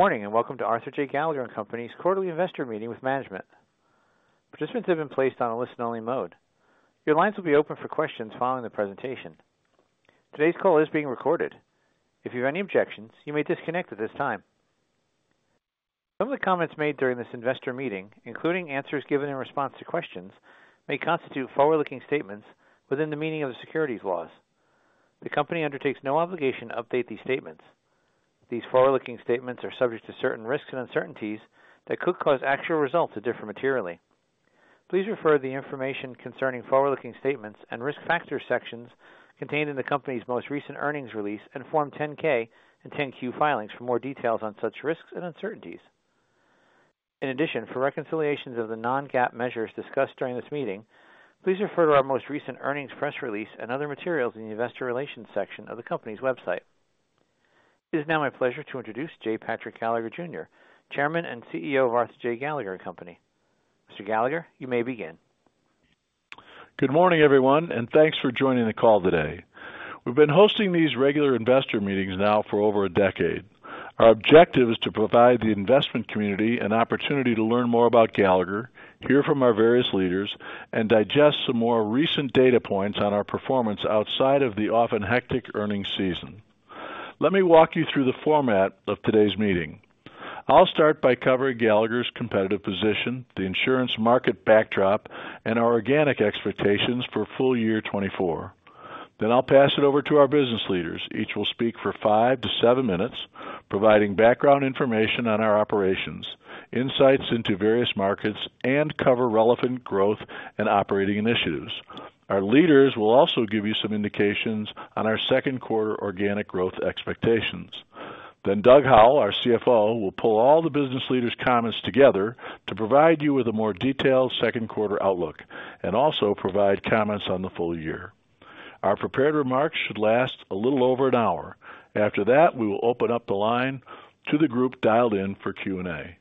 Good morning and welcome to Arthur J. Gallagher and Company's quarterly investor meeting with management. Participants have been placed on a listen-only mode. Your lines will be open for questions following the presentation. Today's call is being recorded. If you have any objections, you may disconnect at this time. Some of the comments made during this investor meeting, including answers given in response to questions, may constitute forward-looking statements within the meaning of the securities laws. The company undertakes no obligation to update these statements. These forward-looking statements are subject to certain risks and uncertainties that could cause actual results to differ materially. Please refer to the information concerning forward-looking statements and risk factors sections contained in the company's most recent earnings release and Form 10-K and 10-Q filings for more details on such risks and uncertainties. In addition, for reconciliations of the non-GAAP measures discussed during this meeting, please refer to our most recent earnings press release and other materials in the investor relations section of the company's website. It is now my pleasure to introduce J. Patrick Gallagher Jr., Chairman and CEO of Arthur J. Gallagher & Co. Mr. Gallagher, you may begin. Good morning, everyone, and thanks for joining the call today. We've been hosting these regular investor meetings now for over a decade. Our objective is to provide the investment community an opportunity to learn more about Gallagher, hear from our various leaders, and digest some more recent data points on our performance outside of the often hectic earnings season. Let me walk you through the format of today's meeting. I'll start by covering Gallagher's competitive position, the insurance market backdrop, and our organic expectations for full year 2024. Then I'll pass it over to our business leaders. Each will speak for 5-7 minutes, providing background information on our operations, insights into various markets, and cover relevant growth and operating initiatives. Our leaders will also give you some indications on our Q2 organic growth expectations. Doug Howell, our CFO, will pull all the business leaders' comments together to provide you with a more detailed Q2 outlook and also provide comments on the full year. Our prepared remarks should last a little over an hour. After that, we will open up the line to the group dialed in for Q&A.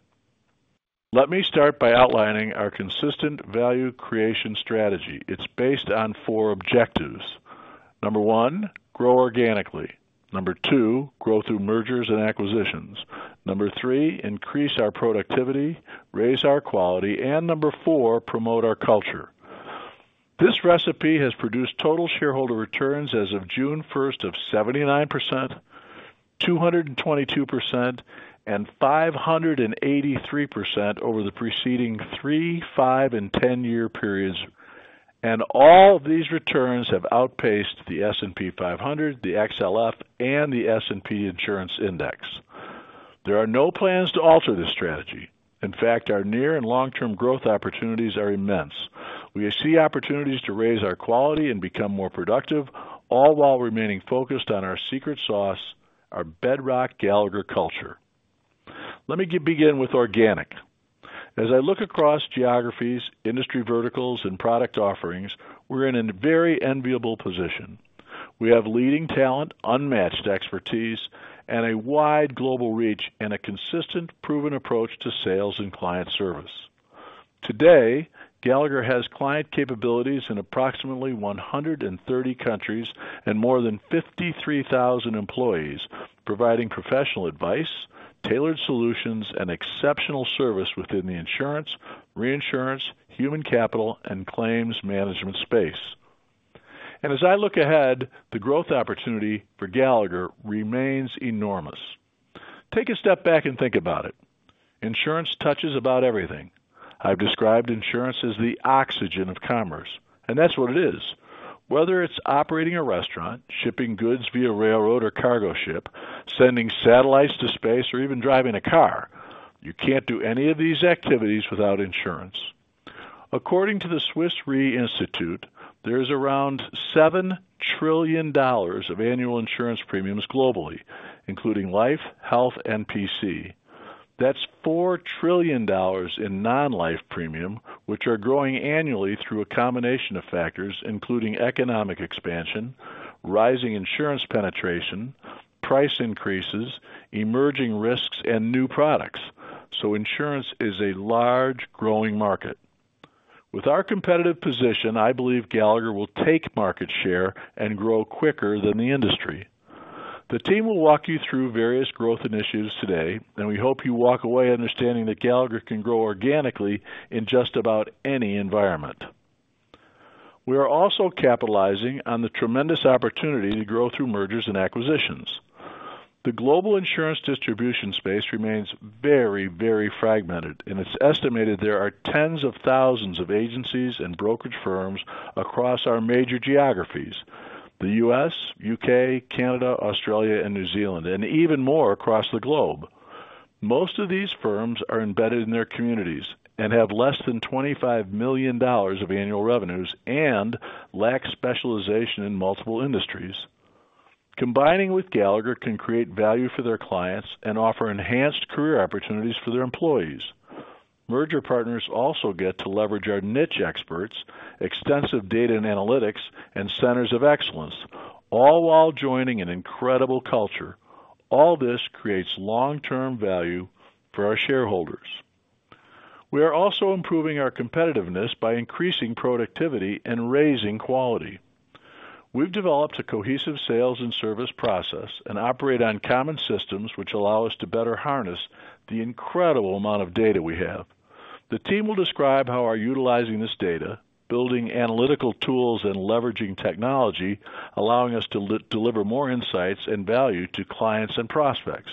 Let me start by outlining our consistent value creation strategy. It's based on four objectives. Number one, grow organically. Number two, grow through mergers and acquisitions. Number three, increase our productivity, raise our quality, and number four, promote our culture. This recipe has produced total shareholder returns as of June 1st of 79%, 222%, and 583% over the preceding 3, 5, and 10-year periods. All these returns have outpaced the S&P 500, the XLF, and the S&P Insurance Index. There are no plans to alter this strategy. In fact, our near and long-term growth opportunities are immense. We see opportunities to raise our quality and become more productive, all while remaining focused on our secret sauce, our bedrock Gallagher culture. Let me begin with organic. As I look across geographies, industry verticals, and product offerings, we're in a very enviable position. We have leading talent, unmatched expertise, and a wide global reach and a consistent, proven approach to sales and client service. Today, Gallagher has client capabilities in approximately 130 countries and more than 53,000 employees, providing professional advice, tailored solutions, and exceptional service within the insurance, reinsurance, human capital, and claims management space. As I look ahead, the growth opportunity for Gallagher remains enormous. Take a step back and think about it. Insurance touches about everything. I've described insurance as the oxygen of commerce, and that's what it is. Whether it's operating a restaurant, shipping goods via railroad or cargo ship, sending satellites to space, or even driving a car, you can't do any of these activities without insurance. According to the Swiss Re Institute, there is around $7 trillion of annual insurance premiums globally, including life, health, and P&C. That's $4 trillion in non-life premium, which are growing annually through a combination of factors, including economic expansion, rising insurance penetration, price increases, emerging risks, and new products. So insurance is a large, growing market. With our competitive position, I believe Gallagher will take market share and grow quicker than the industry. The team will walk you through various growth initiatives today, and we hope you walk away understanding that Gallagher can grow organically in just about any environment. We are also capitalizing on the tremendous opportunity to grow through mergers and acquisitions. The global insurance distribution space remains very, very fragmented, and it's estimated there are tens of thousands of agencies and brokerage firms across our major geographies: the U.S., U.K., Canada, Australia, and New Zealand, and even more across the globe. Most of these firms are embedded in their communities and have less than $25 million of annual revenues and lack specialization in multiple industries. Combining with Gallagher can create value for their clients and offer enhanced career opportunities for their employees. Merger partners also get to leverage our niche experts, extensive data and analytics, and centers of excellence, all while joining an incredible culture. All this creates long-term value for our shareholders. We are also improving our competitiveness by increasing productivity and raising quality. We've developed a cohesive sales and service process and operate on common systems, which allow us to better harness the incredible amount of data we have. The team will describe how we're utilizing this data, building analytical tools, and leveraging technology, allowing us to deliver more insights and value to clients and prospects.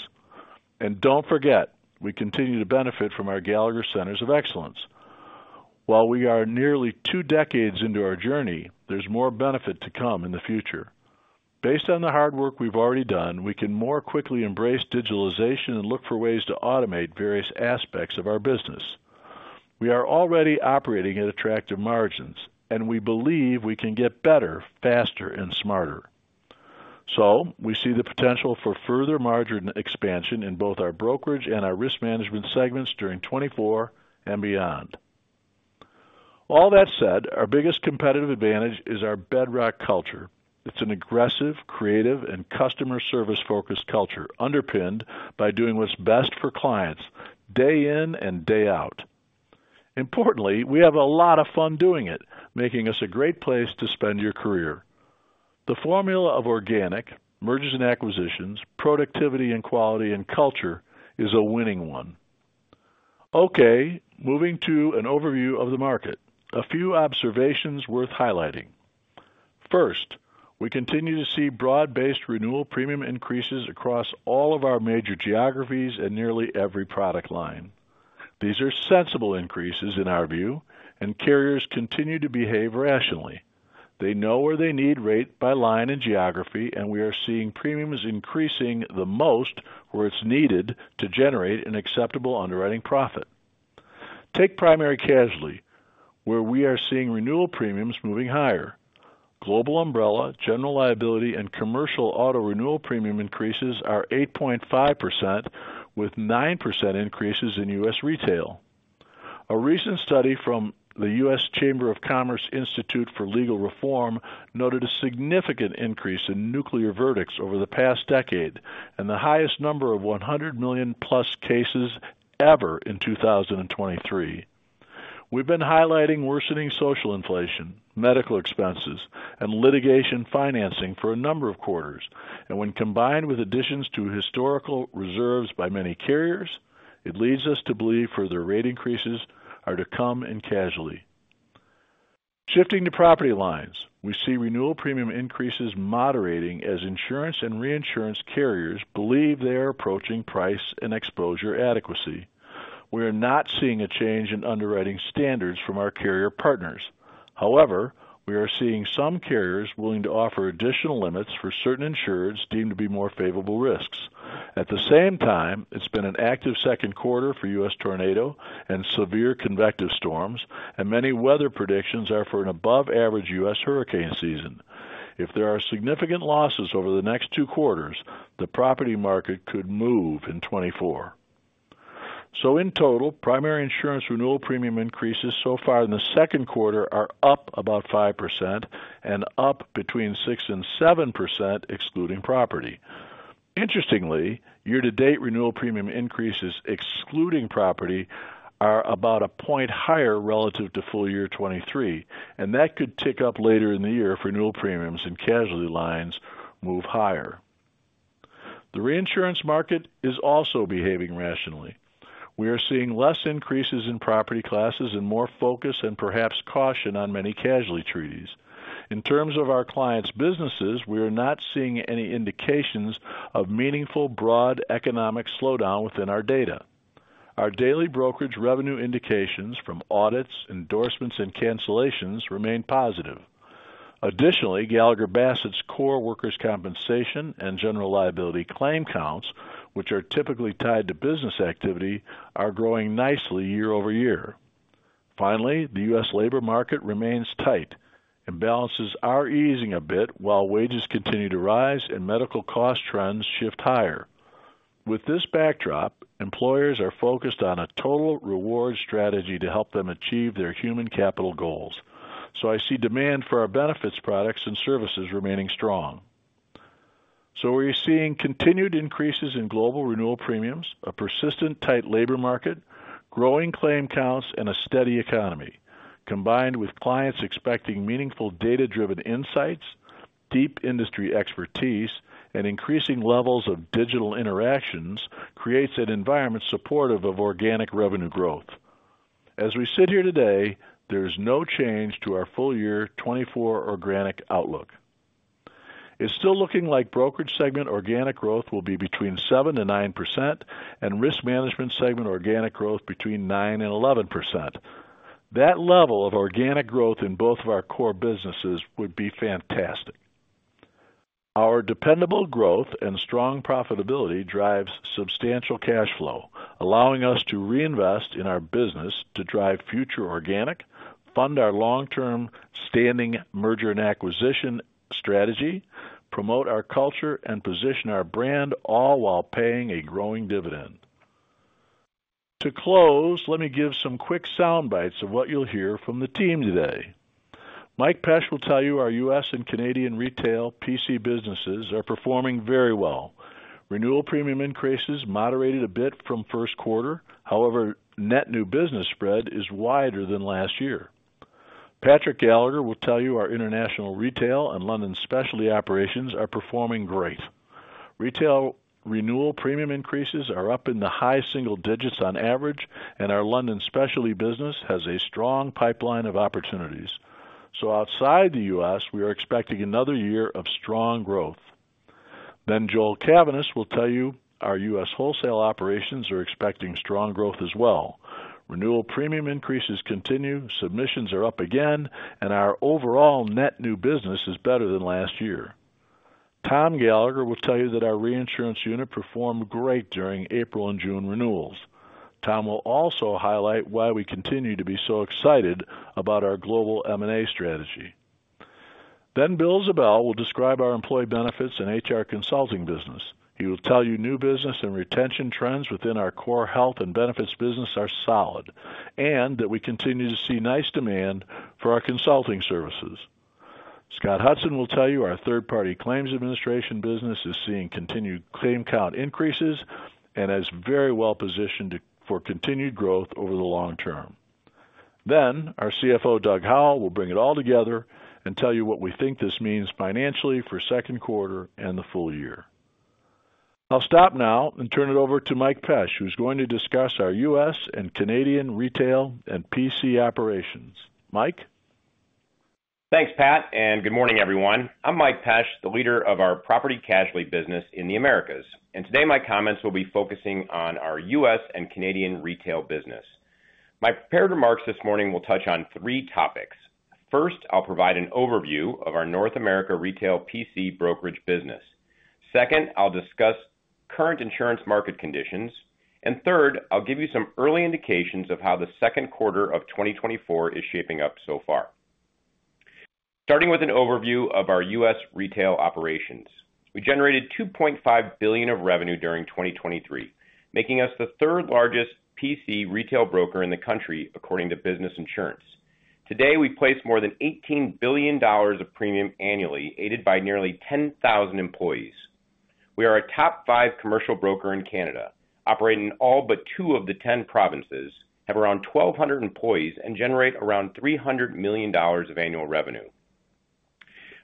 And don't forget, we continue to benefit from our Gallagher Centers of Excellence. While we are nearly two decades into our journey, there's more benefit to come in the future. Based on the hard work we've already done, we can more quickly embrace digitalization and look for ways to automate various aspects of our business. We are already operating at attractive margins, and we believe we can get better, faster, and smarter. We see the potential for further margin expansion in both our brokerage and our risk management segments during 2024 and beyond. All that said, our biggest competitive advantage is our bedrock culture. It's an aggressive, creative, and customer service-focused culture underpinned by doing what's best for clients day in and day out. Importantly, we have a lot of fun doing it, making us a great place to spend your career. The formula of organic, mergers and acquisitions, productivity and quality, and culture is a winning one. Okay, moving to an overview of the market. A few observations worth highlighting. First, we continue to see broad-based renewal premium increases across all of our major geographies and nearly every product line. These are sensible increases in our view, and carriers continue to behave rationally. They know where they need rate by line and geography, and we are seeing premiums increasing the most where it's needed to generate an acceptable underwriting profit. Take primary casualty, where we are seeing renewal premiums moving higher. Global umbrella, general liability, and commercial auto renewal premium increases are 8.5%, with 9% increases in U.S. retail. A recent study from the U.S. Chamber of Commerce Institute for Legal Reform noted a significant increase in nuclear verdicts over the past decade and the highest number of 100 million-plus cases ever in 2023. We've been highlighting worsening social inflation, medical expenses, and litigation financing for a number of quarters. And when combined with additions to historical reserves by many carriers, it leads us to believe further rate increases are to come in casualty. Shifting to property lines, we see renewal premium increases moderating as insurance and reinsurance carriers believe they are approaching price and exposure adequacy. We are not seeing a change in underwriting standards from our carrier partners. However, we are seeing some carriers willing to offer additional limits for certain insureds deemed to be more favorable risks. At the same time, it's been an active Q2 for U.S. tornado and severe convective storms, and many weather predictions are for an above-average U.S. hurricane season. If there are significant losses over the next two quarters, the property market could move in 2024. So in total, primary insurance renewal premium increases so far in the Q2 are up about 5% and up between 6%-7%, excluding property. Interestingly, year-to-date renewal premium increases, excluding property, are about a point higher relative to full year 2023, and that could tick up later in the year if renewal premiums and casualty lines move higher. The reinsurance market is also behaving rationally. We are seeing less increases in property classes and more focus and perhaps caution on many casualty treaties. In terms of our clients' businesses, we are not seeing any indications of meaningful broad economic slowdown within our data. Our daily brokerage revenue indications from audits, endorsements, and cancellations remain positive. Additionally, Gallagher Bassett's core workers' compensation and general liability claim counts, which are typically tied to business activity, are growing nicely year-over-year. Finally, the U.S. labor market remains tight and balances are easing a bit while wages continue to rise and medical cost trends shift higher. With this backdrop, employers are focused on a total reward strategy to help them achieve their human capital goals. So I see demand for our benefits products and services remaining strong. So we're seeing continued increases in global renewal premiums, a persistent tight labor market, growing claim counts, and a steady economy. Combined with clients expecting meaningful data-driven insights, deep industry expertise, and increasing levels of digital interactions creates an environment supportive of organic revenue growth. As we sit here today, there is no change to our full year 2024 organic outlook. It's still looking like brokerage segment organic growth will be between 7%-9%, and risk management segment organic growth between 9%-11%. That level of organic growth in both of our core businesses would be fantastic. Our dependable growth and strong profitability drives substantial cash flow, allowing us to reinvest in our business to drive future organic, fund our long-term standing merger and acquisition strategy, promote our culture, and position our brand, all while paying a growing dividend. To close, let me give some quick soundbites of what you'll hear from the team today. Mike Pesch will tell you our U.S. and Canadian retail PC businesses are performing very well. Renewal premium increases moderated a bit from Q1. However, net new business spread is wider than last year. Patrick Gallagher will tell you our international retail and London specialty operations are performing great. Retail renewal premium increases are up in the high single digits on average, and our London specialty business has a strong pipeline of opportunities. So outside the U.S., we are expecting another year of strong growth. Then Joel Cavaness will tell you our U.S. wholesale operations are expecting strong growth as well. Renewal premium increases continue, submissions are up again, and our overall net new business is better than last year. Tom Gallagher will tell you that our reinsurance unit performed great during April and June renewals. Tom will also highlight why we continue to be so excited about our global M&A strategy. Then William Ziebell will describe our employee benefits and HR consulting business. He will tell you new business and retention trends within our core health and benefits business are solid and that we continue to see nice demand for our consulting services. Scott Hudson will tell you our third-party claims administration business is seeing continued claim count increases and is very well positioned for continued growth over the long term. Then our CFO, Doug Howell, will bring it all together and tell you what we think this means financially for Q2 and the full year. I'll stop now and turn it over to Mike Pesch, who's going to discuss our U.S. and Canadian retail and PC operations. Mike. Thanks, Pat, and good morning, everyone. I'm Mike Pesch, the leader of our property casualty business in the Americas. And today, my comments will be focusing on our U.S. and Canadian retail business. My prepared remarks this morning will touch on three topics. First, I'll provide an overview of our North America retail PC brokerage business. Second, I'll discuss current insurance market conditions. Third, I'll give you some early indications of how the Q2 of 2024 is shaping up so far. Starting with an overview of our U.S. retail operations, we generated $2.5 billion of revenue during 2023, making us the third largest PC retail broker in the country according to Business Insurance. Today, we place more than $18 billion of premium annually, aided by nearly 10,000 employees. We are a top five commercial broker in Canada, operating in all but two of the 10 provinces, have around 1,200 employees, and generate around $300 million of annual revenue.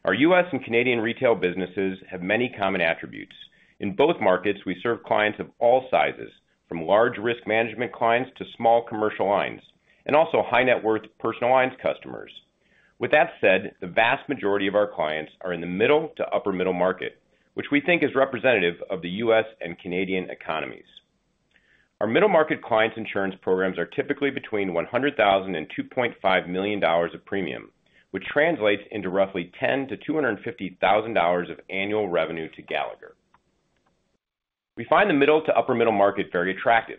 Our U.S. and Canadian retail businesses have many common attributes. In both markets, we serve clients of all sizes, from large risk management clients to small commercial lines, and also high-net-worth personal lines customers. With that said, the vast majority of our clients are in the middle to upper-middle market, which we think is representative of the U.S. and Canadian economies. Our middle-market clients' insurance programs are typically between $100,000-$2.5 million of premium, which translates into roughly $10,000-$250,000 of annual revenue to Gallagher. We find the middle to upper-middle market very attractive.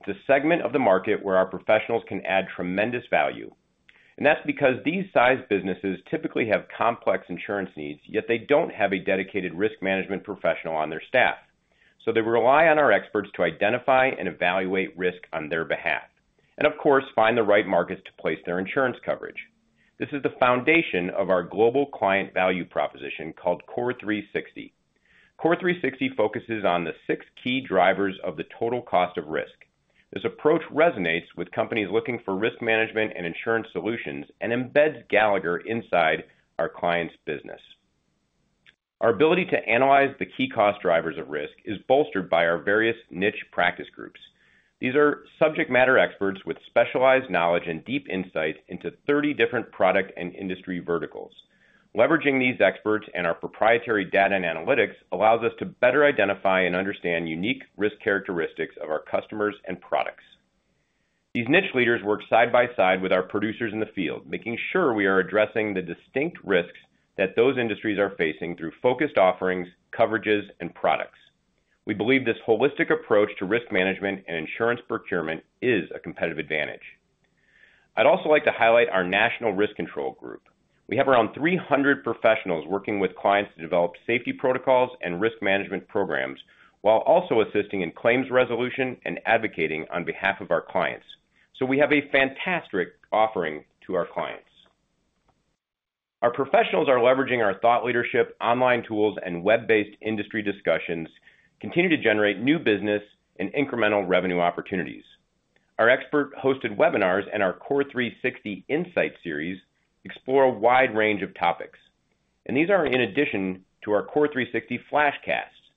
It's a segment of the market where our professionals can add tremendous value. That's because these size businesses typically have complex insurance needs, yet they don't have a dedicated risk management professional on their staff. They rely on our experts to identify and evaluate risk on their behalf and, of course, find the right markets to place their insurance coverage. This is the foundation of our global client value proposition called Core 360. Core 360 focuses on the six key drivers of the total cost of risk. This approach resonates with companies looking for risk management and insurance solutions and embeds Gallagher inside our clients' business. Our ability to analyze the key cost drivers of risk is bolstered by our various niche practice groups. These are subject matter experts with specialized knowledge and deep insight into 30 different product and industry verticals. Leveraging these experts and our proprietary data and analytics allows us to better identify and understand unique risk characteristics of our customers and products. These niche leaders work side by side with our producers in the field, making sure we are addressing the distinct risks that those industries are facing through focused offerings, coverages, and products. We believe this holistic approach to risk management and insurance procurement is a competitive advantage. I'd also like to highlight our national risk control group. We have around 300 professionals working with clients to develop safety protocols and risk management programs while also assisting in claims resolution and advocating on behalf of our clients. So we have a fantastic offering to our clients. Our professionals are leveraging our thought leadership, online tools, and web-based industry discussions to continue to generate new business and incremental revenue opportunities. Our expert-hosted webinars and our Core 360 Insight Series explore a wide range of topics. These are in addition to our Core 360 Flashcasts,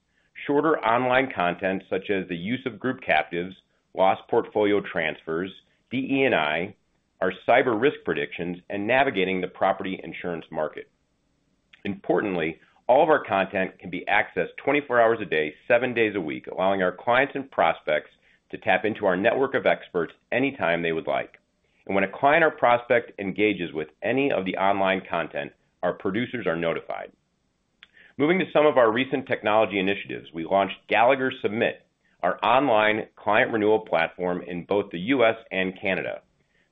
shorter online content such as the use of group captives, loss portfolio transfers, DE&I, our cyber risk predictions, and navigating the property insurance market. Importantly, all of our content can be accessed 24 hours a day, seven days a week, allowing our clients and prospects to tap into our network of experts anytime they would like. And when a client or prospect engages with any of the online content, our producers are notified. Moving to some of our recent technology initiatives, we launched Gallagher Submit, our online client renewal platform in both the U.S. and Canada.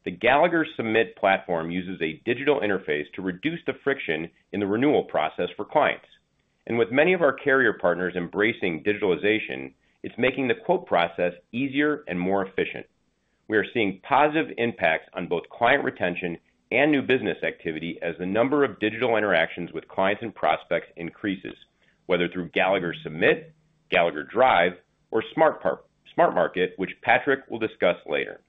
The Gallagher Submit platform uses a digital interface to reduce the friction in the renewal process for clients. And with many of our carrier partners embracing digitalization, it's making the quote process easier and more efficient. We are seeing positive impacts on both client retention and new business activity as the number of digital interactions with clients and prospects increases, whether through Gallagher Submit, Gallagher Drive, or SmartMarket, which Patrick will discuss later.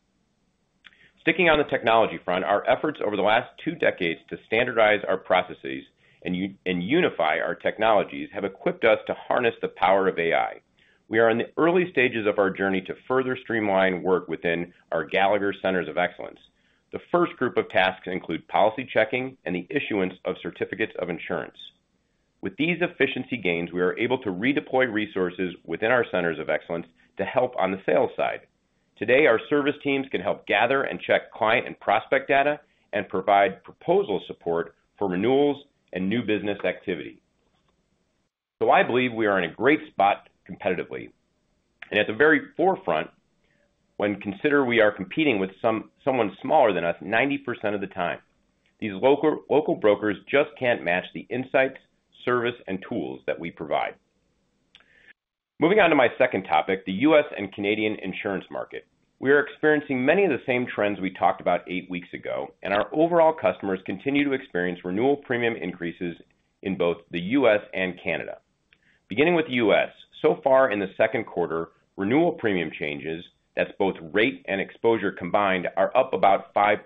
Sticking on the technology front, our efforts over the last two decades to standardize our processes and unify our technologies have equipped us to harness the power of AI. We are in the early stages of our journey to further streamline work within our Gallagher Centers of Excellence. The first group of tasks include policy checking and the issuance of certificates of insurance. With these efficiency gains, we are able to redeploy resources within our Centers of Excellence to help on the sales side. Today, our service teams can help gather and check client and prospect data and provide proposal support for renewals and new business activity. So I believe we are in a great spot competitively. And at the very forefront, when considered we are competing with someone smaller than us 90% of the time, these local brokers just can't match the insights, service, and tools that we provide. Moving on to my second topic, the U.S. and Canadian insurance market. We are experiencing many of the same trends we talked about 8 weeks ago, and our overall customers continue to experience renewal premium increases in both the U.S. and Canada. Beginning with the U.S., so far in the Q2, renewal premium changes, that's both rate and exposure combined, are up about 5%.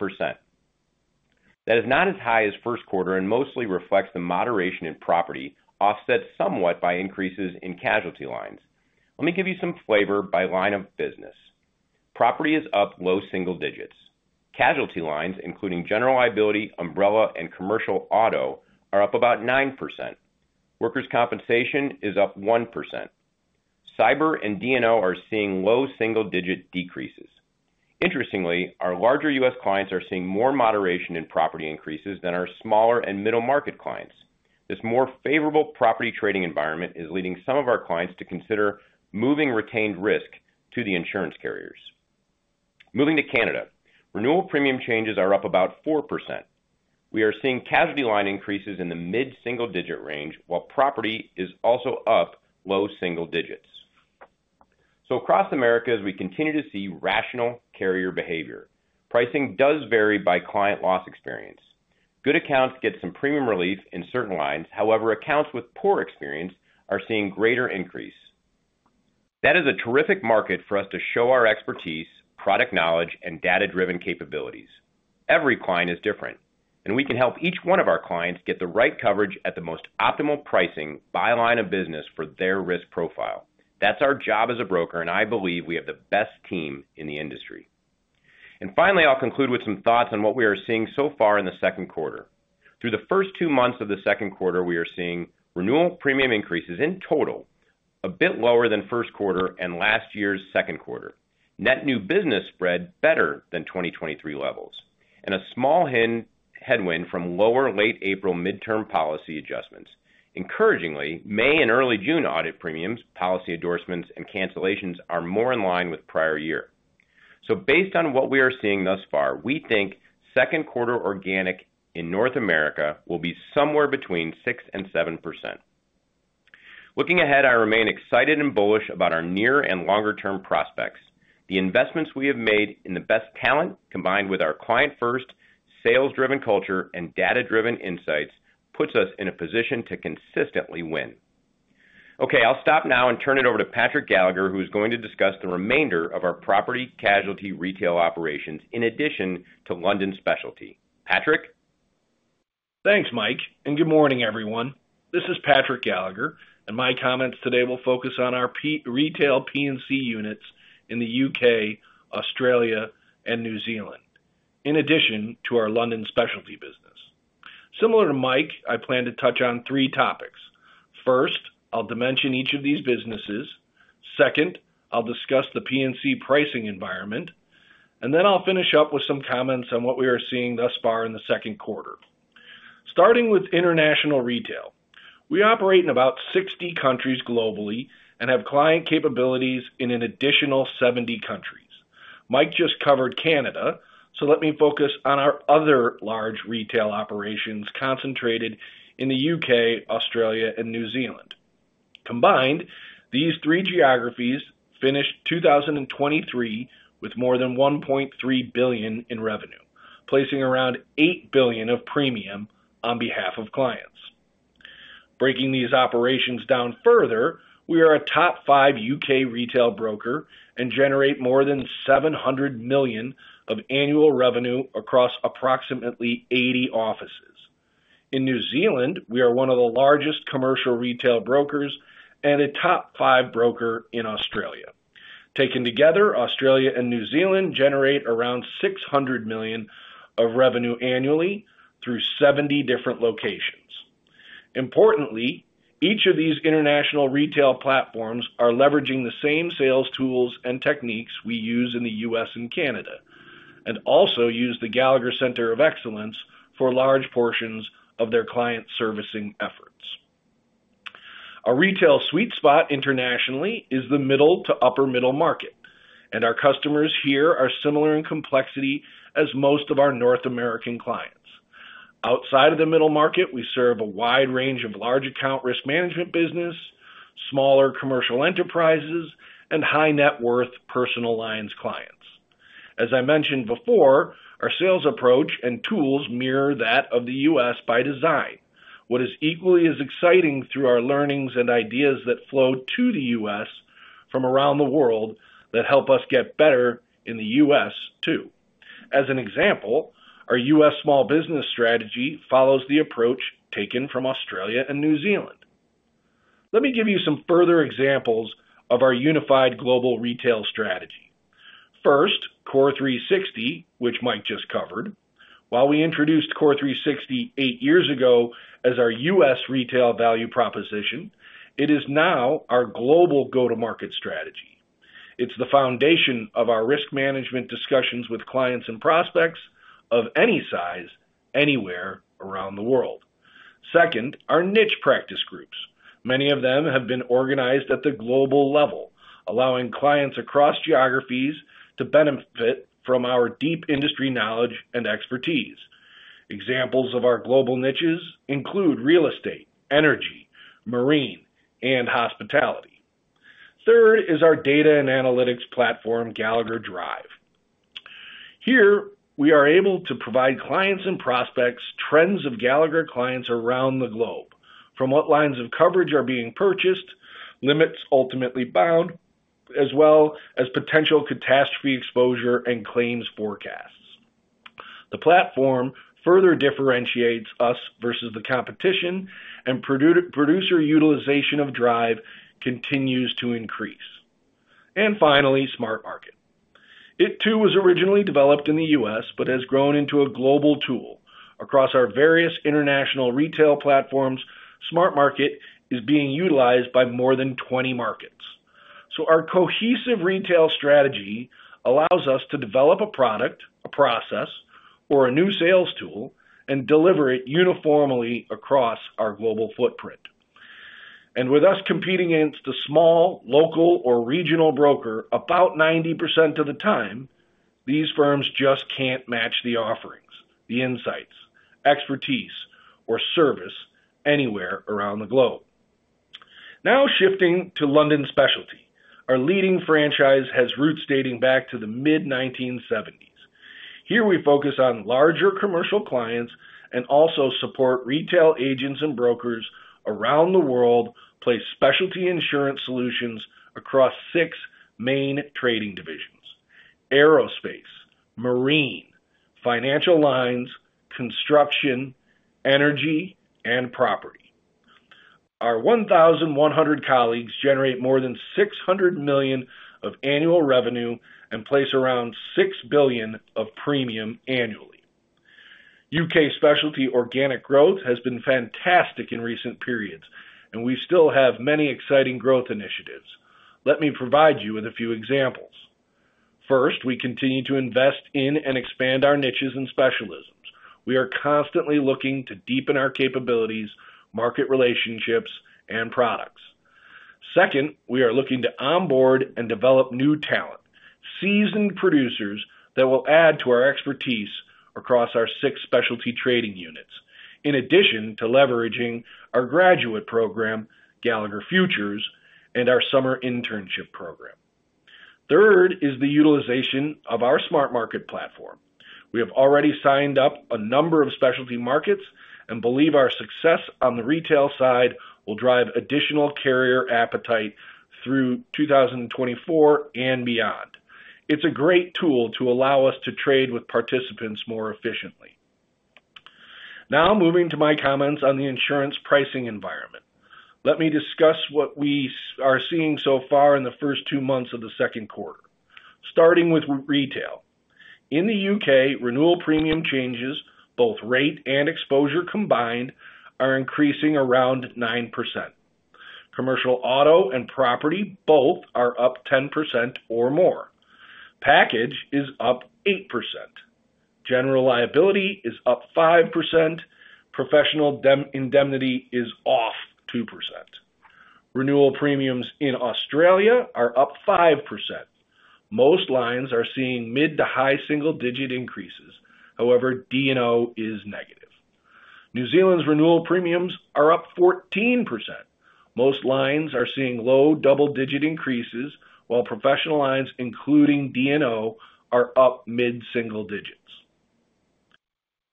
That is not as high as Q1 and mostly reflects the moderation in property, offset somewhat by increases in casualty lines. Let me give you some flavor by line of business. Property is up low single digits. Casualty lines, including general liability, umbrella, and commercial auto, are up about 9%. Workers' compensation is up 1%. Cyber and D&O are seeing low single-digit decreases. Interestingly, our larger U.S. clients are seeing more moderation in property increases than our smaller and middle-market clients. This more favorable property trading environment is leading some of our clients to consider moving retained risk to the insurance carriers. Moving to Canada, renewal premium changes are up about 4%. We are seeing casualty line increases in the mid-single-digit range, while property is also up low single digits. So across America, we continue to see rational carrier behavior. Pricing does vary by client loss experience. Good accounts get some premium relief in certain lines. However, accounts with poor experience are seeing greater increase. That is a terrific market for us to show our expertise, product knowledge, and data-driven capabilities. Every client is different, and we can help each one of our clients get the right coverage at the most optimal pricing by line of business for their risk profile. That's our job as a broker, and I believe we have the best team in the industry. Finally, I'll conclude with some thoughts on what we are seeing so far in the Q2. Through the first two months of the Q2, we are seeing renewal premium increases in total a bit lower than Q1 and last year's Q2. Net new business spread better than 2023 levels and a small headwind from lower late April midterm policy adjustments. Encouragingly, May and early June audit premiums, policy endorsements, and cancellations are more in line with prior year. So based on what we are seeing thus far, we think Q2 organic in North America will be somewhere between 6%-7%. Looking ahead, I remain excited and bullish about our near and longer-term prospects. The investments we have made in the best talent combined with our client-first, sales-driven culture, and data-driven insights puts us in a position to consistently win. Okay, I'll stop now and turn it over to Patrick Gallagher, who is going to discuss the remainder of our property casualty retail operations in addition to London specialty. Patrick. Thanks, Mike. And good morning, everyone. This is Patrick Gallagher, and my comments today will focus on our retail P&C units in the UK, Australia, and New Zealand, in addition to our London specialty business. Similar to Mike, I plan to touch on three topics. First, I'll dimension each of these businesses. Second, I'll discuss the P&C pricing environment, and then I'll finish up with some comments on what we are seeing thus far in the Q2. Starting with international retail, we operate in about 60 countries globally and have client capabilities in an additional 70 countries. Mike just covered Canada, so let me focus on our other large retail operations concentrated in the UK, Australia, and New Zealand. Combined, these three geographies finished 2023 with more than $1.3 billion in revenue, placing around $8 billion of premium on behalf of clients. Breaking these operations down further, we are a top five U.K. retail broker and generate more than $700 million of annual revenue across approximately 80 offices. In New Zealand, we are one of the largest commercial retail brokers and a top five broker in Australia. Taken together, Australia and New Zealand generate around $600 million of revenue annually through 70 different locations. Importantly, each of these international retail platforms are leveraging the same sales tools and techniques we use in the U.S. and Canada and also use the Gallagher Center of Excellence for large portions of their client servicing efforts. Our retail sweet spot internationally is the middle to upper-middle market, and our customers here are similar in complexity as most of our North American clients. Outside of the middle market, we serve a wide range of large account risk management businesses, smaller commercial enterprises, and high-net-worth personal lines clients. As I mentioned before, our sales approach and tools mirror that of the U.S. by design. What is equally as exciting through our learnings and ideas that flow to the U.S. from around the world that help us get better in the U.S. too. As an example, our U.S. small business strategy follows the approach taken from Australia and New Zealand. Let me give you some further examples of our unified global retail strategy. First, Core 360, which Mike just covered. While we introduced Core 360 eight years ago as our U.S. retail value proposition, it is now our global go-to-market strategy. It's the foundation of our risk management discussions with clients and prospects of any size, anywhere around the world. Second, our niche practice groups. Many of them have been organized at the global level, allowing clients across geographies to benefit from our deep industry knowledge and expertise. Examples of our global niches include real estate, energy, marine, and hospitality. Third is our data and analytics platform, Gallagher Drive. Here, we are able to provide clients and prospects trends of Gallagher clients around the globe from what lines of coverage are being purchased, limits ultimately bound, as well as potential catastrophe exposure and claims forecasts. The platform further differentiates us versus the competition, and producer utilization of Drive continues to increase. And finally, SmartMarket. It too was originally developed in the U.S., but has grown into a global tool. Across our various international retail platforms, SmartMarket is being utilized by more than 20 markets. Our cohesive retail strategy allows us to develop a product, a process, or a new sales tool and deliver it uniformly across our global footprint. With us competing against a small, local, or regional broker about 90% of the time, these firms just can't match the offerings, the insights, expertise, or service anywhere around the globe. Now shifting to London specialty. Our leading franchise has roots dating back to the mid-1970s. Here we focus on larger commercial clients and also support retail agents and brokers around the world, place specialty insurance solutions across six main trading divisions: aerospace, marine, financial lines, construction, energy, and property. Our 1,100 colleagues generate more than $600 million of annual revenue and place around $6 billion of premium annually. UK specialty organic growth has been fantastic in recent periods, and we still have many exciting growth initiatives. Let me provide you with a few examples. First, we continue to invest in and expand our niches and specialisms. We are constantly looking to deepen our capabilities, market relationships, and products. Second, we are looking to onboard and develop new talent, seasoned producers that will add to our expertise across our 6 specialty trading units, in addition to leveraging our graduate program, Gallagher Futures, and our summer internship program. Third is the utilization of our SmartMarket platform. We have already signed up a number of specialty markets and believe our success on the retail side will drive additional carrier appetite through 2024 and beyond. It's a great tool to allow us to trade with participants more efficiently. Now moving to my comments on the insurance pricing environment. Let me discuss what we are seeing so far in the first 2 months of the Q2, starting with retail. In the UK, renewal premium changes, both rate and exposure combined, are increasing around 9%. Commercial auto and property both are up 10% or more. Package is up 8%. General liability is up 5%. Professional indemnity is off 2%. Renewal premiums in Australia are up 5%. Most lines are seeing mid to high single-digit increases. However, D&O is negative. New Zealand's renewal premiums are up 14%. Most lines are seeing low double-digit increases, while professional lines, including D&O, are up mid-single digits.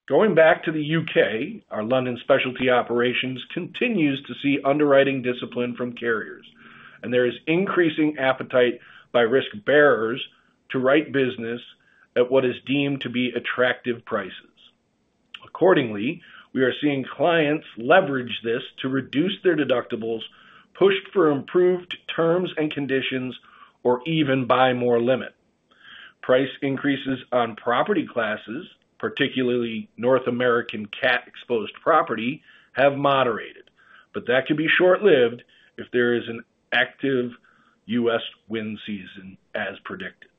Going back to the UK, our London specialty operations continues to see underwriting discipline from carriers, and there is increasing appetite by risk bearers to write business at what is deemed to be attractive prices. Accordingly, we are seeing clients leverage this to reduce their deductibles, push for improved terms and conditions, or even buy more limit. Price increases on property classes, particularly North American cat-exposed property, have moderated, but that could be short-lived if there is an active U.S. wind season as predicted.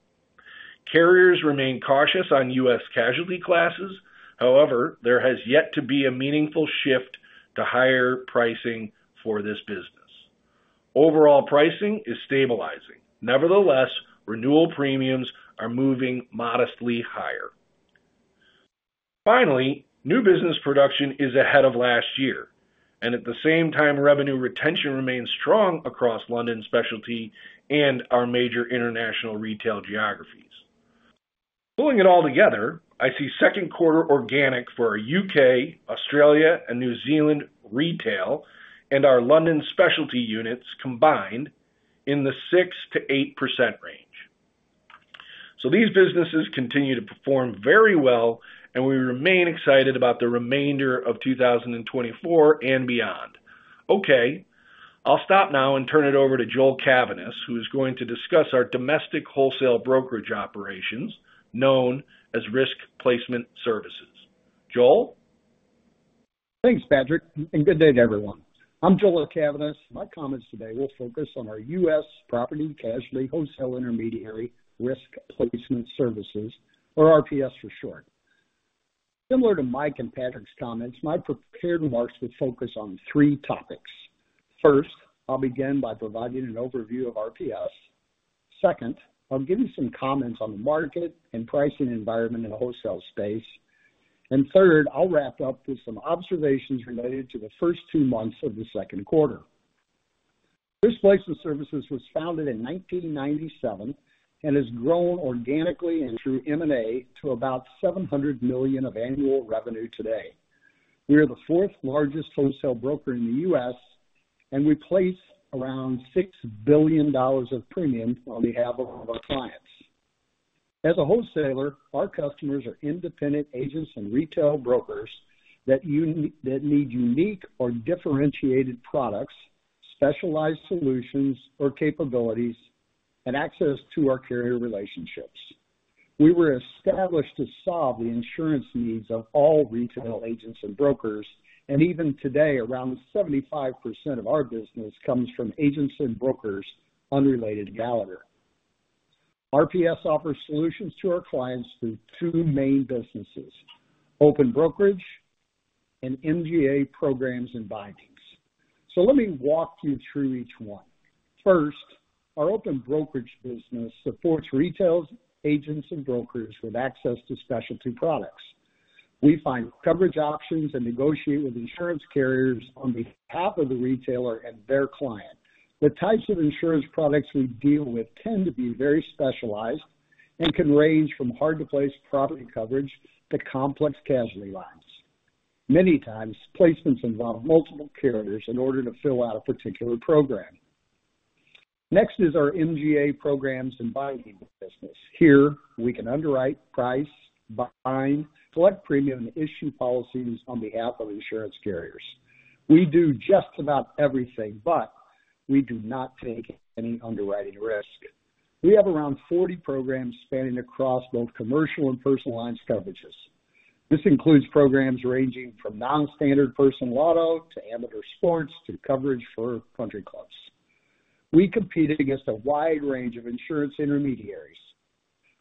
Carriers remain cautious on U.S. casualty classes. However, there has yet to be a meaningful shift to higher pricing for this business. Overall pricing is stabilizing. Nevertheless, renewal premiums are moving modestly higher. Finally, new business production is ahead of last year, and at the same time, revenue retention remains strong across London specialty and our major international retail geographies. Pulling it all together, I see Q2 organic for our UK, Australia, and New Zealand retail and our London specialty units combined in the 6%-8% range. So these businesses continue to perform very well, and we remain excited about the remainder of 2024 and beyond. Okay, I'll stop now and turn it over to Joel Cavaness, who is going to discuss our domestic wholesale brokerage operations known as Risk Placement Services. Joel? Thanks, Patrick. Good day to everyone. I'm Joel Cavaness. My comments today will focus on our U.S. property casualty wholesale intermediary Risk Placement Services, or RPS for short. Similar to Mike and Patrick's comments, my prepared remarks will focus on three topics. First, I'll begin by providing an overview of RPS. Second, I'll give you some comments on the market and pricing environment in the wholesale space. And third, I'll wrap up with some observations related to the first two months of the Q2. Risk Placement Services was founded in 1997 and has grown organically and through M&A to about $700 million of annual revenue today. We are the fourth largest wholesale broker in the U.S., and we place around $6 billion of premium on behalf of our clients. As a wholesaler, our customers are independent agents and retail brokers that need unique or differentiated products, specialized solutions or capabilities, and access to our carrier relationships. We were established to solve the insurance needs of all retail agents and brokers, and even today, around 75% of our business comes from agents and brokers unrelated to Gallagher. RPS offers solutions to our clients through two main businesses: open brokerage and MGA programs and bindings. So let me walk you through each one. First, our open brokerage business supports retail agents and brokers with access to specialty products. We find coverage options and negotiate with insurance carriers on behalf of the retailer and their client. The types of insurance products we deal with tend to be very specialized and can range from hard-to-place property coverage to complex casualty lines. Many times, placements involve multiple carriers in order to fill out a particular program. Next is our MGA programs and binding business. Here, we can underwrite, price, bind, select premium, and issue policies on behalf of insurance carriers. We do just about everything, but we do not take any underwriting risk. We have around 40 programs spanning across both commercial and personal lines coverages. This includes programs ranging from non-standard personal auto to amateur sports to coverage for country clubs. We compete against a wide range of insurance intermediaries.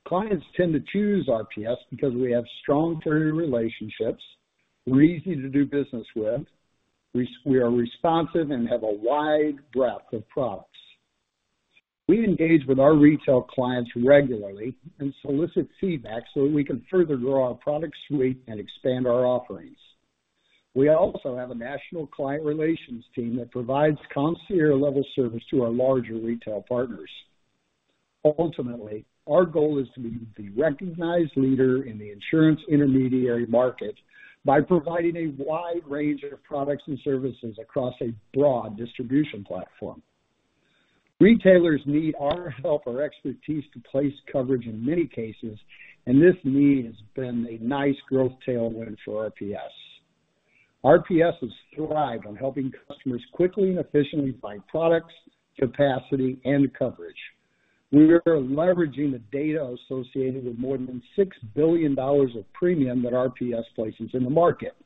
Clients tend to choose RPS because we have strong carrier relationships. We're easy to do business with. We are responsive and have a wide breadth of products. We engage with our retail clients regularly and solicit feedback so that we can further grow our product suite and expand our offerings. We also have a national client relations team that provides concierge-level service to our larger retail partners. Ultimately, our goal is to be the recognized leader in the insurance intermediary market by providing a wide range of products and services across a broad distribution platform. Retailers need our help, our expertise to place coverage in many cases, and this need has been a nice growth tailwind for RPS. RPS has thrived on helping customers quickly and efficiently find products, capacity, and coverage. We are leveraging the data associated with more than $6 billion of premium that RPS places in the market.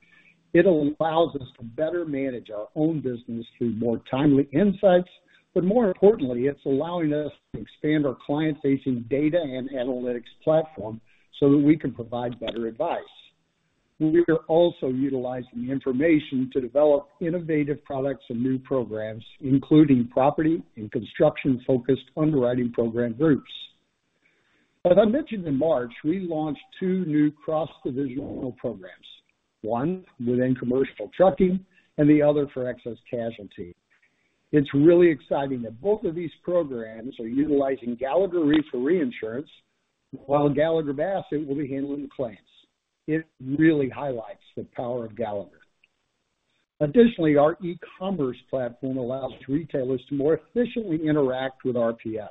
It allows us to better manage our own business through more timely insights, but more importantly, it's allowing us to expand our client-facing data and analytics platform so that we can provide better advice. We are also utilizing the information to develop innovative products and new programs, including property and construction-focused underwriting program groups. As I mentioned in March, we launched two new cross-divisional programs, one within commercial trucking and the other for excess casualty. It's really exciting that both of these programs are utilizing Gallagher Re reinsurance while Gallagher Bassett will be handling the claims. It really highlights the power of Gallagher. Additionally, our e-commerce platform allows retailers to more efficiently interact with RPS.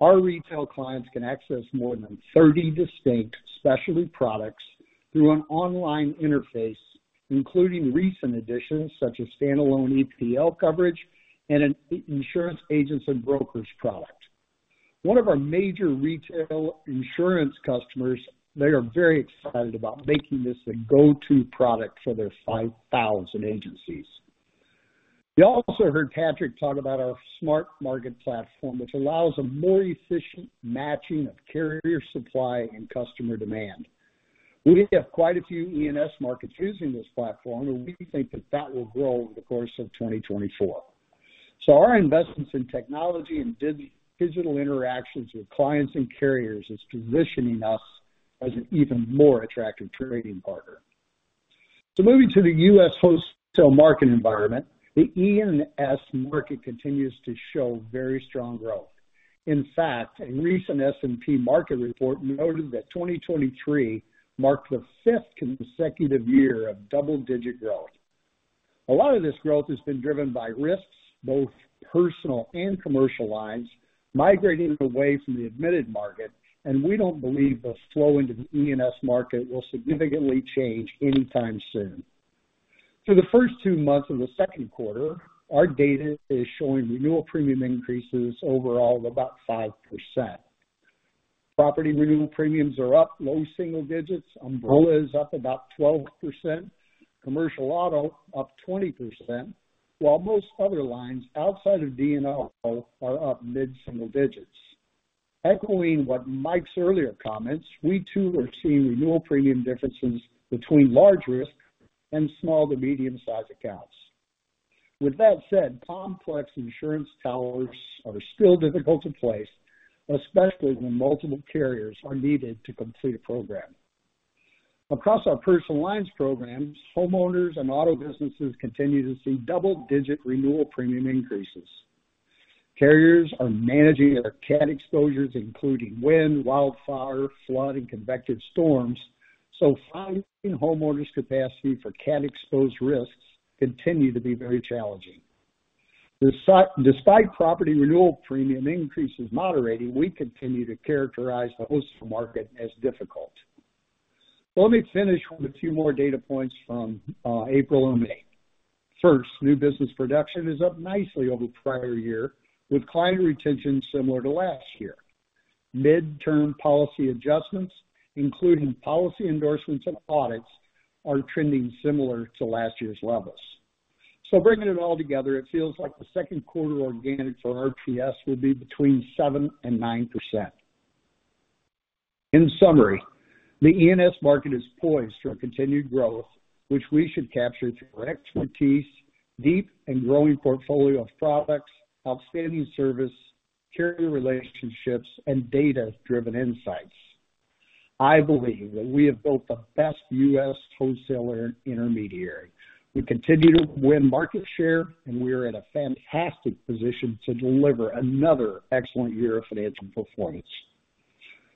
Our retail clients can access more than 30 distinct specialty products through an online interface, including recent additions such as standalone EPL coverage and an insurance agents and brokers product. One of our major retail insurance customers, they are very excited about making this the go-to product for their 5,000 agencies. You also heard Patrick talk about our SmartMarket platform, which allows a more efficient matching of carrier supply and customer demand. We have quite a few E&S markets using this platform, and we think that that will grow over the course of 2024. So our investments in technology and digital interactions with clients and carriers is positioning us as an even more attractive trading partner. So moving to the US wholesale market environment, the E&S market continues to show very strong growth. In fact, a recent S&P market report noted that 2023 marked the fifth consecutive year of double-digit growth. A lot of this growth has been driven by risks, both personal and commercial lines, migrating away from the admitted market, and we don't believe the flow into the E&S market will significantly change anytime soon. For the first two months of the Q2, our data is showing renewal premium increases overall of about 5%. Property renewal premiums are up low single digits. Umbrella is up about 12%. Commercial auto up 20%, while most other lines outside of D&O are up mid-single digits. Echoing what Mike's earlier comments, we too are seeing renewal premium differences between large risk and small to medium-sized accounts. With that said, complex insurance towers are still difficult to place, especially when multiple carriers are needed to complete a program. Across our personal lines programs, homeowners and auto businesses continue to see double-digit renewal premium increases. Carriers are managing their cat exposures, including wind, wildfire, flood, and convective storms, so finding homeowners' capacity for cat-exposed risks continues to be very challenging. Despite property renewal premium increases moderating, we continue to characterize the wholesale market as difficult. Let me finish with a few more data points from April and May. First, new business production is up nicely over the prior year, with client retention similar to last year. Midterm policy adjustments, including policy endorsements and audits, are trending similar to last year's levels. So bringing it all together, it feels like the Q2 organic for RPS will be between 7%-9%. In summary, the E&S market is poised for continued growth, which we should capture through our expertise, deep and growing portfolio of products, outstanding service, carrier relationships, and data-driven insights. I believe that we have built the best U.S. wholesaler intermediary. We continue to win market share, and we are in a fantastic position to deliver another excellent year of financial performance.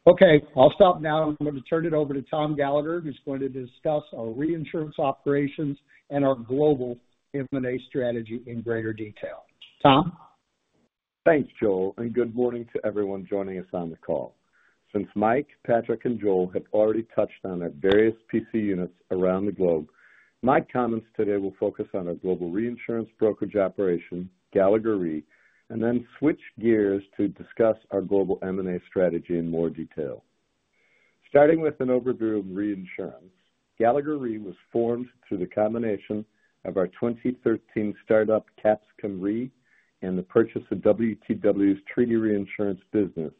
Okay, I'll stop now. I'm going to turn it over to Tom Gallagher, who's going to discuss our reinsurance operations and our global M&A strategy in greater detail. Tom? Thanks, Joel, and good morning to everyone joining us on the call. Since Mike, Patrick, and Joel have already touched on our various PC units around the globe, my comments today will focus on our global reinsurance brokerage operation, Gallagher Re, and then switch gears to discuss our global M&A strategy in more detail. Starting with an overview of reinsurance, Gallagher Re was formed through the combination of our 2013 startup Capstone Re and the purchase of WTW's Treaty Reinsurance business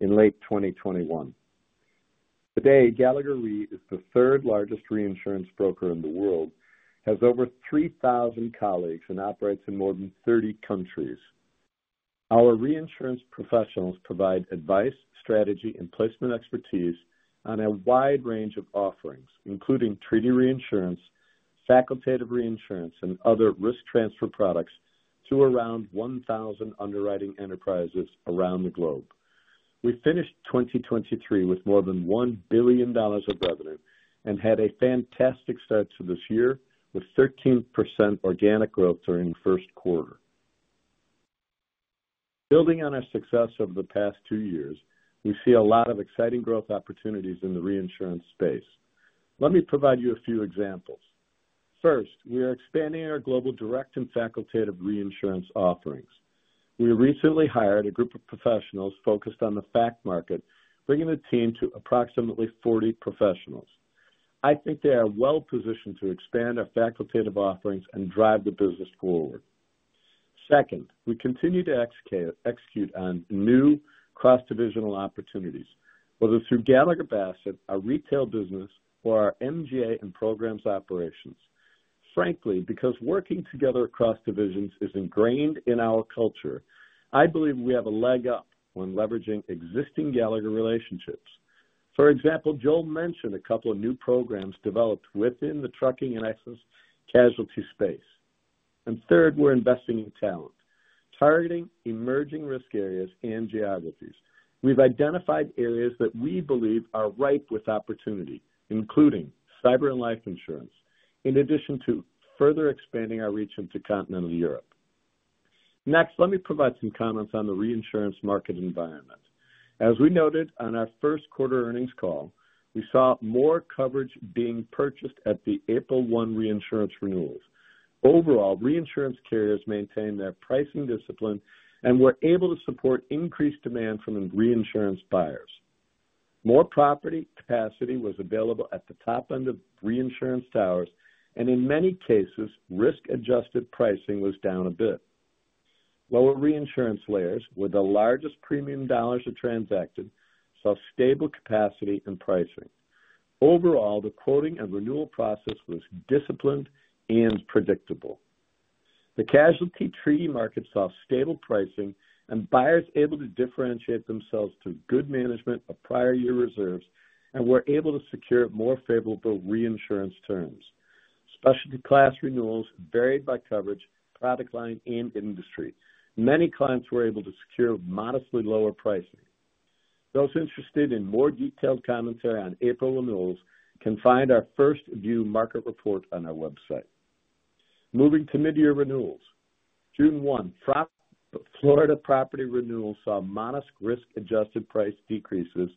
in late 2021. Today, Gallagher Re is the third largest reinsurance broker in the world, has over 3,000 colleagues, and operates in more than 30 countries. Our reinsurance professionals provide advice, strategy, and placement expertise on a wide range of offerings, including Treaty Reinsurance, Facultative Reinsurance, and other risk transfer products to around 1,000 underwriting enterprises around the globe. We finished 2023 with more than $1 billion of revenue and had a fantastic start to this year with 13% organic growth during the Q1. Building on our success over the past two years, we see a lot of exciting growth opportunities in the reinsurance space. Let me provide you a few examples. First, we are expanding our global direct and facultative reinsurance offerings. We recently hired a group of professionals focused on the Fac market, bringing the team to approximately 40 professionals. I think they are well positioned to expand our facultative offerings and drive the business forward. Second, we continue to execute on new cross-divisional opportunities, whether through Gallagher Bassett, our retail business, or our MGA and programs operations. Frankly, because working together across divisions is ingrained in our culture, I believe we have a leg up when leveraging existing Gallagher relationships. For example, Joel mentioned a couple of new programs developed within the trucking and excess casualty space. And third, we're investing in talent, targeting emerging risk areas and geographies. We've identified areas that we believe are ripe with opportunity, including cyber and life insurance, in addition to further expanding our reach into Continental Europe. Next, let me provide some comments on the reinsurance market environment. As we noted on our Q1 earnings call, we saw more coverage being purchased at the April 1 reinsurance renewals. Overall, reinsurance carriers maintained their pricing discipline and were able to support increased demand from reinsurance buyers. More property capacity was available at the top end of reinsurance towers, and in many cases, risk-adjusted pricing was down a bit. Lower reinsurance layers, with the largest premium dollars of transacted, saw stable capacity and pricing. Overall, the quoting and renewal process was disciplined and predictable. The casualty treaty market saw stable pricing and buyers able to differentiate themselves through good management of prior year reserves and were able to secure more favorable reinsurance terms. Specialty class renewals varied by coverage, product line, and industry. Many clients were able to secure modestly lower pricing. Those interested in more detailed commentary on April renewals can find our 1st View market report on our website. Moving to mid-year renewals. June 1, Florida property renewals saw modest risk-adjusted price decreases,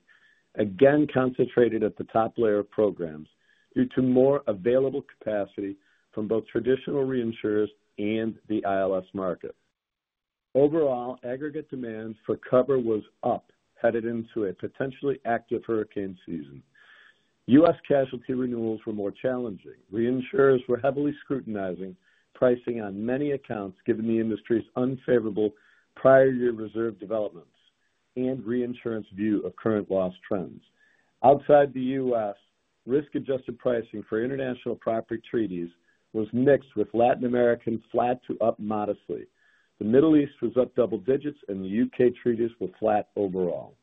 again concentrated at the top layer of programs due to more available capacity from both traditional reinsurers and the ILS market. Overall, aggregate demand for cover was up, headed into a potentially active hurricane season. U.S. casualty renewals were more challenging. Reinsurers were heavily scrutinizing pricing on many accounts, given the industry's unfavorable prior year reserve developments and reinsurance view of current loss trends. Outside the U.S., risk-adjusted pricing for international property treaties was mixed with Latin American flat to up modestly. The Middle East was up double digits, and the U.K. treaties were flat overall.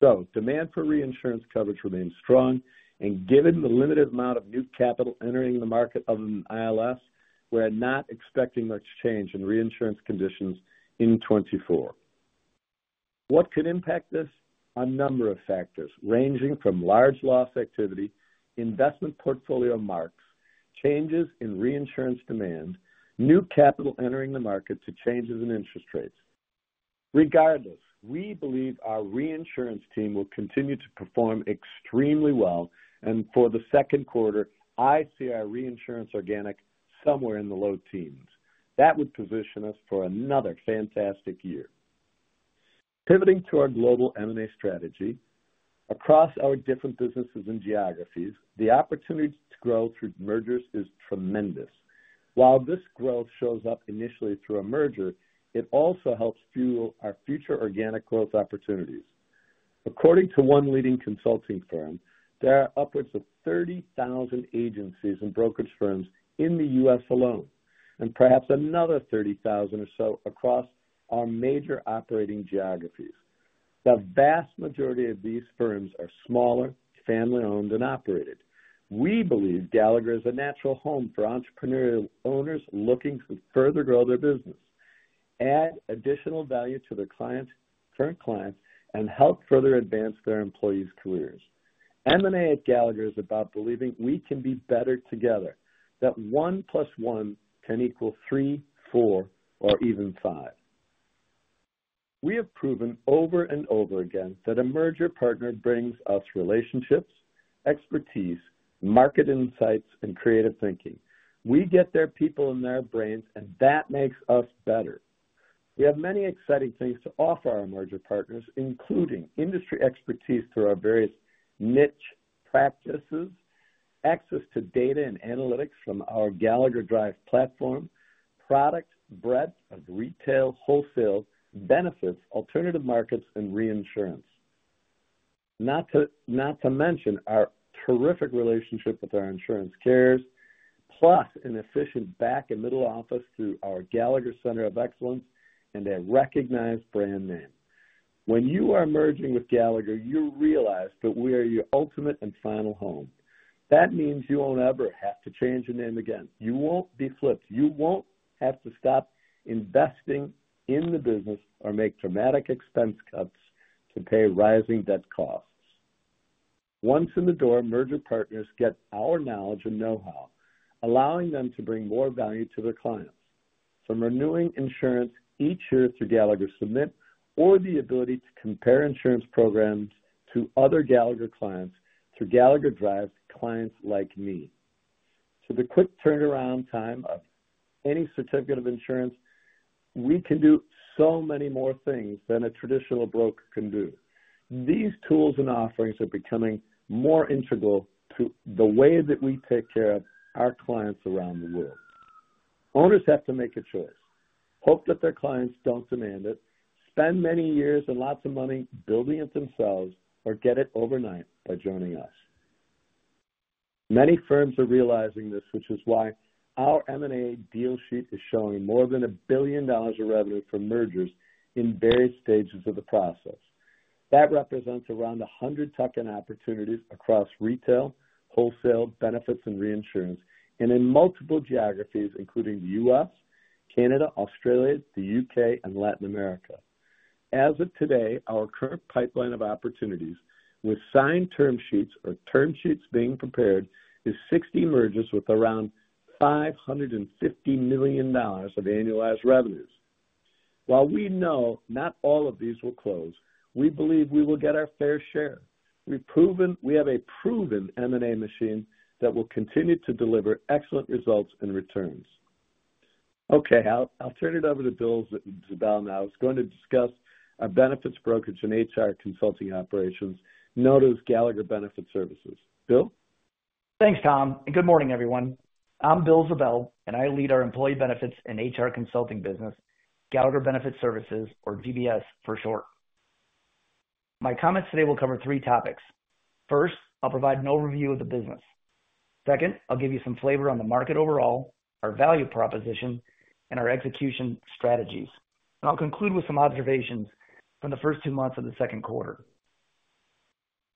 So demand for reinsurance coverage remains strong, and given the limited amount of new capital entering the market other than ILS, we're not expecting much change in reinsurance conditions in 2024. What could impact this? A number of factors ranging from large loss activity, investment portfolio marks, changes in reinsurance demand, new capital entering the market, to changes in interest rates. Regardless, we believe our reinsurance team will continue to perform extremely well, and for the Q2, I see our reinsurance organic somewhere in the low teens. That would position us for another fantastic year. Pivoting to our global M&A strategy, across our different businesses and geographies, the opportunity to grow through mergers is tremendous. While this growth shows up initially through a merger, it also helps fuel our future organic growth opportunities. According to one leading consulting firm, there are upwards of 30,000 agencies and brokerage firms in the U.S. alone, and perhaps another 30,000 or so across our major operating geographies. The vast majority of these firms are smaller, family-owned, and operated. We believe Gallagher is a natural home for entrepreneurial owners looking to further grow their business, add additional value to their current clients, and help further advance their employees' careers. M&A at Gallagher is about believing we can be better together, that 1 + 1 can equal 3, 4, or even 5. We have proven over and over again that a merger partner brings us relationships, expertise, market insights, and creative thinking. We get their people and their brains, and that makes us better. We have many exciting things to offer our merger partners, including industry expertise through our various niche practices, access to data and analytics from our Gallagher Drive platform, product breadth of retail, wholesale, benefits, alternative markets, and reinsurance. Not to mention our terrific relationship with our insurance carriers, plus an efficient back and middle office through our Gallagher Center of Excellence and a recognized brand name. When you are merging with Gallagher, you realize that we are your ultimate and final home. That means you won't ever have to change your name again. You won't be flipped. You won't have to stop investing in the business or make dramatic expense cuts to pay rising debt costs. Once in the door, merger partners get our knowledge and know-how, allowing them to bring more value to their clients. From renewing insurance each year through Gallagher Submit or the ability to compare insurance programs to other Gallagher clients through Gallagher Drive, clients like me. To the quick turnaround time of any certificate of insurance, we can do so many more things than a traditional broker can do. These tools and offerings are becoming more integral to the way that we take care of our clients around the world. Owners have to make a choice. Hope that their clients don't demand it. Spend many years and lots of money building it themselves or get it overnight by joining us. Many firms are realizing this, which is why our M&A deal sheet is showing more than $1 billion of revenue from mergers in various stages of the process. That represents around 100 tuck-in opportunities across retail, wholesale, benefits, and reinsurance, and in multiple geographies, including the U.S., Canada, Australia, the U.K., and Latin America. As of today, our current pipeline of opportunities with signed term sheets or term sheets being prepared is 60 mergers with around $550 million of annualized revenues. While we know not all of these will close, we believe we will get our fair share. We've proven we have a proven M&A machine that will continue to deliver excellent results and returns. Okay, I'll turn it over to Bill Ziebell now. He's going to discuss our benefits brokerage and HR consulting operations, known as Gallagher Benefit Services. Bill? Thanks, Tom. Good morning, everyone. I'm Bill Ziebell, and I lead our employee benefits and HR consulting business, Gallagher Benefit Services, or GBS for short. My comments today will cover three topics. First, I'll provide an overview of the business. Second, I'll give you some flavor on the market overall, our value proposition, and our execution strategies. I'll conclude with some observations from the first two months of the Q2.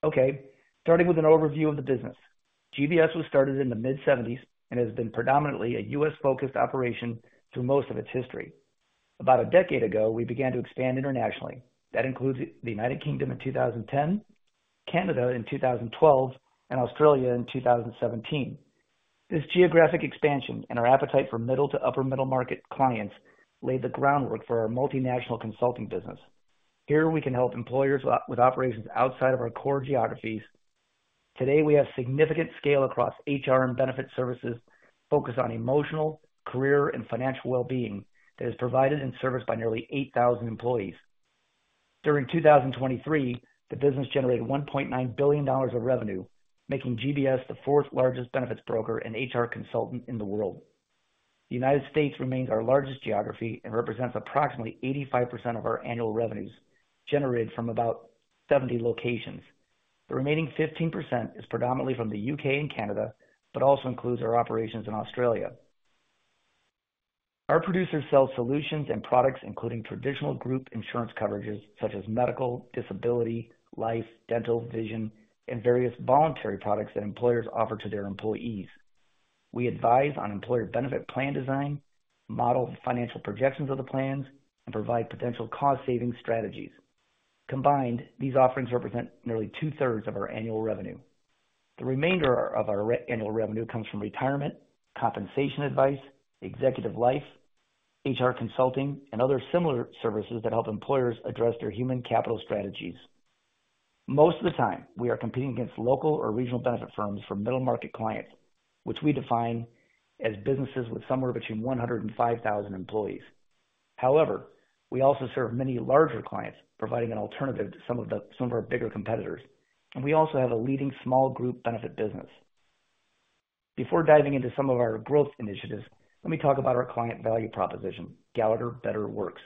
Okay, starting with an overview of the business. GBS was started in the mid-70s and has been predominantly a U.S.-focused operation through most of its history. About a decade ago, we began to expand internationally. That includes the United Kingdom in 2010, Canada in 2012, and Australia in 2017. This geographic expansion and our appetite for middle to upper-middle market clients laid the groundwork for our multinational consulting business. Here we can help employers with operations outside of our core geographies. Today, we have significant scale across HR and benefits services focused on emotional, career, and financial well-being that is provided and serviced by nearly 8,000 employees. During 2023, the business generated $1.9 billion of revenue, making GBS the fourth largest benefits broker and HR consultant in the world. The United States remains our largest geography and represents approximately 85% of our annual revenues generated from about 70 locations. The remaining 15% is predominantly from the U.K. and Canada, but also includes our operations in Australia. Our producers sell solutions and products, including traditional group insurance coverages such as medical, disability, life, dental, vision, and various voluntary products that employers offer to their employees. We advise on employer benefit plan design, model financial projections of the plans, and provide potential cost-saving strategies. Combined, these offerings represent nearly two-thirds of our annual revenue. The remainder of our annual revenue comes from retirement, compensation advice, executive life, HR consulting, and other similar services that help employers address their human capital strategies. Most of the time, we are competing against local or regional benefit firms for middle-market clients, which we define as businesses with somewhere between 100 and 5,000 employees. However, we also serve many larger clients, providing an alternative to some of our bigger competitors. We also have a leading small group benefit business. Before diving into some of our growth initiatives, let me talk about our client value proposition, Gallagher Better Works.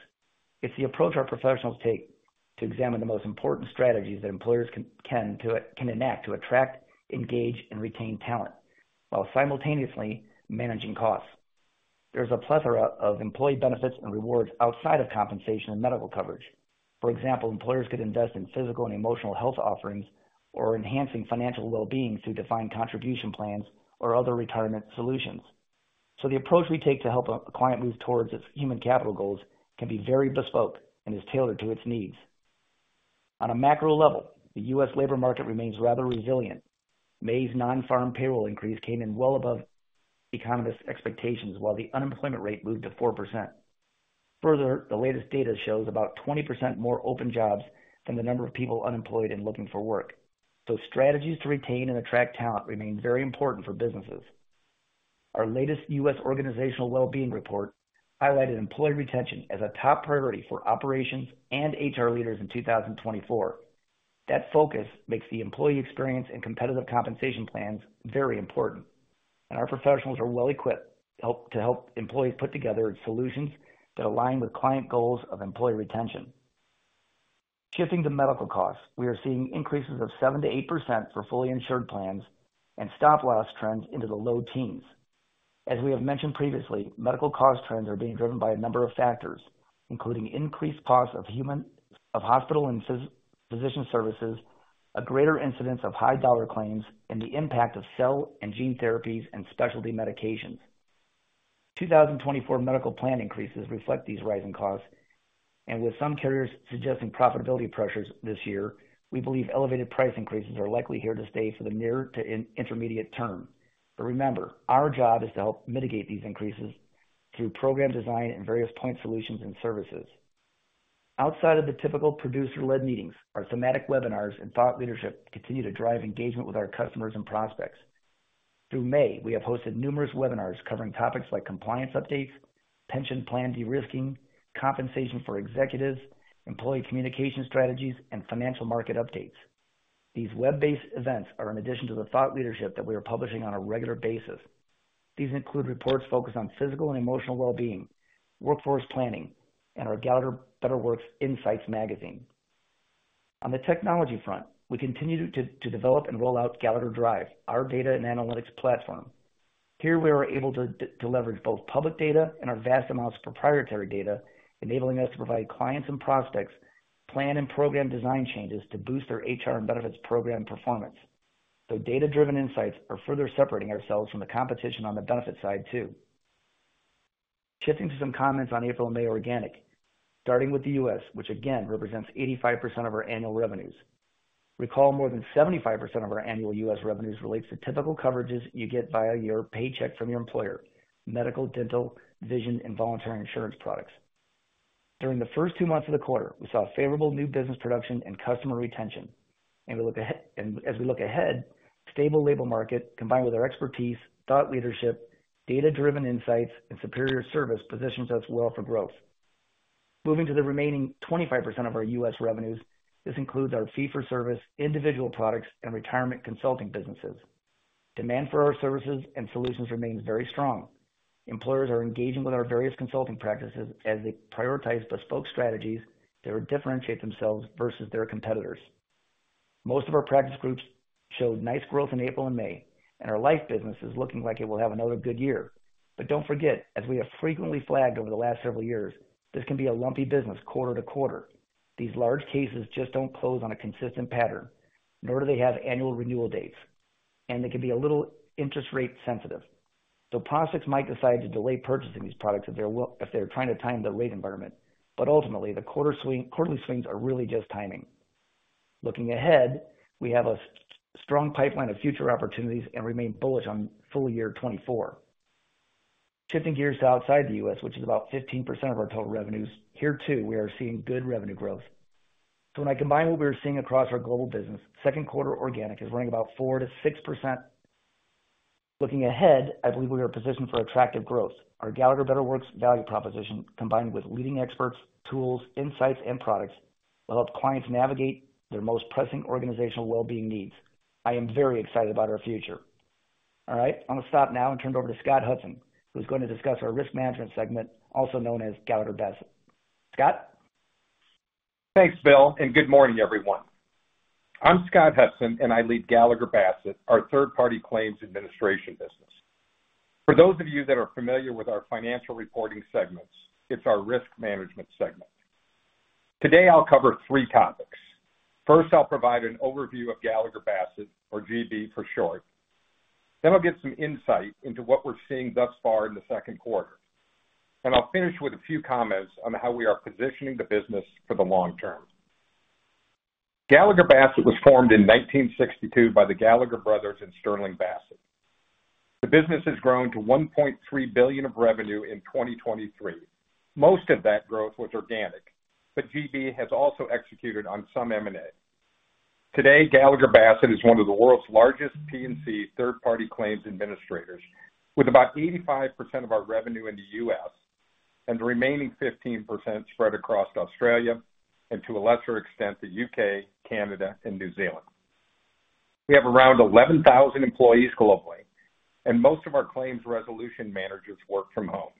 It's the approach our professionals take to examine the most important strategies that employers can enact to attract, engage, and retain talent while simultaneously managing costs. There is a plethora of employee benefits and rewards outside of compensation and medical coverage. For example, employers could invest in physical and emotional health offerings or enhancing financial well-being through defined contribution plans or other retirement solutions. The approach we take to help a client move towards its human capital goals can be very bespoke and is tailored to its needs. On a macro level, the U.S. labor market remains rather resilient. May's non-farm payroll increase came in well above economists' expectations while the unemployment rate moved to 4%. Further, the latest data shows about 20% more open jobs than the number of people unemployed and looking for work. Strategies to retain and attract talent remain very important for businesses. Our latest U.S. organizational well-being report highlighted employee retention as a top priority for operations and HR leaders in 2024. That focus makes the employee experience and competitive compensation plans very important. Our professionals are well equipped to help employees put together solutions that align with client goals of employee retention. Shifting to medical costs, we are seeing increases of 7%-8% for fully insured plans and stop-loss trends into the low teens. As we have mentioned previously, medical cost trends are being driven by a number of factors, including increased costs of hospital and physician services, a greater incidence of high-dollar claims, and the impact of cell and gene therapies and specialty medications. 2024 medical plan increases reflect these rising costs. With some carriers suggesting profitability pressures this year, we believe elevated price increases are likely here to stay for the near to intermediate term. But remember, our job is to help mitigate these increases through program design and various point solutions and services. Outside of the typical producer-led meetings, our thematic webinars and thought leadership continue to drive engagement with our customers and prospects. Through May, we have hosted numerous webinars covering topics like compliance updates, pension plan derisking, compensation for executives, employee communication strategies, and financial market updates. These web-based events are in addition to the thought leadership that we are publishing on a regular basis. These include reports focused on physical and emotional well-being, workforce planning, and our Gallagher Better Works Insights magazine. On the technology front, we continue to develop and roll out Gallagher Drive, our data and analytics platform. Here, we are able to leverage both public data and our vast amounts of proprietary data, enabling us to provide clients and prospects plan and program design changes to boost their HR and benefits program performance. The data-driven insights are further separating ourselves from the competition on the benefit side, too. Shifting to some comments on April and May organic, starting with the US, which again represents 85% of our annual revenues. Recall, more than 75% of our annual US revenues relates to typical coverages you get via your paycheck from your employer: medical, dental, vision, and voluntary insurance products. During the first two months of the quarter, we saw favorable new business production and customer retention. As we look ahead, stable labor market, combined with our expertise, thought leadership, data-driven insights, and superior service, positions us well for growth. Moving to the remaining 25% of our U.S. revenues, this includes our fee-for-service, individual products, and retirement consulting businesses. Demand for our services and solutions remains very strong. Employers are engaging with our various consulting practices as they prioritize bespoke strategies that differentiate themselves versus their competitors. Most of our practice groups showed nice growth in April and May, and our life business is looking like it will have another good year. Don't forget, as we have frequently flagged over the last several years, this can be a lumpy business quarter to quarter. These large cases just don't close on a consistent pattern, nor do they have annual renewal dates. They can be a little interest rate sensitive. Prospects might decide to delay purchasing these products if they're trying to time the rate environment. Ultimately, the quarterly swings are really just timing. Looking ahead, we have a strong pipeline of future opportunities and remain bullish on full year 2024. Shifting gears to outside the US, which is about 15% of our total revenues, here, too, we are seeing good revenue growth. So when I combine what we're seeing across our global business, Q2 organic is running about 4%-6%. Looking ahead, I believe we are positioned for attractive growth. Our Gallagher Better Works value proposition, combined with leading experts, tools, insights, and products, will help clients navigate their most pressing organizational well-being needs. I am very excited about our future. All right, I'm going to stop now and turn it over to Scott Hudson, who's going to discuss our risk management segment, also known as Gallagher Bassett. Scott? Thanks, Bill. And good morning, everyone. I'm Scott Hudson, and I lead Gallagher Bassett, our third-party claims administration business. For those of you that are familiar with our financial reporting segments, it's our risk management segment. Today, I'll cover 3 topics. First, I'll provide an overview of Gallagher Bassett, or GB for short. Then I'll get some insight into what we're seeing thus far in the Q2. I'll finish with a few comments on how we are positioning the business for the long term. Gallagher Bassett was formed in 1962 by the Gallagher brothers and Sterling Bassett. The business has grown to $1.3 billion of revenue in 2023. Most of that growth was organic, but GB has also executed on some M&A. Today, Gallagher Bassett is one of the world's largest P&C third-party claims administrators, with about 85% of our revenue in the U.S. and the remaining 15% spread across Australia and, to a lesser extent, the U.K., Canada, and New Zealand. We have around 11,000 employees globally, and most of our claims resolution managers work from home.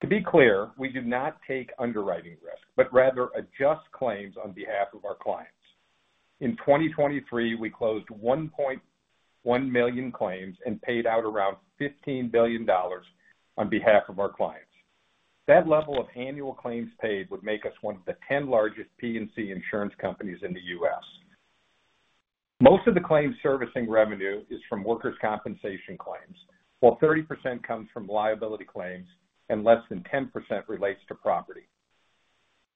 To be clear, we do not take underwriting risk, but rather adjust claims on behalf of our clients. In 2023, we closed 1.1 million claims and paid out around $15 billion on behalf of our clients. That level of annual claims paid would make us one of the 10 largest P&C insurance companies in the U.S. Most of the claims servicing revenue is from workers' compensation claims, while 30% comes from liability claims and less than 10% relates to property.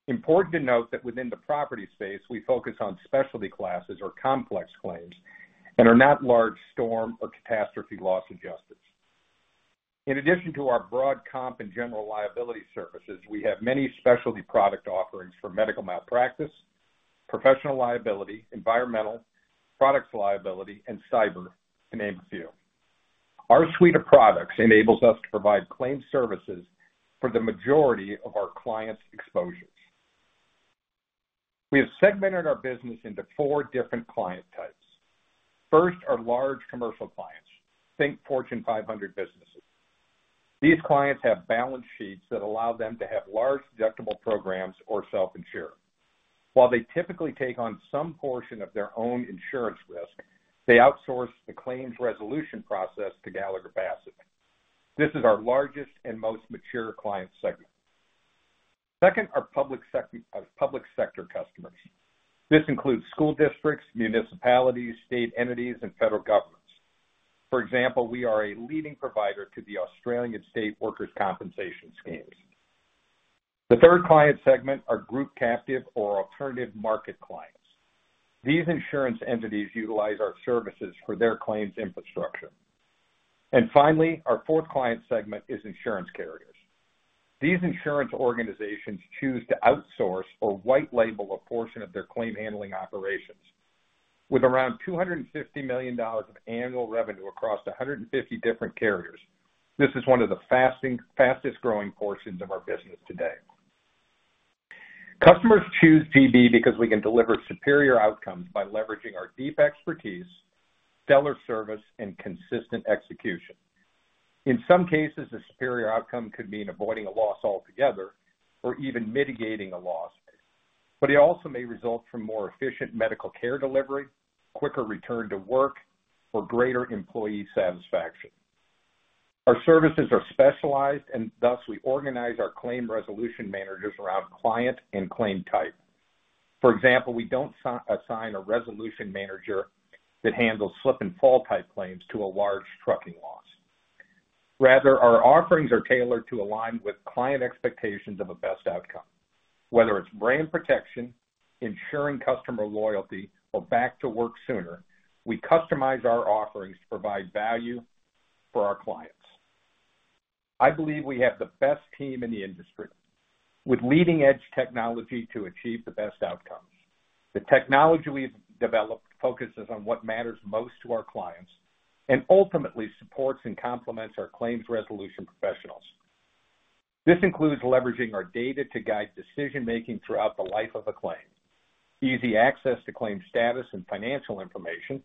Important to note that within the property space, we focus on specialty classes or complex claims and are not large storm or catastrophe loss adjusters. In addition to our broad comp and general liability services, we have many specialty product offerings for medical malpractice, professional liability, environmental, products liability, and cyber, to name a few. Our suite of products enables us to provide claims services for the majority of our clients' exposures. We have segmented our business into four different client types. First are large commercial clients. Think Fortune 500 businesses. These clients have balance sheets that allow them to have large deductible programs or self-insure. While they typically take on some portion of their own insurance risk, they outsource the claims resolution process to Gallagher Bassett. This is our largest and most mature client segment. Second are public sector customers. This includes school districts, municipalities, state entities, and federal governments. For example, we are a leading provider to the Australian state workers' compensation schemes. The third client segment are group captive or alternative market clients. These insurance entities utilize our services for their claims infrastructure. Finally, our fourth client segment is insurance carriers. These insurance organizations choose to outsource or white-label a portion of their claim-handling operations. With around $250 million of annual revenue across 150 different carriers, this is one of the fastest-growing portions of our business today. Customers choose GB because we can deliver superior outcomes by leveraging our deep expertise, stellar service, and consistent execution. In some cases, a superior outcome could mean avoiding a loss altogether or even mitigating a loss. It also may result from more efficient medical care delivery, quicker return to work, or greater employee satisfaction. Our services are specialized, and thus we organize our claim resolution managers around client and claim type. For example, we don't assign a resolution manager that handles slip-and-fall type claims to a large trucking loss. Rather, our offerings are tailored to align with client expectations of a best outcome. Whether it's brand protection, ensuring customer loyalty, or back to work sooner, we customize our offerings to provide value for our clients. I believe we have the best team in the industry with leading-edge technology to achieve the best outcomes. The technology we've developed focuses on what matters most to our clients and ultimately supports and complements our claims resolution professionals. This includes leveraging our data to guide decision-making throughout the life of a claim, easy access to claim status and financial information,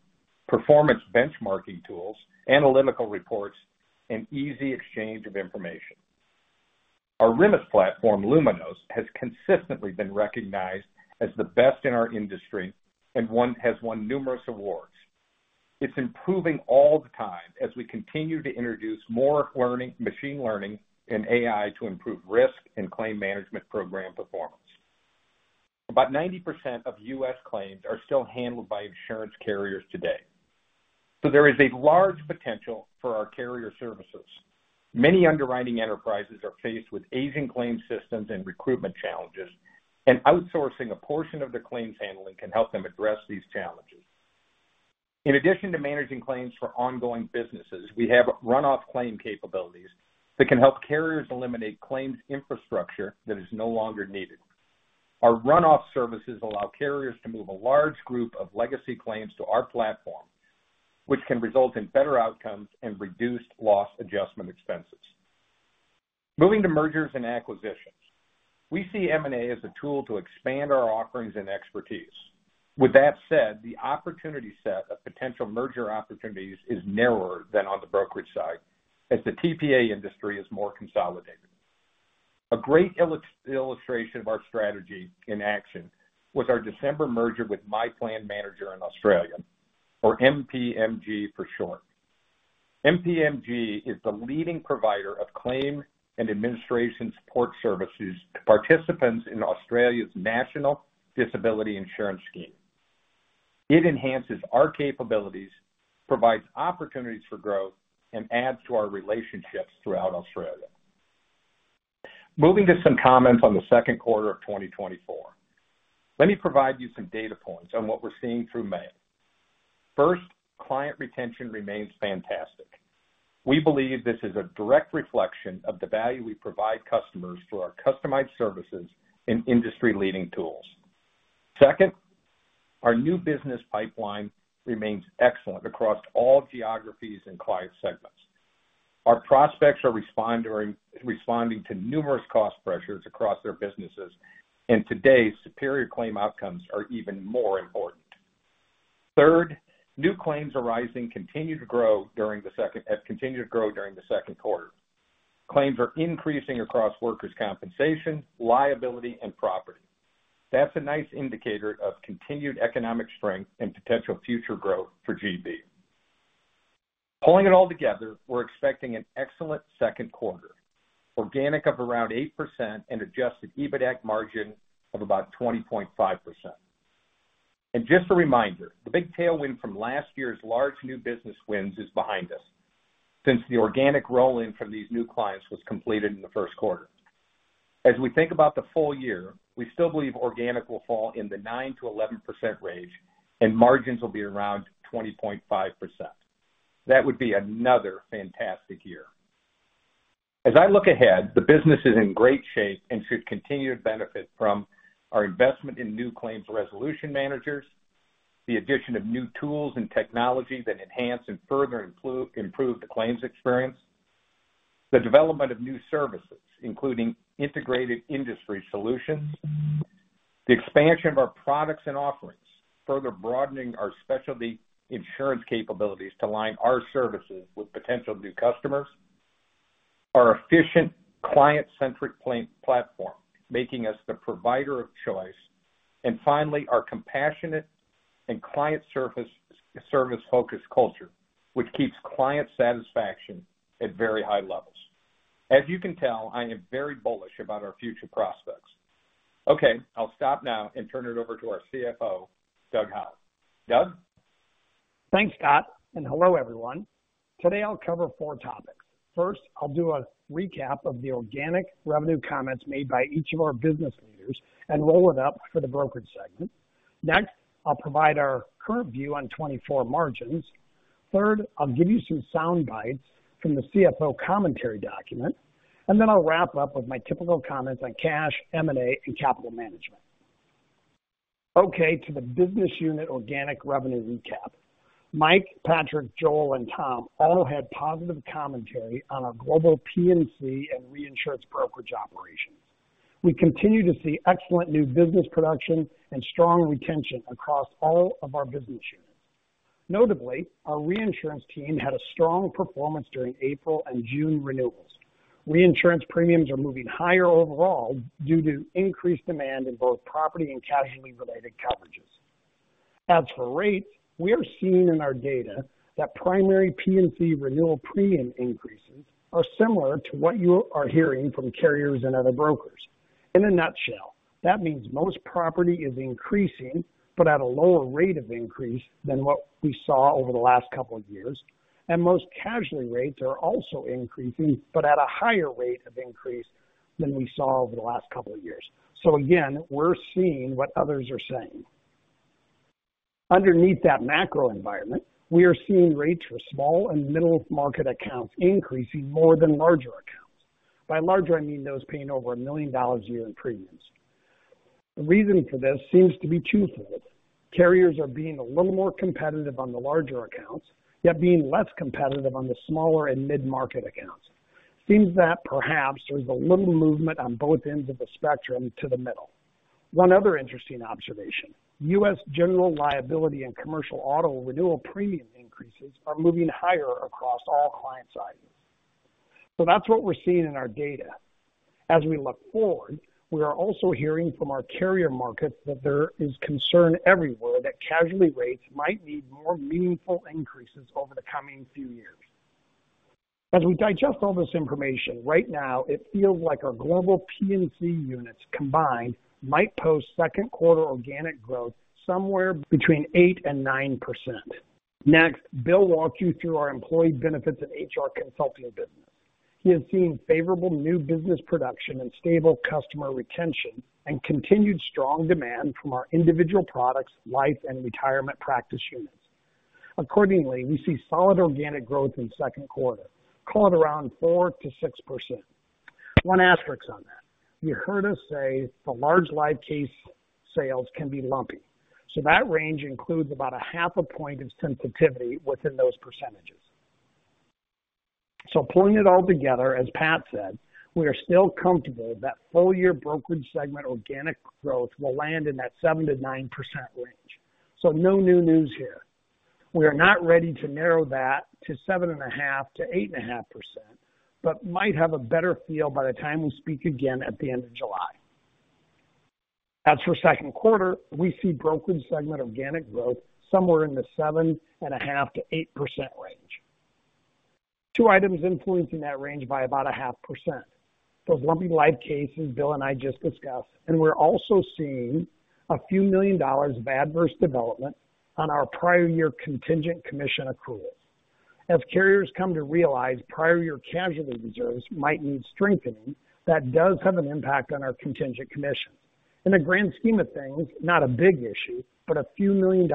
performance benchmarking tools, analytical reports, and easy exchange of information. Our RMIS platform, Luminos, has consistently been recognized as the best in our industry and has won numerous awards. It's improving all the time as we continue to introduce more machine learning and AI to improve risk and claim management program performance. About 90% of U.S. claims are still handled by insurance carriers today. So there is a large potential for our carrier services. Many underwriting enterprises are faced with aging claim systems and recruitment challenges, and outsourcing a portion of the claims handling can help them address these challenges. In addition to managing claims for ongoing businesses, we have runoff claim capabilities that can help carriers eliminate claims infrastructure that is no longer needed. Our runoff services allow carriers to move a large group of legacy claims to our platform, which can result in better outcomes and reduced loss adjustment expenses. Moving to mergers and acquisitions, we see M&A as a tool to expand our offerings and expertise. With that said, the opportunity set of potential merger opportunities is narrower than on the brokerage side as the TPA industry is more consolidated. A great illustration of our strategy in action was our December merger with My Plan Manager in Australia, or MPMG for short. MPMG is the leading provider of claim and administration support services to participants in Australia's national disability insurance scheme. It enhances our capabilities, provides opportunities for growth, and adds to our relationships throughout Australia. Moving to some comments on the Q2 of 2024, let me provide you some data points on what we're seeing through May. First, client retention remains fantastic. We believe this is a direct reflection of the value we provide customers through our customized services and industry-leading tools. Second, our new business pipeline remains excellent across all geographies and client segments. Our prospects are responding to numerous cost pressures across their businesses, and today's superior claim outcomes are even more important. Third, new claims arising continue to grow during the Q2. Claims are increasing across workers' compensation, liability, and property. That's a nice indicator of continued economic strength and potential future growth for GB. Pulling it all together, we're expecting an excellent Q2, organic of around 8% and adjusted EBITDA margin of about 20.5%. And just a reminder, the big tailwind from last year's large new business wins is behind us since the organic roll-in from these new clients was completed in the Q1. As we think about the full year, we still believe organic will fall in the 9%-11% range, and margins will be around 20.5%. That would be another fantastic year. As I look ahead, the business is in great shape and should continue to benefit from our investment in new claims resolution managers, the addition of new tools and technology that enhance and further improve the claims experience, the development of new services, including integrated industry solutions, the expansion of our products and offerings, further broadening our specialty insurance capabilities to align our services with potential new customers, our efficient client-centric platform, making us the provider of choice, and finally, our compassionate and client-service focused culture, which keeps client satisfaction at very high levels. As you can tell, I am very bullish about our future prospects. Okay, I'll stop now and turn it over to our CFO, Doug Howell. Doug? Thanks, Scott. Hello, everyone. Today, I'll cover four topics. First, I'll do a recap of the organic revenue comments made by each of our business leaders and roll it up for the brokerage segment. Next, I'll provide our current view on 2024 margins. Third, I'll give you some sound bites from the CFO commentary document. And then I'll wrap up with my typical comments on cash, M&A, and capital management. Okay, to the business unit organic revenue recap. Mike, Patrick, Joel, and Tom all had positive commentary on our global P&C and reinsurance brokerage operations. We continue to see excellent new business production and strong retention across all of our business units. Notably, our reinsurance team had a strong performance during April and June renewals. Reinsurance premiums are moving higher overall due to increased demand in both property and casualty-related coverages. As for rates, we are seeing in our data that primary P&C renewal premium increases are similar to what you are hearing from carriers and other brokers. In a nutshell, that means most property is increasing, but at a lower rate of increase than what we saw over the last couple of years. And most casualty rates are also increasing, but at a higher rate of increase than we saw over the last couple of years. So again, we're seeing what others are saying. Underneath that macro environment, we are seeing rates for small and middle market accounts increasing more than larger accounts. By larger, I mean those paying over $1 million a year in premiums. The reason for this seems to be twofold. Carriers are being a little more competitive on the larger accounts, yet being less competitive on the smaller and mid-market accounts. Seems that perhaps there's a little movement on both ends of the spectrum to the middle. One other interesting observation, U.S. general liability and commercial auto renewal premium increases are moving higher across all client sides. So that's what we're seeing in our data. As we look forward, we are also hearing from our carrier markets that there is concern everywhere that casualty rates might need more meaningful increases over the coming few years. As we digest all this information, right now, it feels like our global P&C units combined might post Q2 organic growth somewhere between 8%-9%. Next, Bill walked you through our employee benefits and HR consulting business. He has seen favorable new business production and stable customer retention and continued strong demand from our individual products, life, and retirement practice units. Accordingly, we see solid organic growth in Q2, called around 4%-6%. One asterisk on that. You heard us say the large life case sales can be lumpy. So that range includes about 0.5 point of sensitivity within those percentages. So pulling it all together, as Pat said, we are still comfortable that full year brokerage segment organic growth will land in that 7%-9% range. So no new news here. We are not ready to narrow that to 7.5%-8.5%, but might have a better feel by the time we speak again at the end of July. As for Q2, we see brokerage segment organic growth somewhere in the 7.5%-8% range. Two items influencing that range by about 0.5%. Those lumpy life cases Bill and I just discussed, and we're also seeing $ a few million of adverse development on our prior year contingent commission accruals. As carriers come to realize prior year casualty reserves might need strengthening, that does have an impact on our contingent commissions. In the grand scheme of things, not a big issue, but $ a few million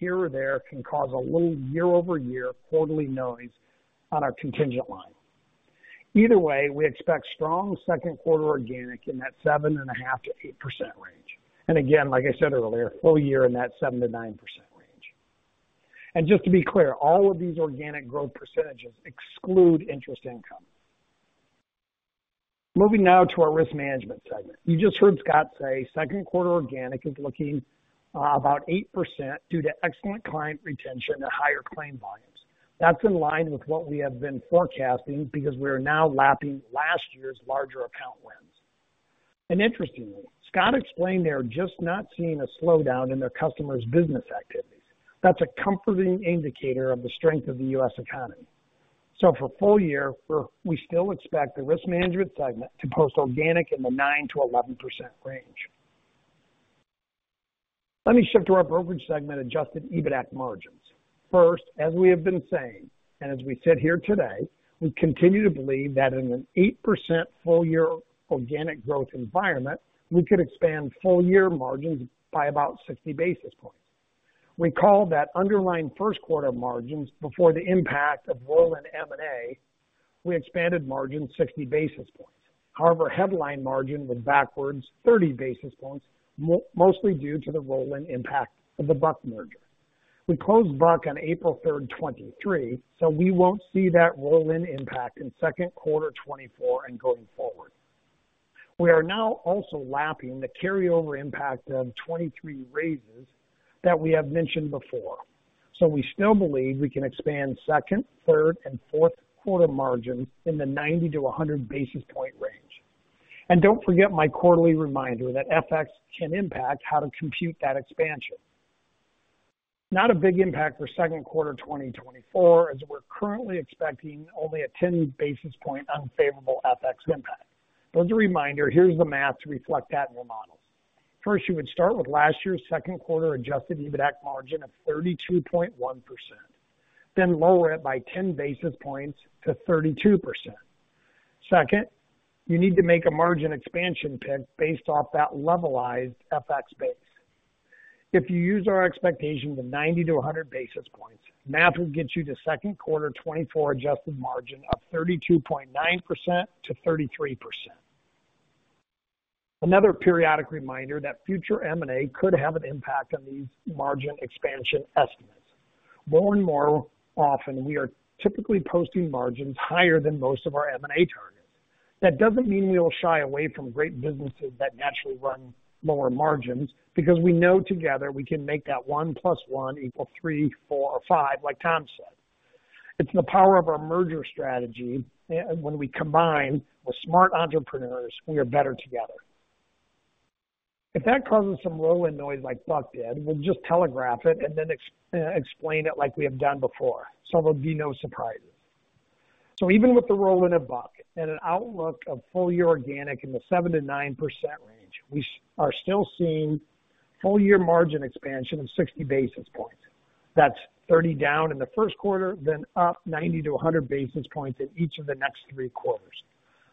here or there can cause a little year-over-year quarterly noise on our contingent line. Either way, we expect strong Q2 organic in that 7.5%-8% range. And again, like I said earlier, full year in that 7%-9% range. And just to be clear, all of these organic growth percentages exclude interest income. Moving now to our risk management segment. You just heard Scott say Q2 organic is looking about 8% due to excellent client retention and higher claim volumes. That's in line with what we have been forecasting because we are now lapping last year's larger account wins. And interestingly, Scott explained they're just not seeing a slowdown in their customers' business activities. That's a comforting indicator of the strength of the U.S. economy. So for full year, we still expect the risk management segment to post organic in the 9%-11% range. Let me shift to our brokerage segment adjusted EBITDA margins. First, as we have been saying, and as we sit here today, we continue to believe that in an 8% full year organic growth environment, we could expand full year margins by about 60 basis points. Recall that underlying Q1 margins before the impact of roll-in M&A, we expanded margins 60 basis points. However, headline margin was backwards 30 basis points, mostly due to the roll-in impact of the Buck merger. We closed Buck on April 3rd, 2023, so we won't see that roll-in impact in Q2 2024 and going forward. We are now also lapping the carryover impact of 23 raises that we have mentioned before. So we still believe we can expand second, third, and Q4 margins in the 90-100 basis point range. And don't forget my quarterly reminder that FX can impact how to compute that expansion. Not a big impact for Q2 2024, as we're currently expecting only a 10 basis point unfavorable FX impact. But as a reminder, here's the math to reflect that in your models. First, you would start with last year's Q2 adjusted EBITDA margin of 32.1%, then lower it by 10 basis points to 32%. Second, you need to make a margin expansion pick based off that levelized FX base. If you use our expectation of 90 to 100 basis points, math will get you to Q2 2024 adjusted margin of 32.9% to 33%. Another periodic reminder that future M&A could have an impact on these margin expansion estimates. More and more often, we are typically posting margins higher than most of our M&A targets. That doesn't mean we will shy away from great businesses that naturally run lower margins because we know together we can make that 1 + 1 = 3, 4, or 5, like Tom said. It's the power of our merger strategy when we combine with smart entrepreneurs, we are better together. If that causes some roll-in noise like Buck did, we'll just telegraph it and then explain it like we have done before. So there'll be no surprises. So even with the roll-in of Buck and an outlook of full year organic in the 7%-9% range, we are still seeing full year margin expansion of 60 basis points. That's 30 down in the Q1, then up 90-100 basis points in each of the next three quarters.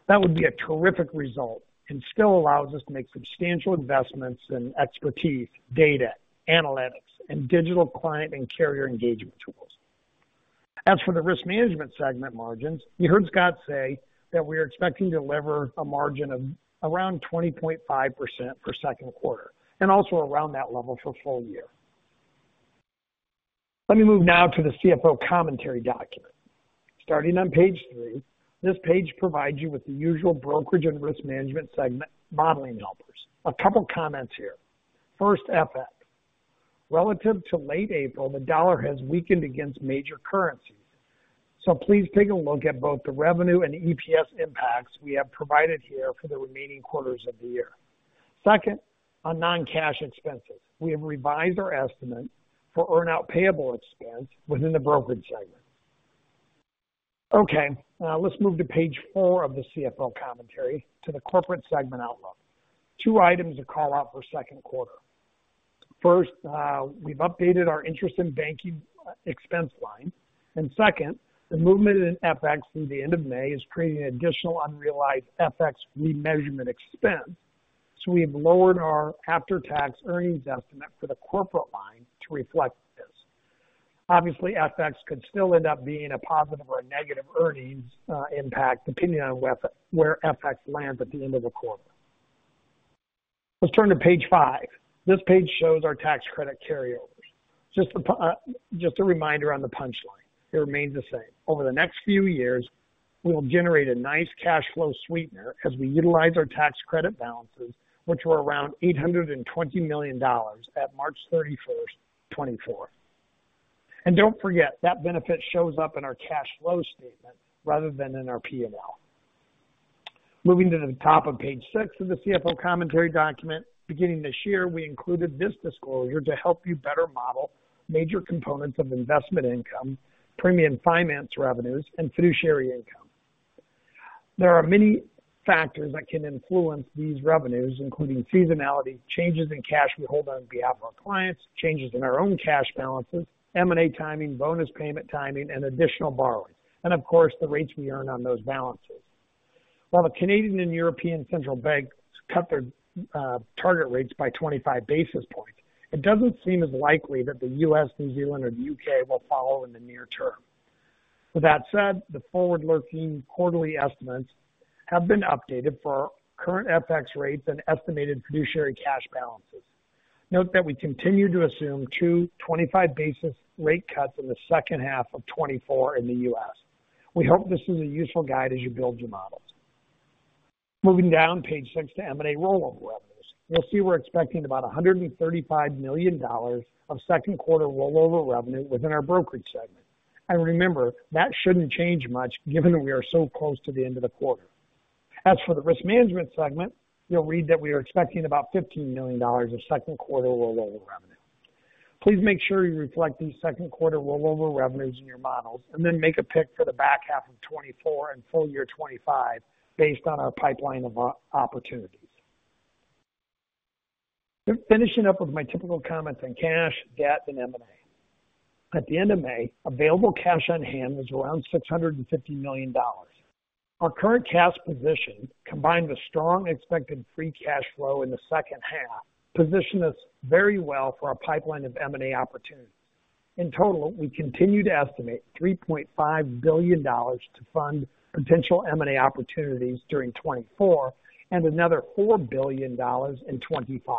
That would be a terrific result and still allows us to make substantial investments in expertise, data, analytics, and digital client and carrier engagement tools. As for the risk management segment margins, you heard Scott say that we are expecting to deliver a margin of around 20.5% for Q2 and also around that level for full year. Let me move now to the CFO commentary document. Starting on page 3, this page provides you with the usual brokerage and risk management segment modeling helpers. A couple of comments here. First, FX. Relative to late April, the dollar has weakened against major currencies. So please take a look at both the revenue and EPS impacts we have provided here for the remaining quarters of the year. Second, on non-cash expenses, we have revised our estimate for earn-out payable expense within the brokerage segment. Okay, let's move to page 4 of the CFO commentary to the corporate segment outlook. Two items to call out for Q2. First, we've updated our interest and banking expense line. And second, the movement in FX through the end of May is creating additional unrealized FX remeasurement expense. So we have lowered our after-tax earnings estimate for the corporate line to reflect this. Obviously, FX could still end up being a positive or a negative earnings impact depending on where FX lands at the end of the quarter. Let's turn to page 5. This page shows our tax credit carryovers. Just a reminder on the punchline. It remains the same. Over the next few years, we will generate a nice cash flow sweetener as we utilize our tax credit balances, which were around $820 million at March 31st, 2024. And don't forget, that benefit shows up in our cash flow statement rather than in our P&L. Moving to the top of page six of the CFO commentary document, beginning this year, we included this disclosure to help you better model major components of investment income, premium finance revenues, and fiduciary income. There are many factors that can influence these revenues, including seasonality, changes in cash we hold on behalf of our clients, changes in our own cash balances, M&A timing, bonus payment timing, and additional borrowing. And of course, the rates we earn on those balances. While the Canadian and European Central Bank cut their target rates by 25 basis points, it doesn't seem as likely that the U.S., New Zealand, or the U.K. will follow in the near term. With that said, the forward-looking quarterly estimates have been updated for current FX rates and estimated fiduciary cash balances. Note that we continue to assume two 25 basis rate cuts in the second half of 2024 in the U.S. We hope this is a useful guide as you build your models. Moving down page 6 to M&A rollover revenues. You'll see we're expecting about $135 million of Q2 rollover revenue within our brokerage segment. And remember, that shouldn't change much given that we are so close to the end of the quarter. As for the risk management segment, you'll read that we are expecting about $15 million of Q2 rollover revenue. Please make sure you reflect these Q2 rollover revenues in your models and then make a pick for the back half of 2024 and full year 2025 based on our pipeline of opportunities. Finishing up with my typical comments on cash, debt, and M&A. At the end of May, available cash on hand was around $650 million. Our current cash position, combined with strong expected free cash flow in the second half, positioned us very well for our pipeline of M&A opportunities. In total, we continue to estimate $3.5 billion to fund potential M&A opportunities during 2024 and another $4 billion in 2025.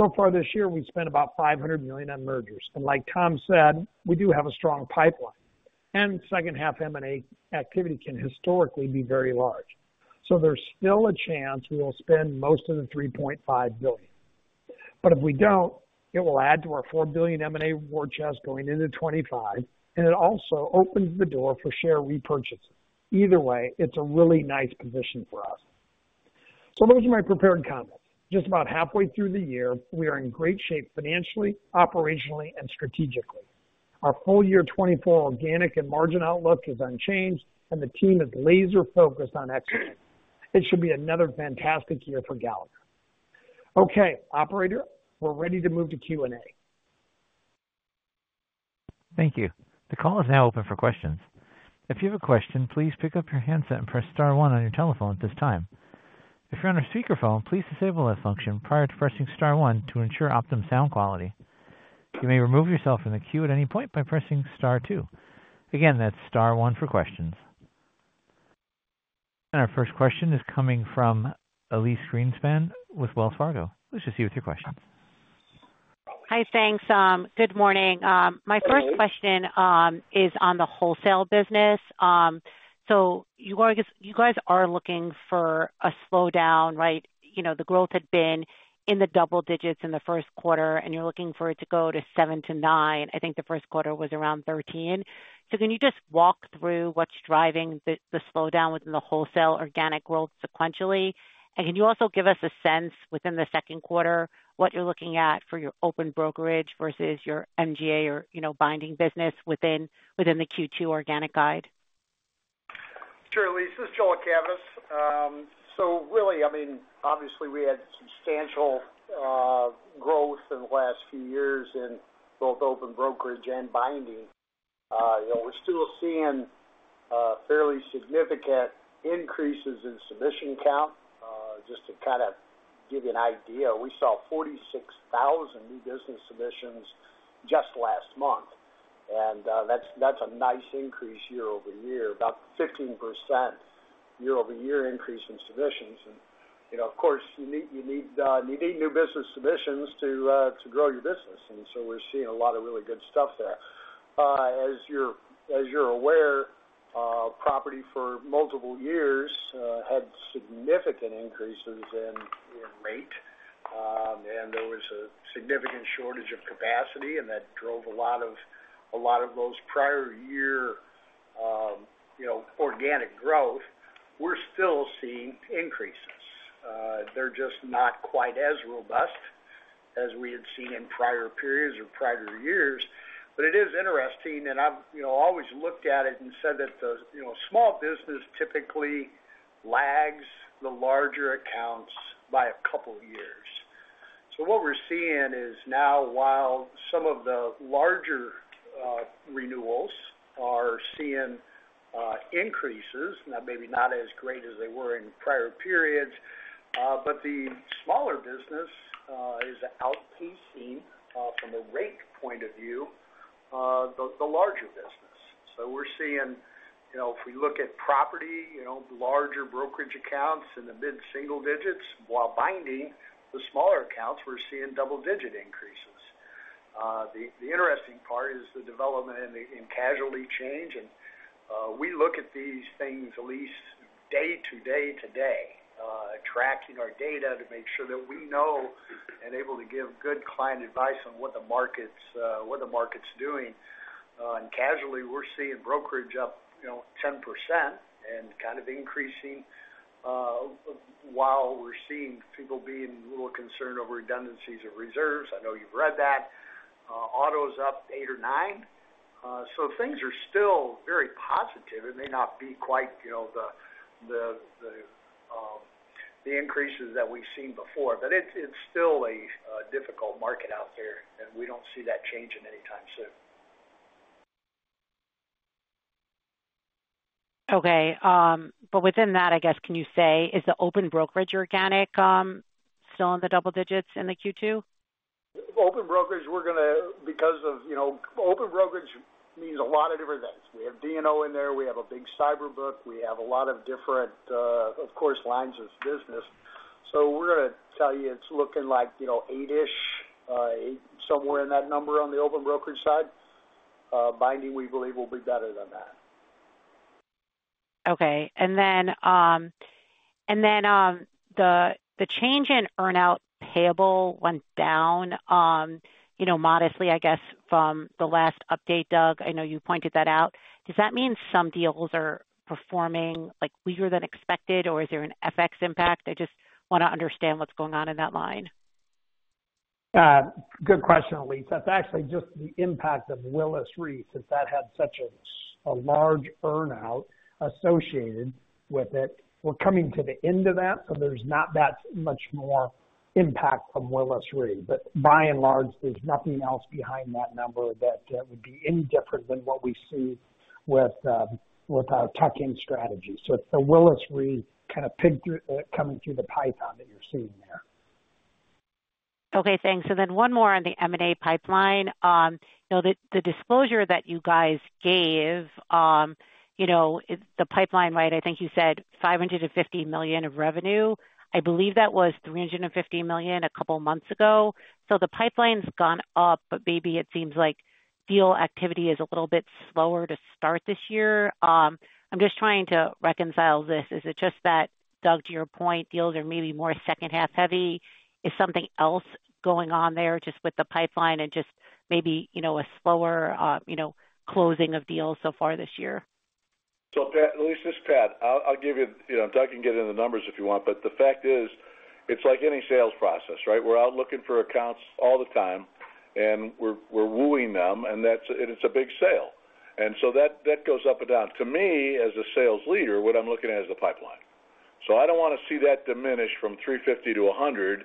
So far this year, we spent about $500 million on mergers. And like Tom said, we do have a strong pipeline. And second half M&A activity can historically be very large. So there's still a chance we will spend most of the $3.5 billion. But if we don't, it will add to our $4 billion M&A war chest going into 2025, and it also opens the door for share repurchases. Either way, it's a really nice position for us. So those are my prepared comments. Just about halfway through the year, we are in great shape financially, operationally, and strategically. Our full year 2024 organic and margin outlook is unchanged, and the team is laser-focused on excellence. It should be another fantastic year for Gallagher. Okay, operator, we're ready to move to Q&A. Thank you. The call is now open for questions. If you have a question, please pick up your handset and press star one on your telephone at this time. If you're on a speakerphone, please disable that function prior to pressing star one to ensure optimum sound quality. You may remove yourself from the queue at any point by pressing star two. Again, that's star one for questions. And our first question is coming from Elyse Greenspan with Wells Fargo. Let's just see what your question is. Hi, thanks. Good morning. My first question is on the wholesale business. So you guys are looking for a slowdown, right? The growth had been in the double digits in the Q1, and you're looking for it to go to 7%-9%. I think the Q1 was around 13%. So can you just walk through what's driving the slowdown within the wholesale organic growth sequentially? And can you also give us a sense within the Q2 what you're looking at for your open brokerage versus your MGA or binding business within the Q2 organic guide? Sure, Elyse. This is Joel Cavaness. So really, I mean, obviously, we had substantial growth in the last few years in both open brokerage and binding. We're still seeing fairly significant increases in submission count. Just to kind of give you an idea, we saw 46,000 new business submissions just last month. And that's a nice increase year-over-year, about 15% year-over-year increase in submissions. And of course, you need new business submissions to grow your business. And so we're seeing a lot of really good stuff there. As you're aware, property for multiple years had significant increases in rate. And there was a significant shortage of capacity, and that drove a lot of those prior year organic growth. We're still seeing increases. They're just not quite as robust as we had seen in prior periods or prior years. But it is interesting, and I've always looked at it and said that small business typically lags the larger accounts by a couple of years. So what we're seeing is now, while some of the larger renewals are seeing increases, not maybe not as great as they were in prior periods, but the smaller business is outpacing from a rate point of view the larger business. So we're seeing, if we look at property, larger brokerage accounts in the mid-single digits, while binding the smaller accounts, we're seeing double-digit increases. The interesting part is the development in casualty change. And we look at these things, Elyse, day to day today, tracking our data to make sure that we know and are able to give good client advice on what the market's doing. Casually, we're seeing brokerage up 10% and kind of increasing while we're seeing people being a little concerned over redundancies of reserves. I know you've read that. Auto's up 8 or 9. So things are still very positive. It may not be quite the increases that we've seen before, but it's still a difficult market out there, and we don't see that changing anytime soon. Okay. But within that, I guess, can you say, is the open brokerage organic still in the double digits in the Q2? Open brokerage, we're going to, because of open brokerage means a lot of different things. We have D&O in there. We have a big cyber book. We have a lot of different, of course, lines of business. So we're going to tell you it's looking like 8-ish, somewhere in that number on the open brokerage side. Binding, we believe, will be better than that. Okay. And then the change in earn-out payable went down modestly, I guess, from the last update, Doug. I know you pointed that out. Does that mean some deals are performing weaker than expected, or is there an FX impact? I just want to understand what's going on in that line. Good question, Elyse. That's actually just the impact of Willis Re since that had such a large earn-out associated with it. We're coming to the end of that, so there's not that much more impact from Willis Re. But by and large, there's nothing else behind that number that would be any different than what we see with our tuck-in strategy. So it's the Willis Re kind of coming through the python that you're seeing there. Okay, thanks. And then one more on the M&A pipeline. The disclosure that you guys gave, the pipeline, right, I think you said $550 million of revenue. I believe that was $350 million a couple of months ago. So the pipeline's gone up, but maybe it seems like deal activity is a little bit slower to start this year. I'm just trying to reconcile this. Is it just that, Doug, to your point, deals are maybe more second half heavy? Is something else going on there just with the pipeline and just maybe a slower closing of deals so far this year? So Pat, Elyse, this is Pat. I'll give you Doug can get into the numbers if you want, but the fact is, it's like any sales process, right? We're out looking for accounts all the time, and we're wooing them, and it's a big sale. And so that goes up and down. To me, as a sales leader, what I'm looking at is the pipeline. So I don't want to see that diminish from 350 to 100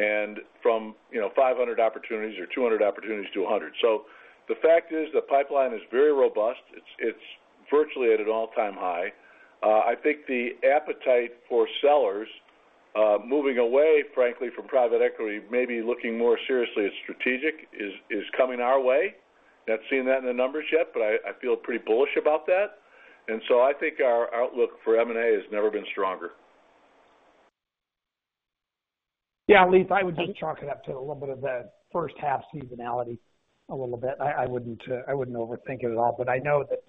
and from 500 opportunities or 200 opportunities to 100. So the fact is the pipeline is very robust. It's virtually at an all-time high. I think the appetite for sellers moving away, frankly, from private equity, maybe looking more seriously at strategic is coming our way. Not seeing that in the numbers yet, but I feel pretty bullish about that. And so I think our outlook for M&A has never been stronger. Yeah, Elyse, I would just chalk it up to a little bit of that first half seasonality a little bit. I wouldn't overthink it at all. But I know that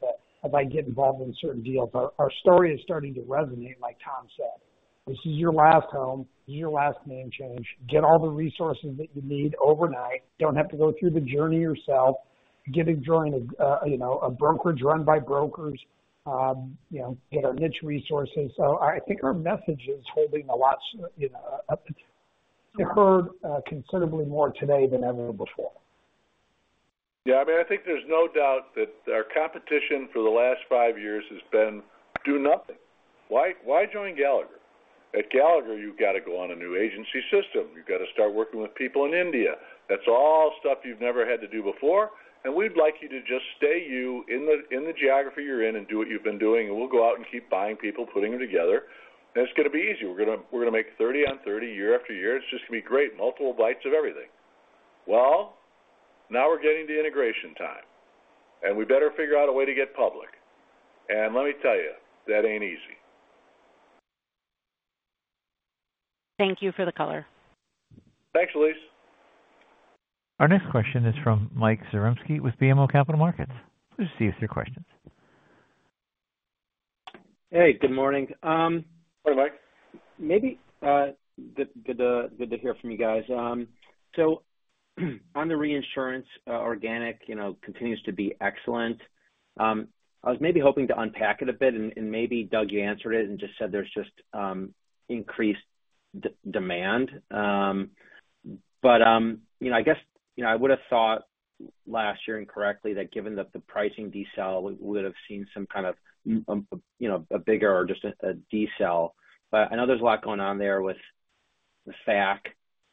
if I get involved in certain deals, our story is starting to resonate, like Tom said. This is your last home. This is your last name change. Get all the resources that you need overnight. Don't have to go through the journey yourself. Get enjoying a brokerage run by brokers. Get our niche resources. So I think our message is holding a lot up. It's heard considerably more today than ever before. Yeah, I mean, I think there's no doubt that our competition for the last five years has been do nothing. Why join Gallagher? At Gallagher, you've got to go on a new agency system. You've got to start working with people in India. That's all stuff you've never had to do before. And we'd like you to just stay in the geography you're in and do what you've been doing. And we'll go out and keep buying people, putting them together. And it's going to be easy. We're going to make 30 on 30 year after year. It's just going to be great. Multiple bites of everything. Well, now we're getting to integration time. And we better figure out a way to get public. And let me tell you, that ain't easy. Thank you for the color. Thanks, Elyse. Our next question is from Michael Zaremski with BMO Capital Markets. Please go ahead with your question. Hey, good morning. Morning, Mike. Great to hear from you guys. So on the reinsurance, organic continues to be excellent. I was maybe hoping to unpack it a bit, and maybe Doug, you answered it and just said there's just increased demand. But I guess I would have thought last year incorrectly that given that the pricing decel, we would have seen some kind of a bigger or just a decel. But I know there's a lot going on there with the FAC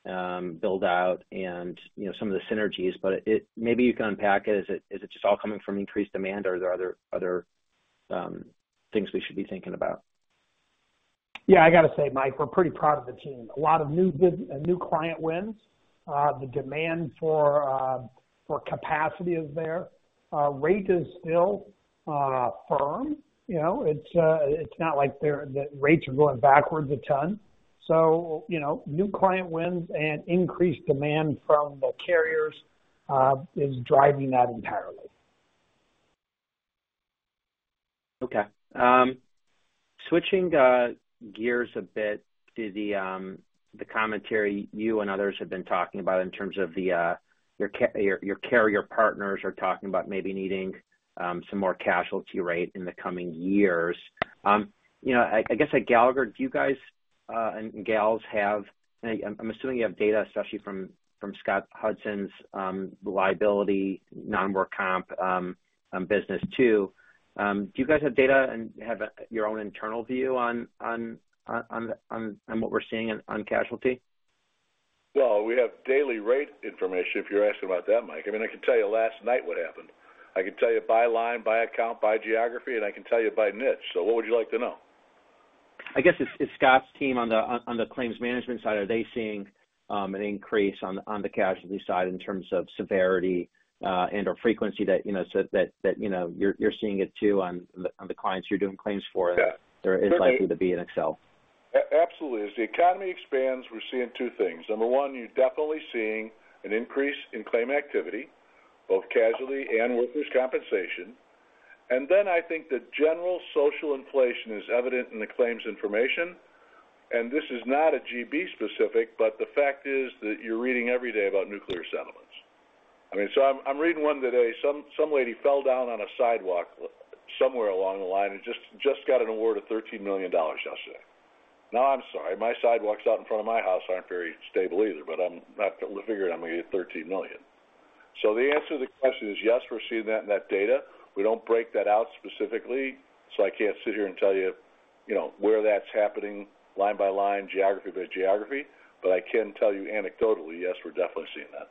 build-out and some of the synergies. But maybe you can unpack it. Is it just all coming from increased demand, or are there other things we should be thinking about? Yeah, I got to say, Mike, we're pretty proud of the team. A lot of new client wins. The demand for capacity is there. Rate is still firm. It's not like the rates are going backwards a ton. So new client wins and increased demand from the carriers is driving that entirely. Okay. Switching gears a bit to the commentary you and others have been talking about in terms of your carrier partners are talking about maybe needing some more casualty rate in the coming years. I guess at Gallagher, do you guys and Gals have, I'm assuming you have data, especially from Scott Hudson's liability non-work comp business too. Do you guys have data and have your own internal view on what we're seeing on casualty? Well, we have daily rate information if you're asking about that, Mike. I mean, I can tell you last night what happened. I can tell you by line, by account, by geography, and I can tell you by niche. So what would you like to know? I guess it's Scott's team on the claims management side. Are they seeing an increase on the casualty side in terms of severity and/or frequency that you're seeing it too on the clients you're doing claims for? There is likely to be an increase. Absolutely. As the economy expands, we're seeing two things. Number one, you're definitely seeing an increase in claim activity, both casualty and workers' compensation. And then I think the general social inflation is evident in the claims information. And this is not a GB-specific, but the fact is that you're reading every day about nuclear verdicts. I mean, so I'm reading one today. Some lady fell down on a sidewalk somewhere along the line and just got an award of $13 million yesterday. Now, I'm sorry. My sidewalks out in front of my house aren't very stable either, but I'm not figuring I'm going to get $13 million. So the answer to the question is yes, we're seeing that in that data. We don't break that out specifically, so I can't sit here and tell you where that's happening line by line, geography by geography. But I can tell you anecdotally, yes, we're definitely seeing that.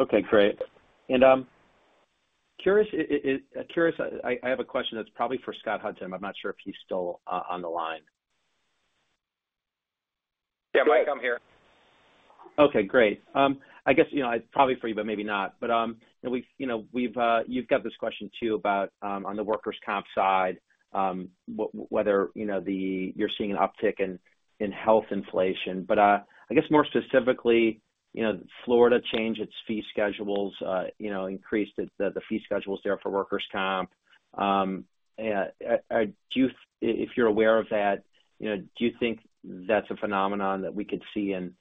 Okay, great. And I'm curious. I have a question that's probably for Scott Hudson. I'm not sure if he's still on the line. Yeah, Mike, I'm here. Okay, great. I guess it's probably for you, but maybe not. But we've got this question too about on the workers' comp side, whether you're seeing an uptick in health inflation. But I guess more specifically, Florida changed its fee schedules, increased the fee schedules there for workers' comp. If you're aware of that, do you think that's a phenomenon that we could see in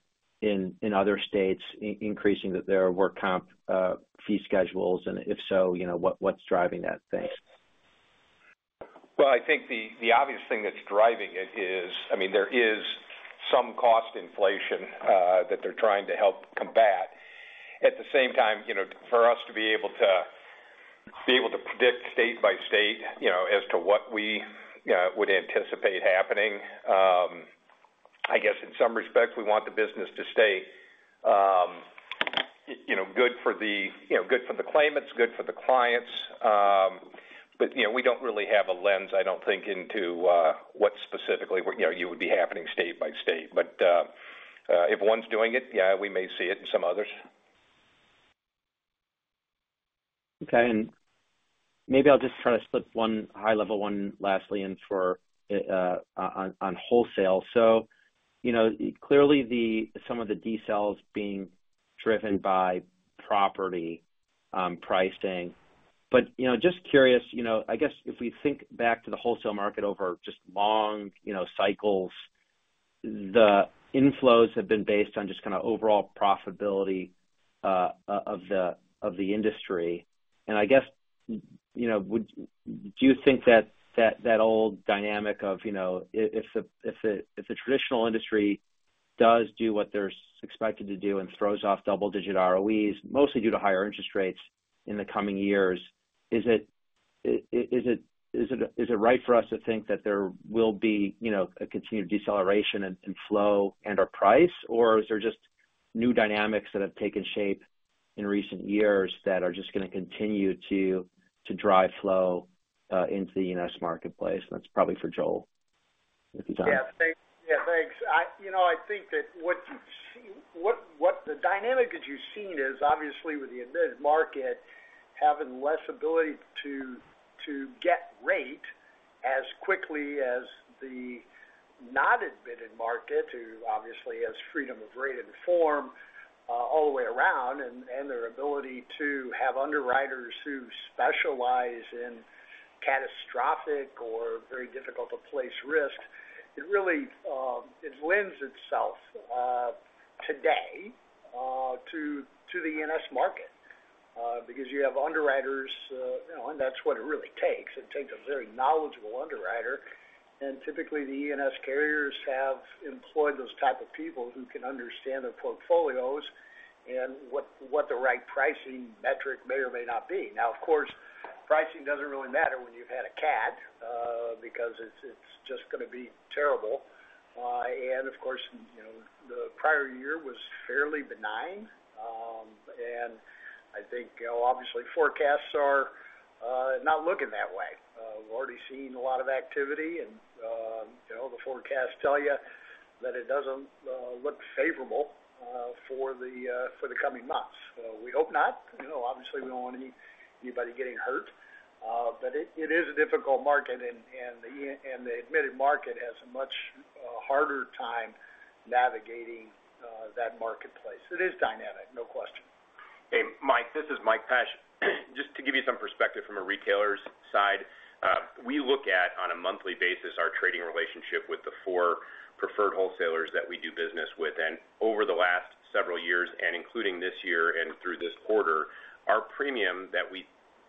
other states increasing their work comp fee schedules? And if so, what's driving that? Thanks. Well, I think the obvious thing that's driving it is, I mean, there is some cost inflation that they're trying to help combat. At the same time, for us to be able to predict state by state as to what we would anticipate happening, I guess in some respects, we want the business to stay good for the claimants, good for the clients. But we don't really have a lens, I don't think, into what specifically would be happening state by state. But if one's doing it, yeah, we may see it in some others. Okay. And maybe I'll just try to split one high-level one lastly in for on wholesale. So clearly, some of the decels being driven by property pricing. But just curious, I guess if we think back to the wholesale market over just long cycles, the inflows have been based on just kind of overall profitability of the industry. And I guess, do you think that that old dynamic of if the traditional industry does do what they're expected to do and throws off double-digit ROEs, mostly due to higher interest rates in the coming years, is it right for us to think that there will be a continued deceleration in flow and/or price? Or is there just new dynamics that have taken shape in recent years that are just going to continue to drive flow into the U.S. marketplace? And that's probably for Joel if he's on. Yeah, thanks. I think that what the dynamic that you've seen is, obviously, with the admitted market having less ability to get rate as quickly as the non-admitted market, who obviously has freedom of rate and form all the way around, and their ability to have underwriters who specialize in catastrophic or very difficult-to-place risk, it really lends itself today to the U.S. market because you have underwriters, and that's what it really takes. It takes a very knowledgeable underwriter. And typically, the U.S. carriers have employed those types of people who can understand their portfolios and what the right pricing metric may or may not be. Now, of course, pricing doesn't really matter when you've had a cat because it's just going to be terrible. And of course, the prior year was fairly benign. And I think, obviously, forecasts are not looking that way. We've already seen a lot of activity, and the forecasts tell you that it doesn't look favorable for the coming months. We hope not. Obviously, we don't want anybody getting hurt. But it is a difficult market, and the admitted market has a much harder time navigating that marketplace. It is dynamic, no question. Hey, Mike, this is Mike Pesch. Just to give you some perspective from a retailer's side, we look at, on a monthly basis, our trading relationship with the four preferred wholesalers that we do business with. Over the last several years, and including this year and through this quarter, our premium that we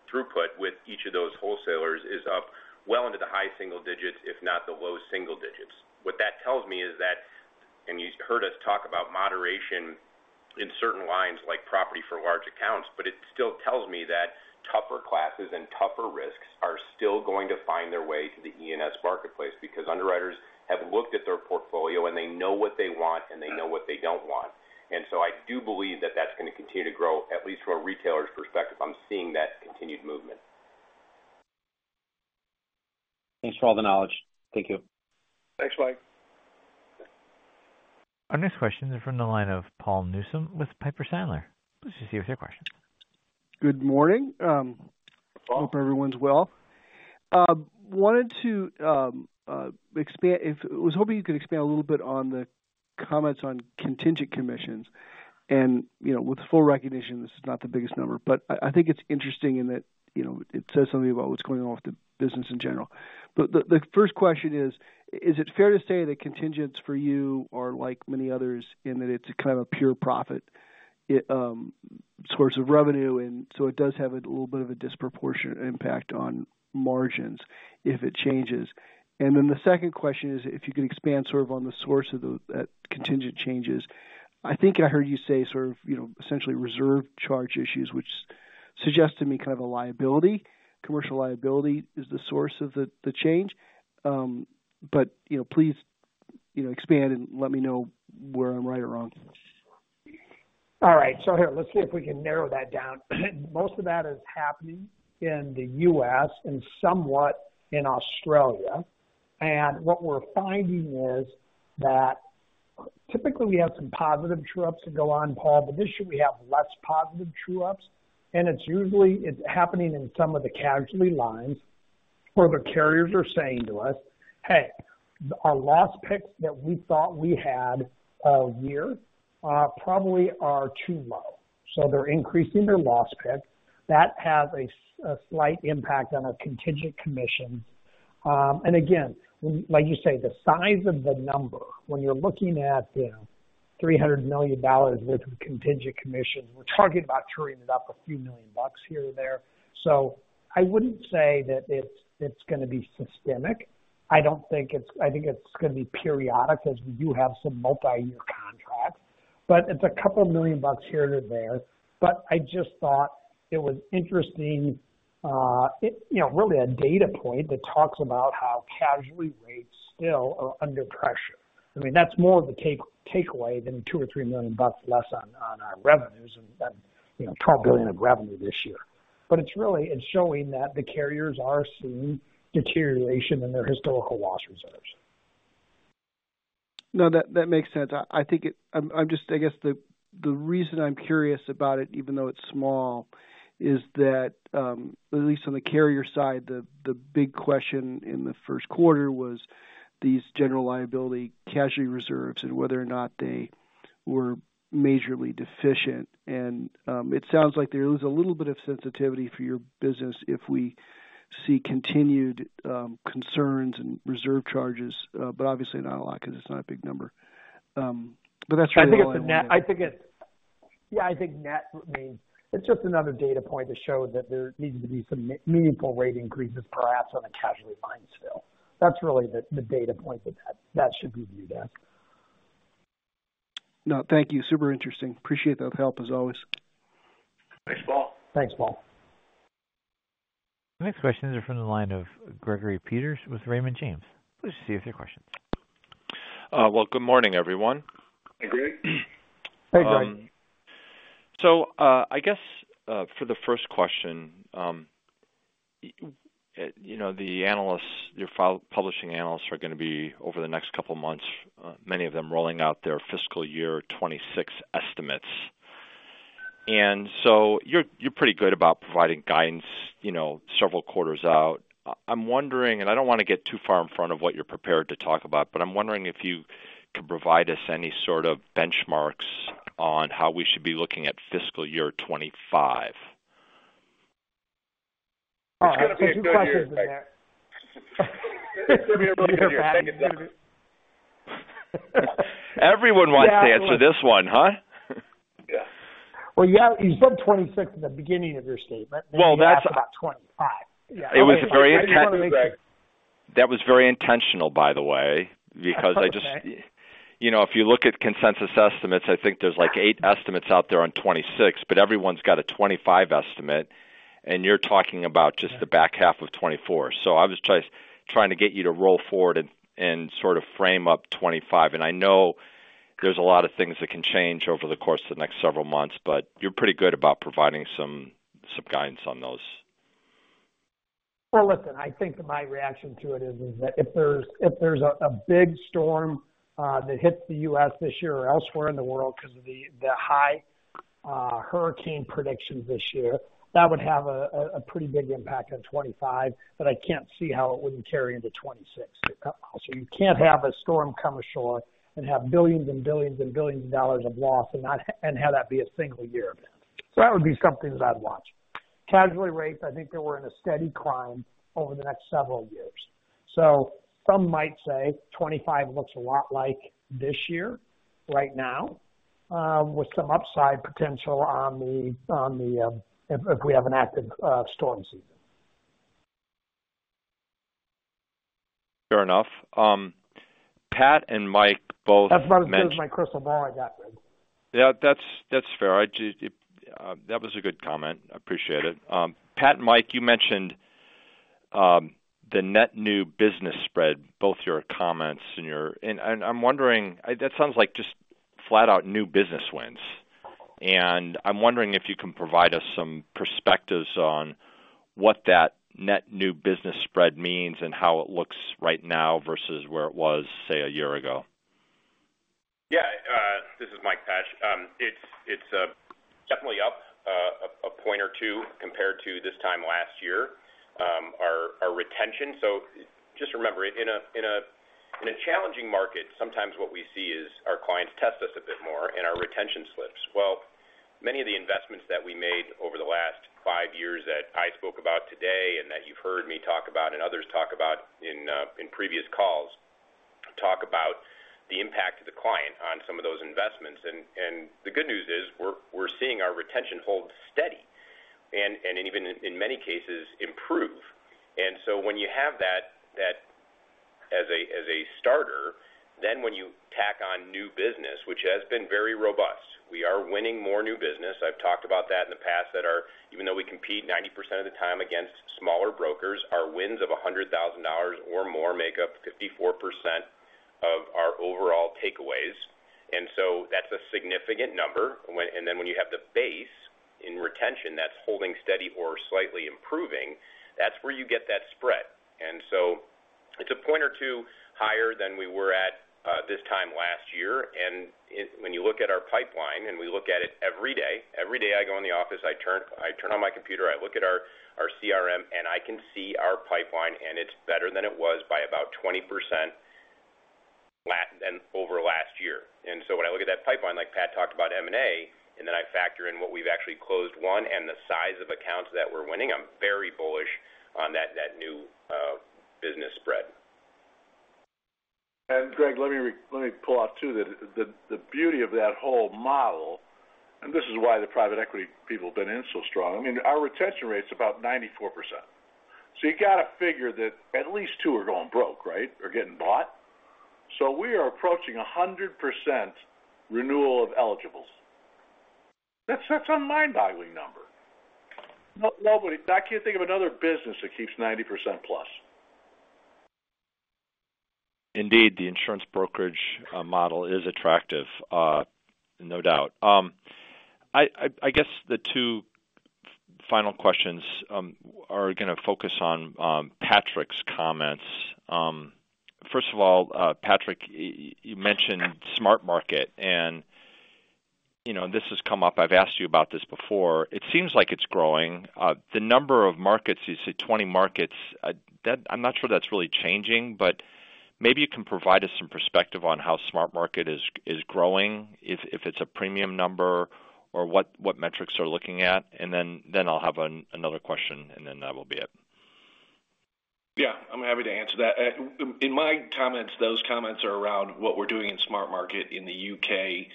throughput with each of those wholesalers is up well into the high single digits, if not the low single digits. What that tells me is that—and you heard us talk about moderation in certain lines like property for large accounts—but it still tells me that tougher classes and tougher risks are still going to find their way to the U.S. marketplace because underwriters have looked at their portfolio, and they know what they want, and they know what they don't want. And so I do believe that that's going to continue to grow, at least from a retailer's perspective. I'm seeing that continued movement. Thanks for all the knowledge. Thank you. Thanks, Mike. Our next question is from the line of Paul Newsome with Piper Sandler. Please just see if your question. Good morning. I hope everyone's well. Wanted to expand, I was hoping you could expand a little bit on the comments on contingent commissions. And with full recognition, this is not the biggest number, but I think it's interesting in that it says something about what's going on with the business in general. But the first question is, is it fair to say that contingents for you are like many others in that it's kind of a pure profit source of revenue, and so it does have a little bit of a disproportionate impact on margins if it changes? And then the second question is, if you could expand sort of on the source of that contingent changes. I think I heard you say sort of essentially reserve charge issues, which suggests to me kind of a liability. Commercial liability is the source of the change. But please expand and let me know where I'm right or wrong. All right. So here, let's see if we can narrow that down. Most of that is happening in the U.S. and somewhat in Australia. And what we're finding is that typically we have some positive true-ups that go on, Paul, but this year we have less positive true-ups. And it's happening in some of the casualty lines where the carriers are saying to us, "Hey, our loss picks that we thought we had all year probably are too low." So they're increasing their loss pick. That has a slight impact on our contingent commissions. And again, like you say, the size of the number, when you're looking at $300 million worth of contingent commissions, we're talking about trueing it up a few million bucks here or there. So I wouldn't say that it's going to be systemic. I think it's going to be periodic as we do have some multi-year contracts. But it's a couple of million bucks here or there. But I just thought it was interesting, really a data point that talks about how casualty rates still are under pressure. I mean, that's more of the takeaway than $2 million-$3 million less on our revenues and $12 billion of revenue this year. But it's showing that the carriers are seeing deterioration in their historical loss reserves. No, that makes sense. I think I'm just, I guess, the reason I'm curious about it, even though it's small, is that at least on the carrier side, the big question in the Q1 was these general liability casualty reserves and whether or not they were majorly deficient. It sounds like there is a little bit of sensitivity for your business if we see continued concerns and reserve charges, but obviously not a lot because it's not a big number. That's really all I think. I think it's, yeah, I think net means it's just another data point to show that there needs to be some meaningful rate increases perhaps on the casualty lines still. That's really the data point that that should be viewed as. No, thank you. Super interesting. Appreciate the help as always. Thanks, Paul. Thanks, Paul. The next questions are from the line of Gregory Peters with Raymond James. Please just see if their questions. Well, good morning, everyone. Hey, Greg. Hey, Joe. So I guess for the first question, the analysts, your publishing analysts are going to be over the next couple of months, many of them rolling out their fiscal year 2026 estimates. And so you're pretty good about providing guidance several quarters out. I'm wondering, and I don't want to get too far in front of what you're prepared to talk about, but I'm wondering if you can provide us any sort of benchmarks on how we should be looking at fiscal year 2025. It's going to be a good question in there. It's going to be a really good question. Everyone wants to answer this one, huh? Yeah. Well, yeah, you said '26 in the beginning of your statement. Well, that's about '25. Yeah. It was very intentional, Greg. That was very intentional, by the way, because I just, if you look at consensus estimates, I think there's like eight estimates out there on 2026, but everyone's got a 2025 estimate, and you're talking about just the back half of 2024. So I was trying to get you to roll forward and sort of frame up 2025. And I know there's a lot of things that can change over the course of the next several months, but you're pretty good about providing some guidance on those. Well, listen, I think my reaction to it is that if there's a big storm that hits the U.S. this year or elsewhere in the world because of the high hurricane predictions this year, that would have a pretty big impact on 2025, but I can't see how it wouldn't carry into 2026. So you can't have a storm come ashore and have $ billions and $ billions and $ billions of loss and have that be a single year event. So that would be something that I'd watch. Casualty rates, I think they were in a steady climb over the next several years. So some might say 2025 looks a lot like this year right now with some upside potential on the—if we have an active storm season. Fair enough. Pat and Mike both mentioned. That's about as much as my crystal ball I got, Greg. Yeah, that's fair. That was a good comment. I appreciate it. Pat and Mike, you mentioned the net new business spread, both your comments and your—and I'm wondering, that sounds like just flat-out new business wins. I'm wondering if you can provide us some perspectives on what that net new business spread means and how it looks right now versus where it was, say, a year ago. Yeah, this is Mike Pesch. It's definitely up a point or two compared to this time last year, our retention. Just remember, in a challenging market, sometimes what we see is our clients test us a bit more and our retention slips. Well, many of the investments that we made over the last five years that I spoke about today and that you've heard me talk about and others talk about in previous calls talk about the impact of the client on some of those investments. The good news is we're seeing our retention hold steady and even in many cases improve. So when you have that as a starter, then when you tack on new business, which has been very robust, we are winning more new business. I've talked about that in the past that even though we compete 90% of the time against smaller brokers, our wins of $100,000 or more make up 54% of our overall takeaways. And so that's a significant number. And then when you have the base in retention that's holding steady or slightly improving, that's where you get that spread. And so it's a point or two higher than we were at this time last year. When you look at our pipeline and we look at it every day, every day I go in the office, I turn on my computer, I look at our CRM, and I can see our pipeline, and it's better than it was by about 20% over last year. So when I look at that pipeline, like Pat talked about M&A, and then I factor in what we've actually closed one and the size of accounts that we're winning, I'm very bullish on that new business spread. Greg, let me pull out too the beauty of that whole model. This is why the private equity people have been in so strong. I mean, our retention rate's about 94%. So you got to figure that at least two are going broke, right, or getting bought. So we are approaching 100% renewal of eligibles. That's a mind-boggling number. I can't think of another business that keeps 90% plus. Indeed, the insurance brokerage model is attractive, no doubt. I guess the two final questions are going to focus on Patrick's comments. First of all, Patrick, you mentioned SmartMarket, and this has come up. I've asked you about this before. It seems like it's growing. The number of markets, you said 20 markets. I'm not sure that's really changing, but maybe you can provide us some perspective on how SmartMarket is growing, if it's a premium number or what metrics they're looking at. And then I'll have another question, and then that will be it. Yeah, I'm happy to answer that. In my comments, those comments are around what we're doing in SmartMarket in the U.K.,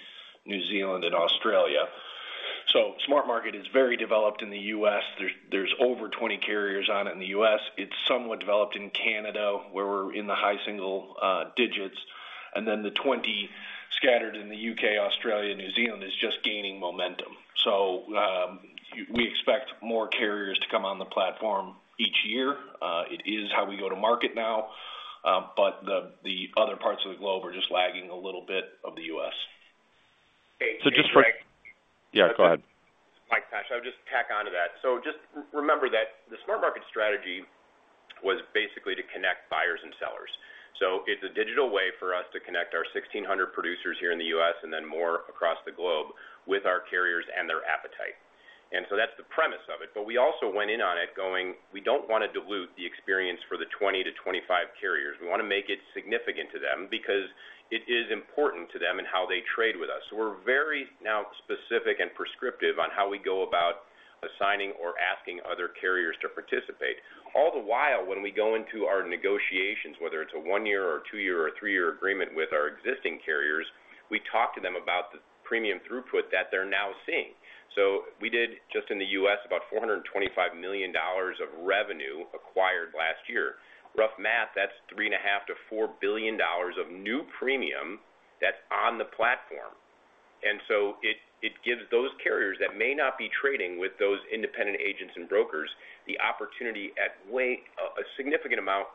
New Zealand, and Australia. So SmartMarket is very developed in the U.S. There's over 20 carriers on it in the U.S. It's somewhat developed in Canada where we're in the high single digits. And then the 20 scattered in the U.K., Australia, New Zealand is just gaining momentum. So we expect more carriers to come on the platform each year. It is how we go to market now, but the other parts of the globe are just lagging a little bit of the U.S. So just for—yeah, go ahead. Mike Pesch, I would just tack on to that. So just remember that the SmartMarket strategy was basically to connect buyers and sellers. So it's a digital way for us to connect our 1,600 producers here in the U.S. and then more across the globe with our carriers and their appetite. And so that's the premise of it. But we also went in on it going, "We don't want to dilute the experience for the 20-25 carriers. We want to make it significant to them because it is important to them in how they trade with us." So we're very now specific and prescriptive on how we go about assigning or asking other carriers to participate. All the while when we go into our negotiations, whether it's a one-year or two-year or three-year agreement with our existing carriers, we talk to them about the premium throughput that they're now seeing. So we did just in the U.S. about $425 million of revenue acquired last year. Rough math, that's $3.5 billion-$4 billion of new premium that's on the platform. So it gives those carriers that may not be trading with those independent agents and brokers the opportunity at a significant amount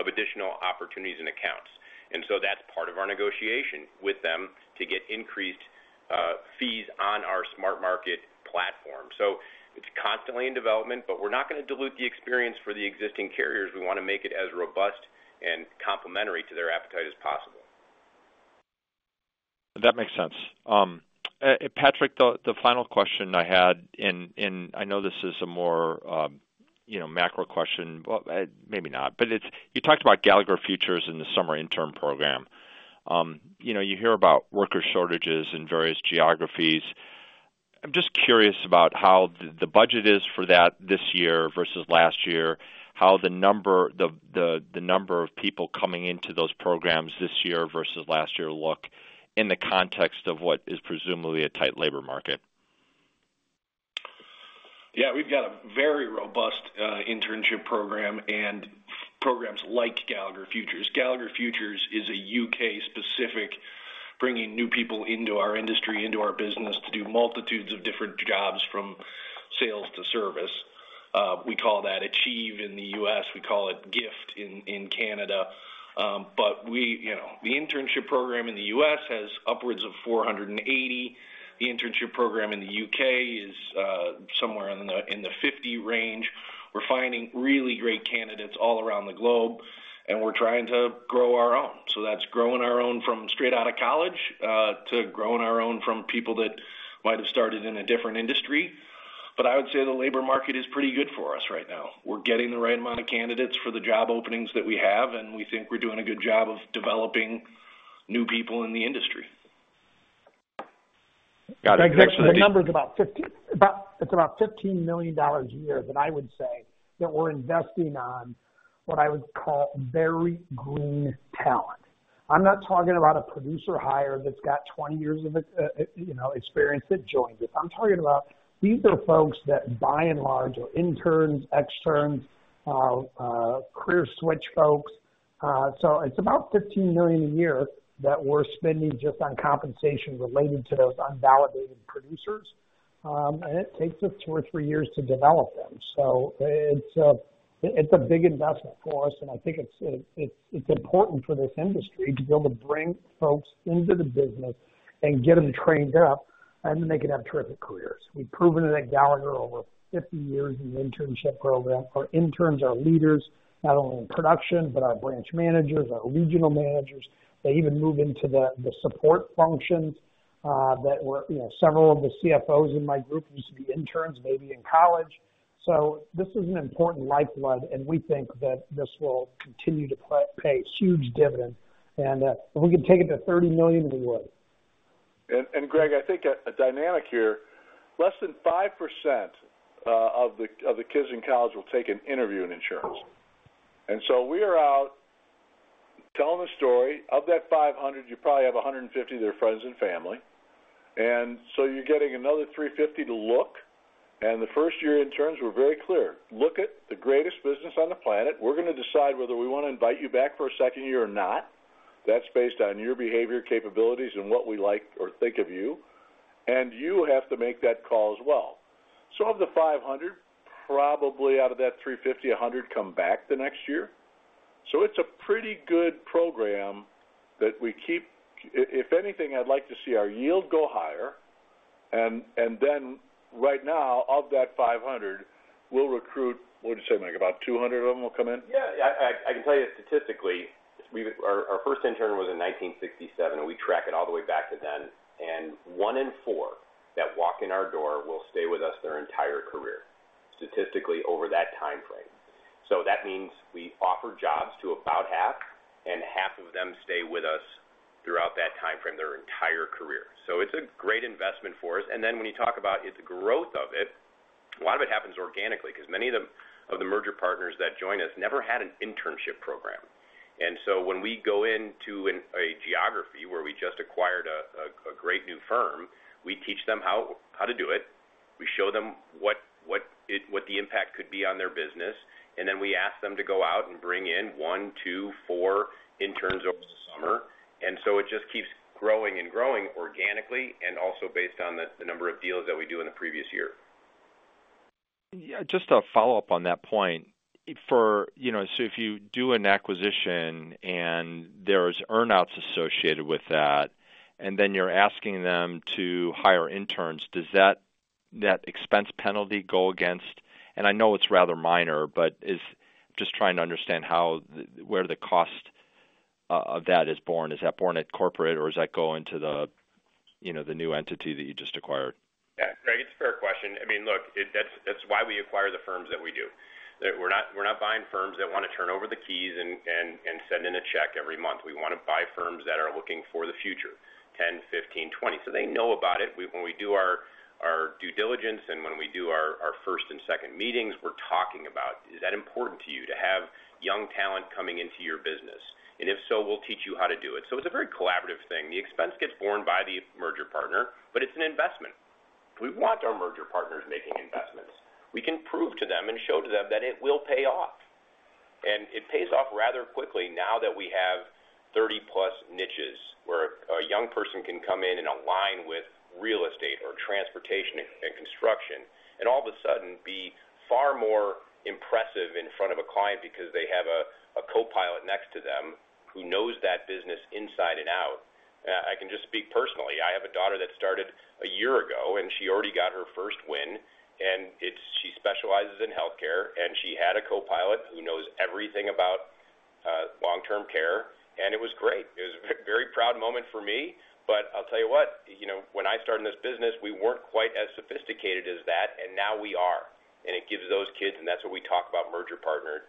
of additional opportunities and accounts. So that's part of our negotiation with them to get increased fees on our SmartMarket platform. So it's constantly in development, but we're not going to dilute the experience for the existing carriers. We want to make it as robust and complementary to their appetite as possible. That makes sense. Patrick, the final question I had, and I know this is a more macro question, maybe not, but you talked about Gallagher Futures in the summer intern program. You hear about worker shortages in various geographies. I'm just curious about how the budget is for that this year versus last year, how the number of people coming into those programs this year versus last year look in the context of what is presumably a tight labor market? Yeah, we've got a very robust internship program and programs like Gallagher Futures. Gallagher Futures is a U.K.-specific, bringing new people into our industry, into our business to do multitudes of different jobs from sales to service. We call that Achieve in the U.S. We call it Gift in Canada. But the internship program in the U.S. has upwards of 480. The internship program in the U.K. is somewhere in the 50 range. We're finding really great candidates all around the globe, and we're trying to grow our own. So that's growing our own from straight out of college to growing our own from people that might have started in a different industry. But I would say the labor market is pretty good for us right now. We're getting the right amount of candidates for the job openings that we have, and we think we're doing a good job of developing new people in the industry. Got it. Thanks, Greg. The number is about $15 million a year, but I would say that we're investing on what I would call very green talent. I'm not talking about a producer hire that's got 20 years of experience that joined us. I'm talking about these are folks that by and large are interns, externs, career switch folks. So it's about $15 million a year that we're spending just on compensation related to those unvalidated producers. It takes us 2 or 3 years to develop them. So it's a big investment for us, and I think it's important for this industry to be able to bring folks into the business and get them trained up, and then they can have terrific careers. We've proven that Gallagher over 50 years in the internship program. Our interns are leaders, not only in production, but our branch managers, our regional managers. They even move into the support functions that several of the CFOs in my group used to be interns, maybe in college. So this is an important lifeblood, and we think that this will continue to pay huge dividends. If we can take it to $30 million, we would. Greg, I think a dynamic here, less than 5% of the kids in college will take an interview in insurance. And so we are out telling a story. Of that 500, you probably have 150 that are friends and family. And so you're getting another 350 to look. And the first-year interns were very clear. Look at the greatest business on the planet. We're going to decide whether we want to invite you back for a second year or not. That's based on your behavior, capabilities, and what we like or think of you. And you have to make that call as well. So of the 500, probably out of that 350, 100 come back the next year. So it's a pretty good program that we keep. If anything, I'd like to see our yield go higher. And then right now, of that 500, we'll recruit, what'd you say, Mike, about 200 of them will come in? Yeah. I can tell you statistically, our first intern was in 1967, and we track it all the way back to then. One in four that walk in our door will stay with us their entire career, statistically over that timeframe. That means we offer jobs to about half, and half of them stay with us throughout that timeframe, their entire career. It's a great investment for us. Then when you talk about the growth of it, a lot of it happens organically because many of the merger partners that join us never had an internship program. When we go into a geography where we just acquired a great new firm, we teach them how to do it. We show them what the impact could be on their business. And then we ask them to go out and bring in 1, 2, 4 interns over the summer. And so it just keeps growing and growing organically and also based on the number of deals that we do in the previous year. Yeah, just a follow-up on that point. So if you do an acquisition and there's earnouts associated with that, and then you're asking them to hire interns, does that expense penalty go against—and I know it's rather minor—but I'm just trying to understand where the cost of that is born. Is that born at corporate, or does that go into the new entity that you just acquired? Yeah, Greg, it's a fair question. I mean, look, that's why we acquire the firms that we do. We're not buying firms that want to turn over the keys and send in a check every month. We want to buy firms that are looking for the future, 10, 15, 20. So they know about it. When we do our due diligence and when we do our first and second meetings, we're talking about, "Is that important to you to have young talent coming into your business?" And if so, we'll teach you how to do it. So it's a very collaborative thing. The expense gets borne by the merger partner, but it's an investment. We want our merger partners making investments. We can prove to them and show to them that it will pay off. And it pays off rather quickly now that we have 30+ niches where a young person can come in and align with real estate or transportation and construction and all of a sudden be far more impressive in front of a client because they have a co-pilot next to them who knows that business inside and out. I can just speak personally. I have a daughter that started a year ago, and she already got her first win. And she specializes in healthcare, and she had a co-pilot who knows everything about long-term care. And it was great. It was a very proud moment for me. But I'll tell you what, when I started in this business, we weren't quite as sophisticated as that, and now we are. gives those kids - and that's what we talk about merger partners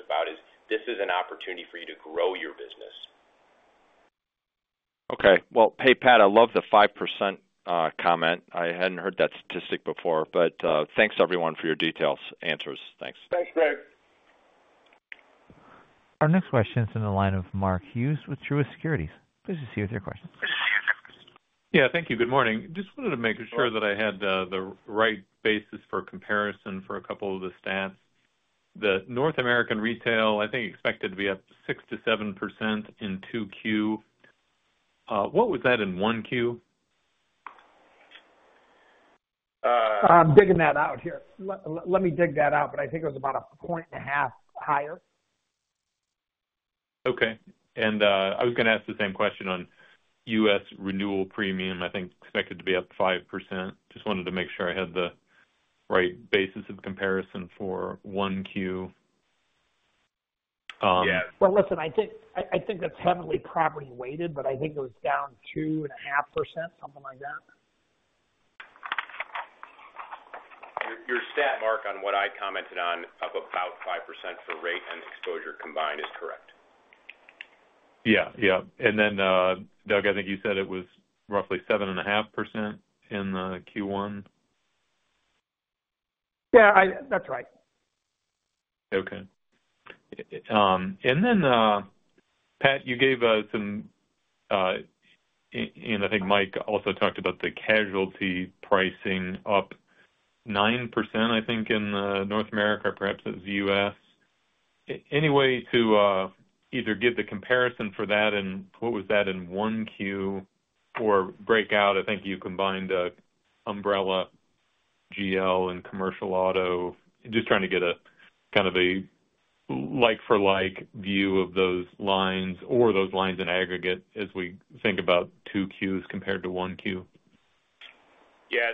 about - is this is an opportunity for you to grow your business. Okay. Well, hey, Pat, I love the 5% comment. I hadn't heard that statistic before, but thanks, everyone, for your detailed answers. Thanks. Thanks, Greg. Our next question is in the line of Mark Hughes with Truist Securities. Please go ahead. Good to see you. Yeah, thank you. Good morning. Just wanted to make sure that I had the right basis for comparison for a couple of the stats. The North American retail, I think, expected to be up 6%-7% in 2Q. What was that in 1Q? I'm digging that out here. Let me dig that out, but I think it was about a point and a half higher. Okay. I was going to ask the same question on U.S. renewal premium. I think expected to be up 5%. Just wanted to make sure I had the right basis of comparison for Q1. Yeah. Well, listen, I think that's heavily property weighted, but I think it was down 2.5%, something like that. Your stat, Mark, on what I commented on of about 5% for rate and exposure combined is correct. Yeah. Yeah. And then, Doug, I think you said it was roughly 7.5% in Q1. Yeah, that's right. Okay. And then, Pat, you gave us some, and I think Mike also talked about the casualty pricing up 9%, I think, in North America, perhaps it was the U.S. Any way to either give the comparison for that, and what was that in Q1 or break out? I think you combined Umbrella, GL, and commercial auto. Just trying to get a kind of a like-for-like view of those lines or those lines in aggregate as we think about 2 Qs compared to 1Q. Yeah.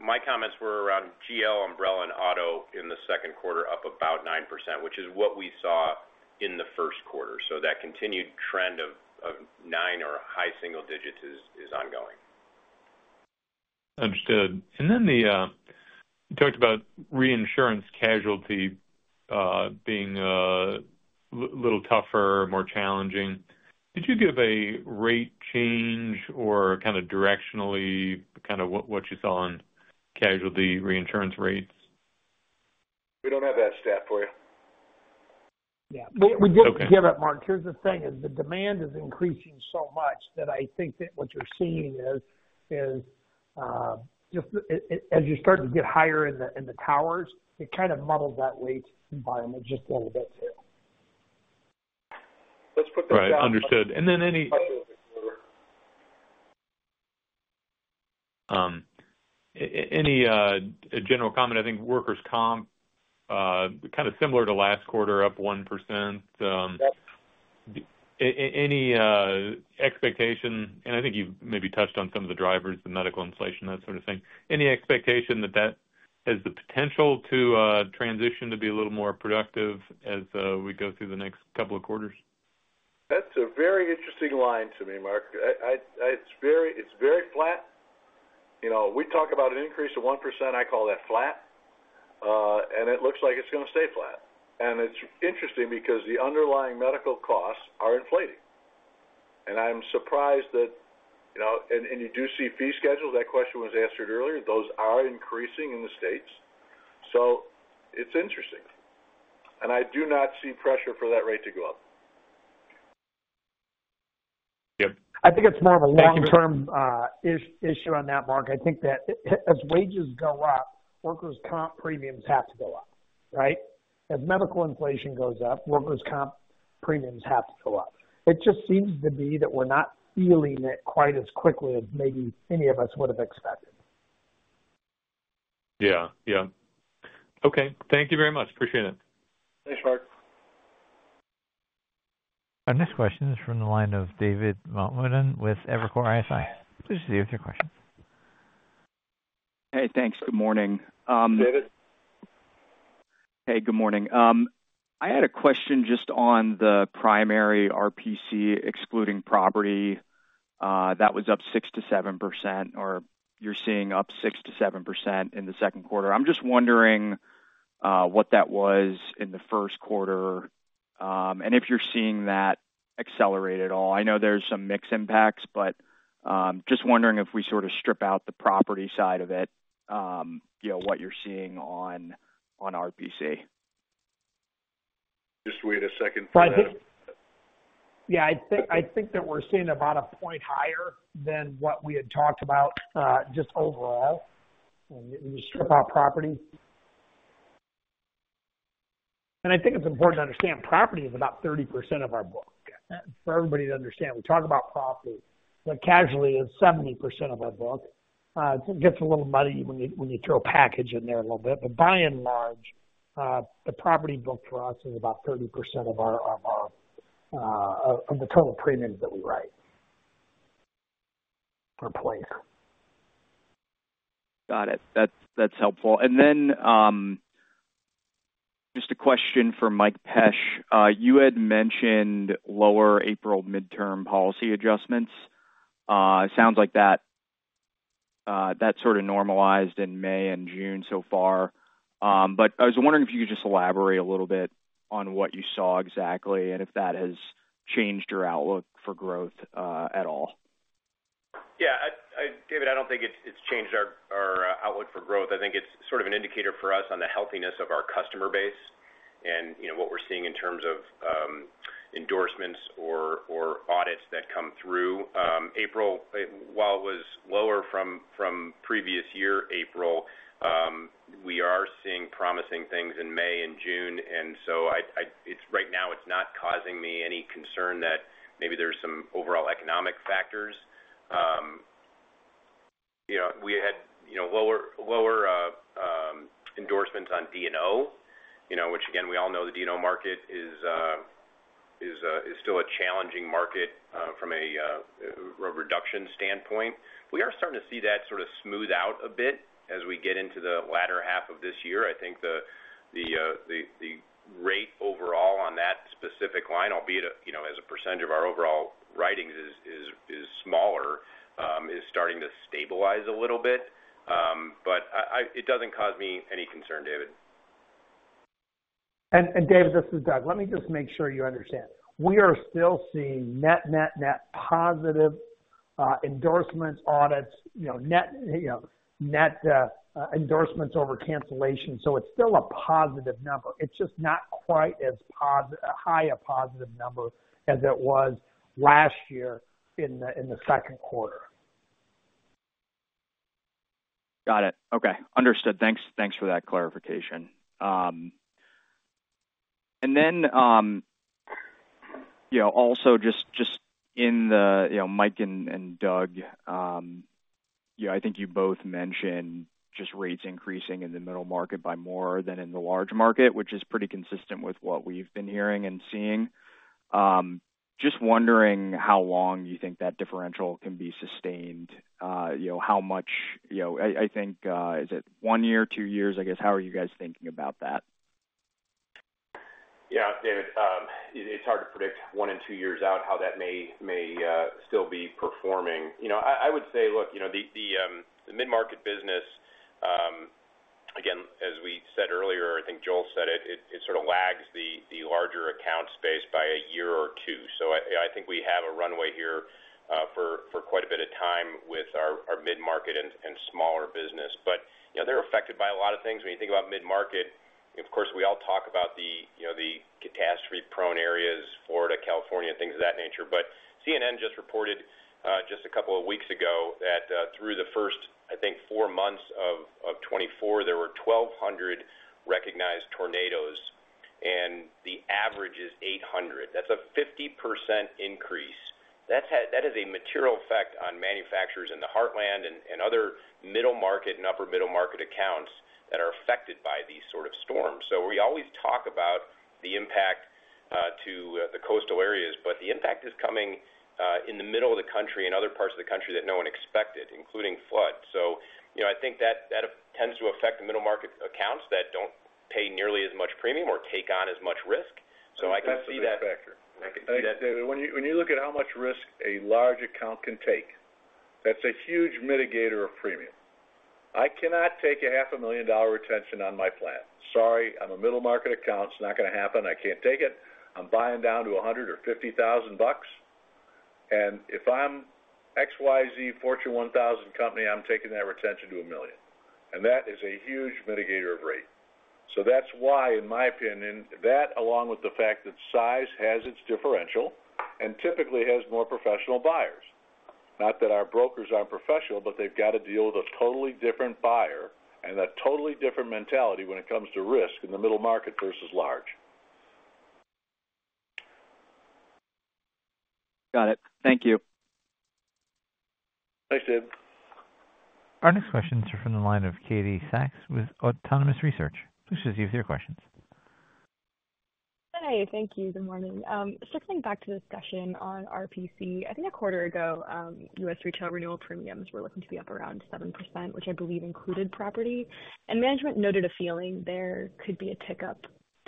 My comments were around GL, umbrella, and auto in the Q2 up about 9%, which is what we saw in the Q1. So that continued trend of 9 or high single digits is ongoing. Understood. And then you talked about reinsurance casualty being a little tougher, more challenging. Did you give a rate change or kind of directionally kind of what you saw in casualty reinsurance rates? We don't have that stat for you. Yeah. We did give it, Mark. Here's the thing. The demand is increasing so much that I think that what you're seeing is just as you start to get higher in the towers, it kind of muddles that rate environment just a little bit too. Let's put that down. Understood. And then any general comment? I think workers' comp, kind of similar to last quarter, up 1%. Any expectation? And I think you've maybe touched on some of the drivers, the medical inflation, that sort of thing. Any expectation that that has the potential to transition to be a little more productive as we go through the next couple of quarters? That's a very interesting line to me, Mark. It's very flat. We talk about an increase of 1%. I call that flat. And it looks like it's going to stay flat. And it's interesting because the underlying medical costs are inflating. And I'm surprised that—and you do see fee schedules. That question was answered earlier. Those are increasing in the states. So it's interesting. And I do not see pressure for that rate to go up. Yep. I think it's more of a long-term issue on that, Mark. I think that as wages go up, workers' comp premiums have to go up, right? As medical inflation goes up, workers' comp premiums have to go up. It just seems to be that we're not feeling it quite as quickly as maybe any of us would have expected. Yeah. Yeah. Okay. Thank you very much. Appreciate it. Thanks, Mark. Our next question is from the line of David Motemaden with Evercore ISI. Please proceed with your question. Hey, thanks. Good morning. David? Hey, good morning. I had a question just on the primary RPC, excluding property. That was up 6%-7%, or you're seeing up 6%-7% in the Q2. I'm just wondering what that was in the Q1 and if you're seeing that accelerate at all. I know there's some mixed impacts, but just wondering if we sort of strip out the property side of it, what you're seeing on RPS. Just wait a second for that. Yeah. I think that we're seeing about a point higher than what we had talked about just overall when you strip out property. And I think it's important to understand property is about 30% of our book. For everybody to understand, we talk about property, but casualty is 70% of our book. It gets a little muddy when you throw a package in there a little bit. But by and large, the property book for us is about 30% of the total premiums that we write per place. Got it. That's helpful. And then just a question for Mike Pesch. You had mentioned lower April midterm policy adjustments.It sounds like that sort of normalized in May and June so far. But I was wondering if you could just elaborate a little bit on what you saw exactly and if that has changed your outlook for growth at all. Yeah. David, I don't think it's changed our outlook for growth. I think it's sort of an indicator for us on the healthiness of our customer base and what we're seeing in terms of endorsements or audits that come through. April, while it was lower from previous year, April, we are seeing promising things in May and June. And so right now, it's not causing me any concern that maybe there's some overall economic factors. We had lower endorsements on D&O, which, again, we all know the D&O market is still a challenging market from a reduction standpoint. We are starting to see that sort of smooth out a bit as we get into the latter half of this year. I think the rate overall on that specific line, albeit as a percentage of our overall writings is smaller, is starting to stabilize a little bit. But it doesn't cause me any concern, David. And David, this is Doug. Let me just make sure you understand. We are still seeing net, net, net positive endorsements, audits, net endorsements over cancellation. So it's still a positive number. It's just not quite as high a positive number as it was last year in the Q2. Got it. Okay. Understood. Thanks for that clarification. And then also just in the Mike and Doug, I think you both mentioned just rates increasing in the middle market by more than in the large market, which is pretty consistent with what we've been hearing and seeing. Just wondering how long you think that differential can be sustained, how much I think, is it 1 year, 2 years? I guess, how are you guys thinking about that? Yeah, David, it's hard to predict 1 and 2 years out how that may still be performing. I would say, look, the mid-market business, again, as we said earlier, I think Joel said it, it sort of lags the larger account space by a year or 2. So I think we have a runway here for quite a bit of time with our mid-market and smaller business. But they're affected by a lot of things. When you think about mid-market, of course, we all talk about the catastrophe-prone areas, Florida, California, things of that nature. But CNN just reported just a couple of weeks ago that through the first, I think, four months of 2024, there were 1,200 recognized tornadoes, and the average is 800. That's a 50% increase. That has a material effect on manufacturers in the heartland and other middle market and upper middle market accounts that are affected by these sort of storms. So we always talk about the impact to the coastal areas, but the impact is coming in the middle of the country and other parts of the country that no one expected, including flood. So I think that tends to affect the middle market accounts that don't pay nearly as much premium or take on as much risk. So I can see that. That's a factor. When you look at how much risk a large account can take, that's a huge mitigator of premium. I cannot take a $500,000 retention on my plan. Sorry, I'm a middle market account. It's not going to happen. I can't take it. I'm buying down to $100 or $50,000. And if I'm XYZ Fortune 1000 company, I'm taking that retention to $1 million. And that is a huge mitigator of rate. So that's why, in my opinion, that along with the fact that size has its differential and typically has more professional buyers. Not that our brokers aren't professional, but they've got to deal with a totally different buyer and a totally different mentality when it comes to risk in the middle market versus large. Got it. Thank you. Thanks, David. Our next questions are from the line of Katie Sakys with Autonomous Research. Please proceed with your questions. Hi. Thank you. Good morning. Circling back to the discussion on RPC, I think a quarter ago, U.S. retail renewal premiums were looking to be up around 7%, which I believe included property. Management noted a feeling there could be a tick up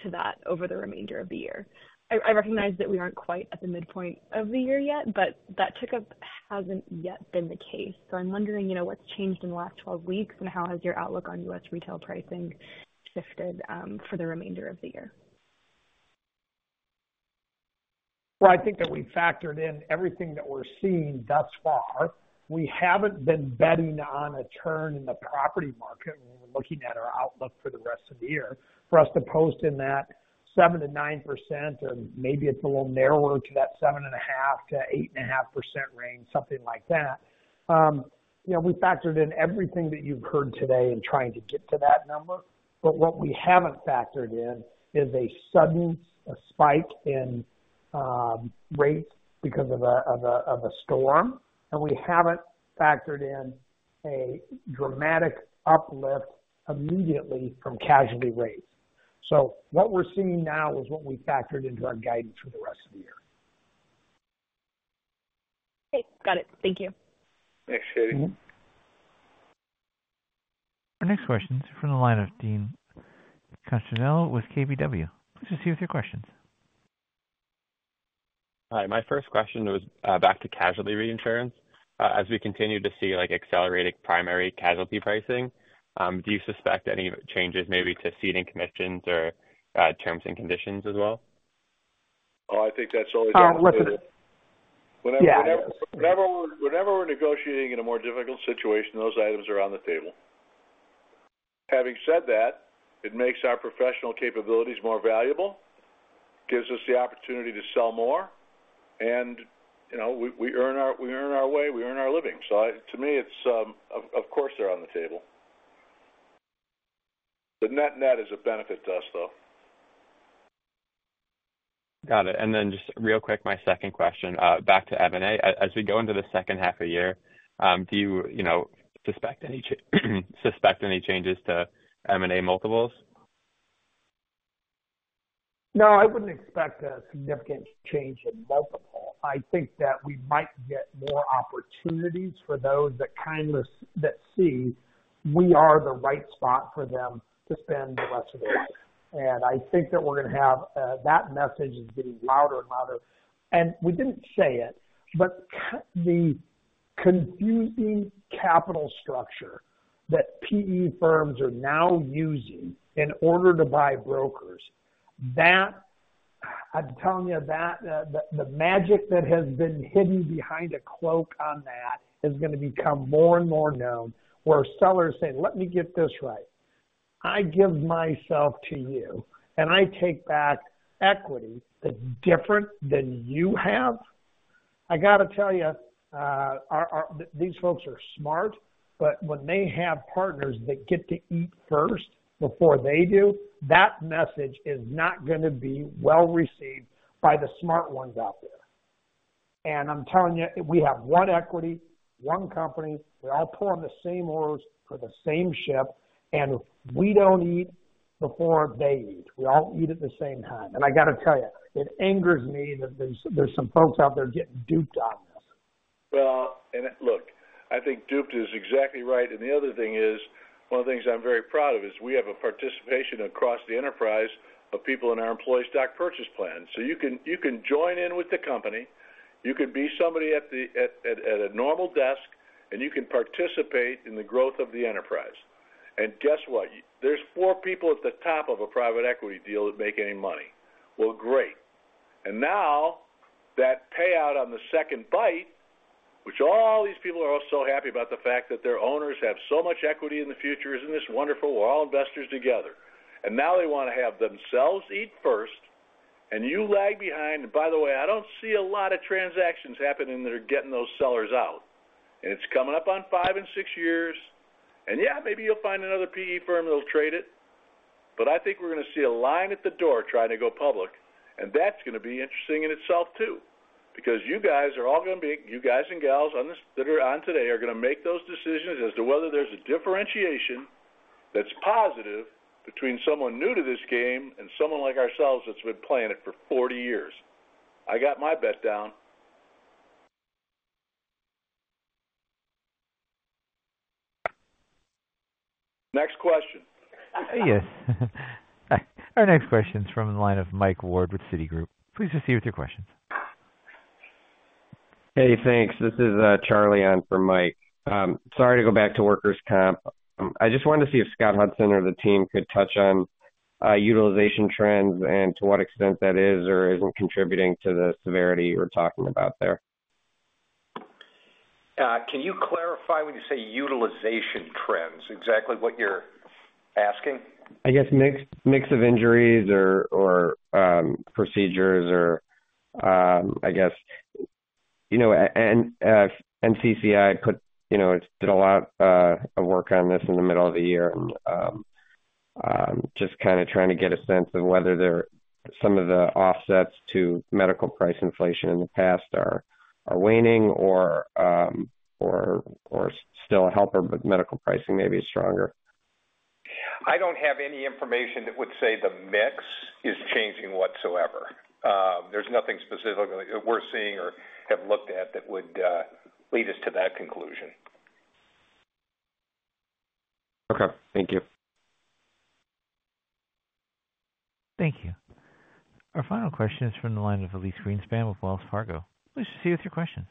to that over the remainder of the year. I recognize that we aren't quite at the midpoint of the year yet, but that tick up hasn't yet been the case. So I'm wondering what's changed in the last 12 weeks and how has your outlook on U.S. retail pricing shifted for the remainder of the year? Well, I think that we factored in everything that we're seeing thus far. We haven't been betting on a turn in the property market when we're looking at our outlook for the rest of the year. For us to post in that 7%-9%, or maybe it's a little narrower to that 7.5%-8.5% range, something like that. We factored in everything that you've heard today in trying to get to that number. But what we haven't factored in is a sudden spike in rates because of a storm. And we haven't factored in a dramatic uplift immediately from casualty rates. So what we're seeing now is what we factored into our guidance for the rest of the year. Okay. Got it. Thank you. Thanks, Katie. Our next question is from the line of Dean Castagnetti with KBW. Please proceed with your questions. Hi. My first question was back to casualty reinsurance. As we continue to see accelerated primary casualty pricing, do you suspect any changes maybe to ceding commissions or terms and conditions as well? Oh, I think that's always our responsibility. Whenever we're negotiating in a more difficult situation, those items are on the table. Having said that, it makes our professional capabilities more valuable, gives us the opportunity to sell more, and we earn our way. We earn our living. So to me, of course, they're on the table. The net-net is a benefit to us, though. Got it. And then just real quick, my second question back to M&A. As we go into the second half of the year, do you suspect any changes to M&A multiples? No, I wouldn't expect a significant change in multiple. I think that we might get more opportunities for those that see we are the right spot for them to spend the rest of their life. And I think that we're going to have that message is getting louder and louder. And we didn't say it, but the confusing capital structure that PE firms are now using in order to buy brokers. I'm telling you that the magic that has been hidden behind a cloak on that is going to become more and more known where sellers say, "Let me get this right. I give myself to you, and I take back equity that's different than you have." I got to tell you, these folks are smart, but when they have partners that get to eat first before they do, that message is not going to be well received by the smart ones out there. And I'm telling you, we have one equity, one company. We all pull on the same oars for the same ship, and we don't eat before they eat. We all eat at the same time. I got to tell you, it angers me that there's some folks out there getting duped on this. Well, look, I think duped is exactly right. The other thing is, one of the things I'm very proud of is we have a participation across the enterprise of people in our employee stock purchase plan. So you can join in with the company. You could be somebody at a normal desk, and you can participate in the growth of the enterprise. And guess what? There's four people at the top of a private equity deal that make any money. Well, great. And now that payout on the second bite, which all these people are so happy about the fact that their owners have so much equity in the future, isn't this wonderful? We're all investors together. And now they want to have themselves eat first, and you lag behind. And by the way, I don't see a lot of transactions happening that are getting those sellers out. And it's coming up on 5 and 6 years. And yeah, maybe you'll find another PE firm that'll trade it. But I think we're going to see a line at the door trying to go public. And that's going to be interesting in itself too because you guys are all going to be you guys and gals that are on today are going to make those decisions as to whether there's a differentiation that's positive between someone new to this game and someone like ourselves that's been playing it for 40 years. I got my bet down. Next question. Yes. Our next question is from the line of Mike Ward with Citigroup. Please proceed with your questions. Hey, thanks. This is Charlie on for Mike. Sorry to go back to workers' comp. I just wanted to see if Scott Hudson or the team could touch on utilization trends and to what extent that is or isn't contributing to the severity you were talking about there. Can you clarify when you say utilization trends, exactly what you're asking? I guess mix of injuries or procedures or I guess, and NCCI did a lot of work on this in the middle of the year and just kind of trying to get a sense of whether some of the offsets to medical price inflation in the past are waning or still a helper, but medical pricing may be stronger. I don't have any information that would say the mix is changing whatsoever. There's nothing specifically that we're seeing or have looked at that would lead us to that conclusion. Okay. Thank you. Thank you. Our final question is from the line of Elyse Greenspan with Wells Fargo. Please proceed with your questions.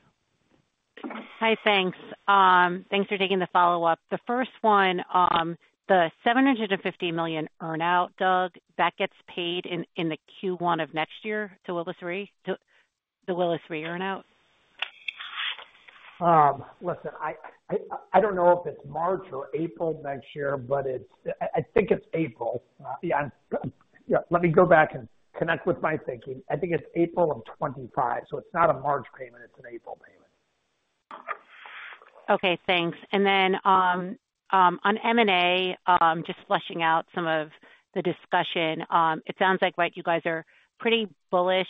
Hi, thanks. Thanks for taking the follow-up. The first one, the $750 million earnout, Doug, that gets paid in the Q1 of next year to Willis Re, the Willis Re earnout? Listen, I don't know if it's March or April next year, but I think it's April. Yeah. Let me go back and connect with my thinking. I think it's April of 2025. So it's not a March payment. It's an April payment. Okay. Thanks. And then on M&A, just fleshing out some of the discussion, it sounds like you guys are pretty bullish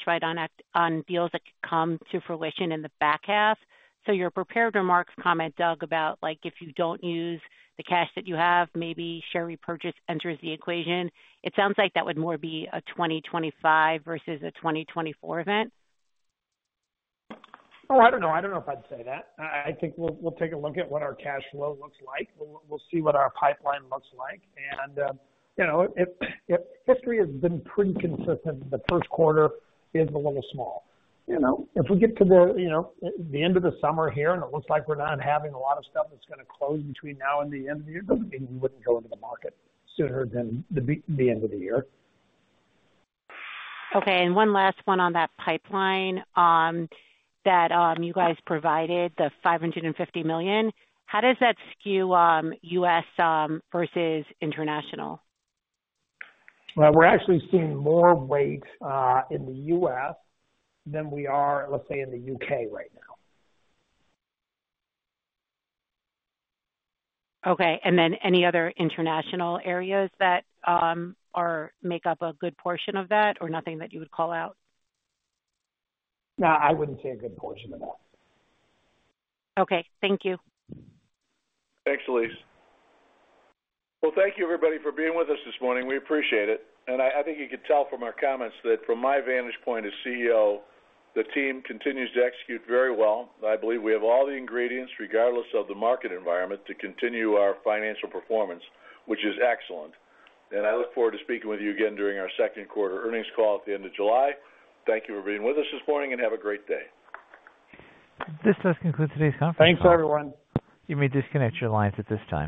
on deals that come to fruition in the back half. So your prepared remarks comment, Doug, about if you don't use the cash that you have, maybe share repurchase enters the equation. It sounds like that would more be a 2025 versus a 2024 event. Oh, I don't know. I don't know if I'd say that. I think we'll take a look at what our cash flow looks like. We'll see what our pipeline looks like. And if history has been pretty consistent, the Q1 is a little small. If we get to the end of the summer here and it looks like we're not having a lot of stuff that's going to close between now and the end of the year, it doesn't mean we wouldn't go into the market sooner than the end of the year. Okay. And one last one on that pipeline that you guys provided, the $550 million, how does that skew U.S. versus international? Well, we're actually seeing more weight in the U.S. than we are, let's say, in the U.K. right now. Okay. Any other international areas that make up a good portion of that or nothing that you would call out? No, I wouldn't say a good portion of that. Okay. Thank you. Thanks, Elyse. Well, thank you, everybody, for being with us this morning. We appreciate it. I think you could tell from our comments that from my vantage point as CEO, the team continues to execute very well. I believe we have all the ingredients, regardless of the market environment, to continue our financial performance, which is excellent. I look forward to speaking with you again during our Q2 earnings call at the end of July. Thank you for being with us this morning and have a great day. This does conclude today's conference. Thanks, everyone. You may disconnect your lines at this time.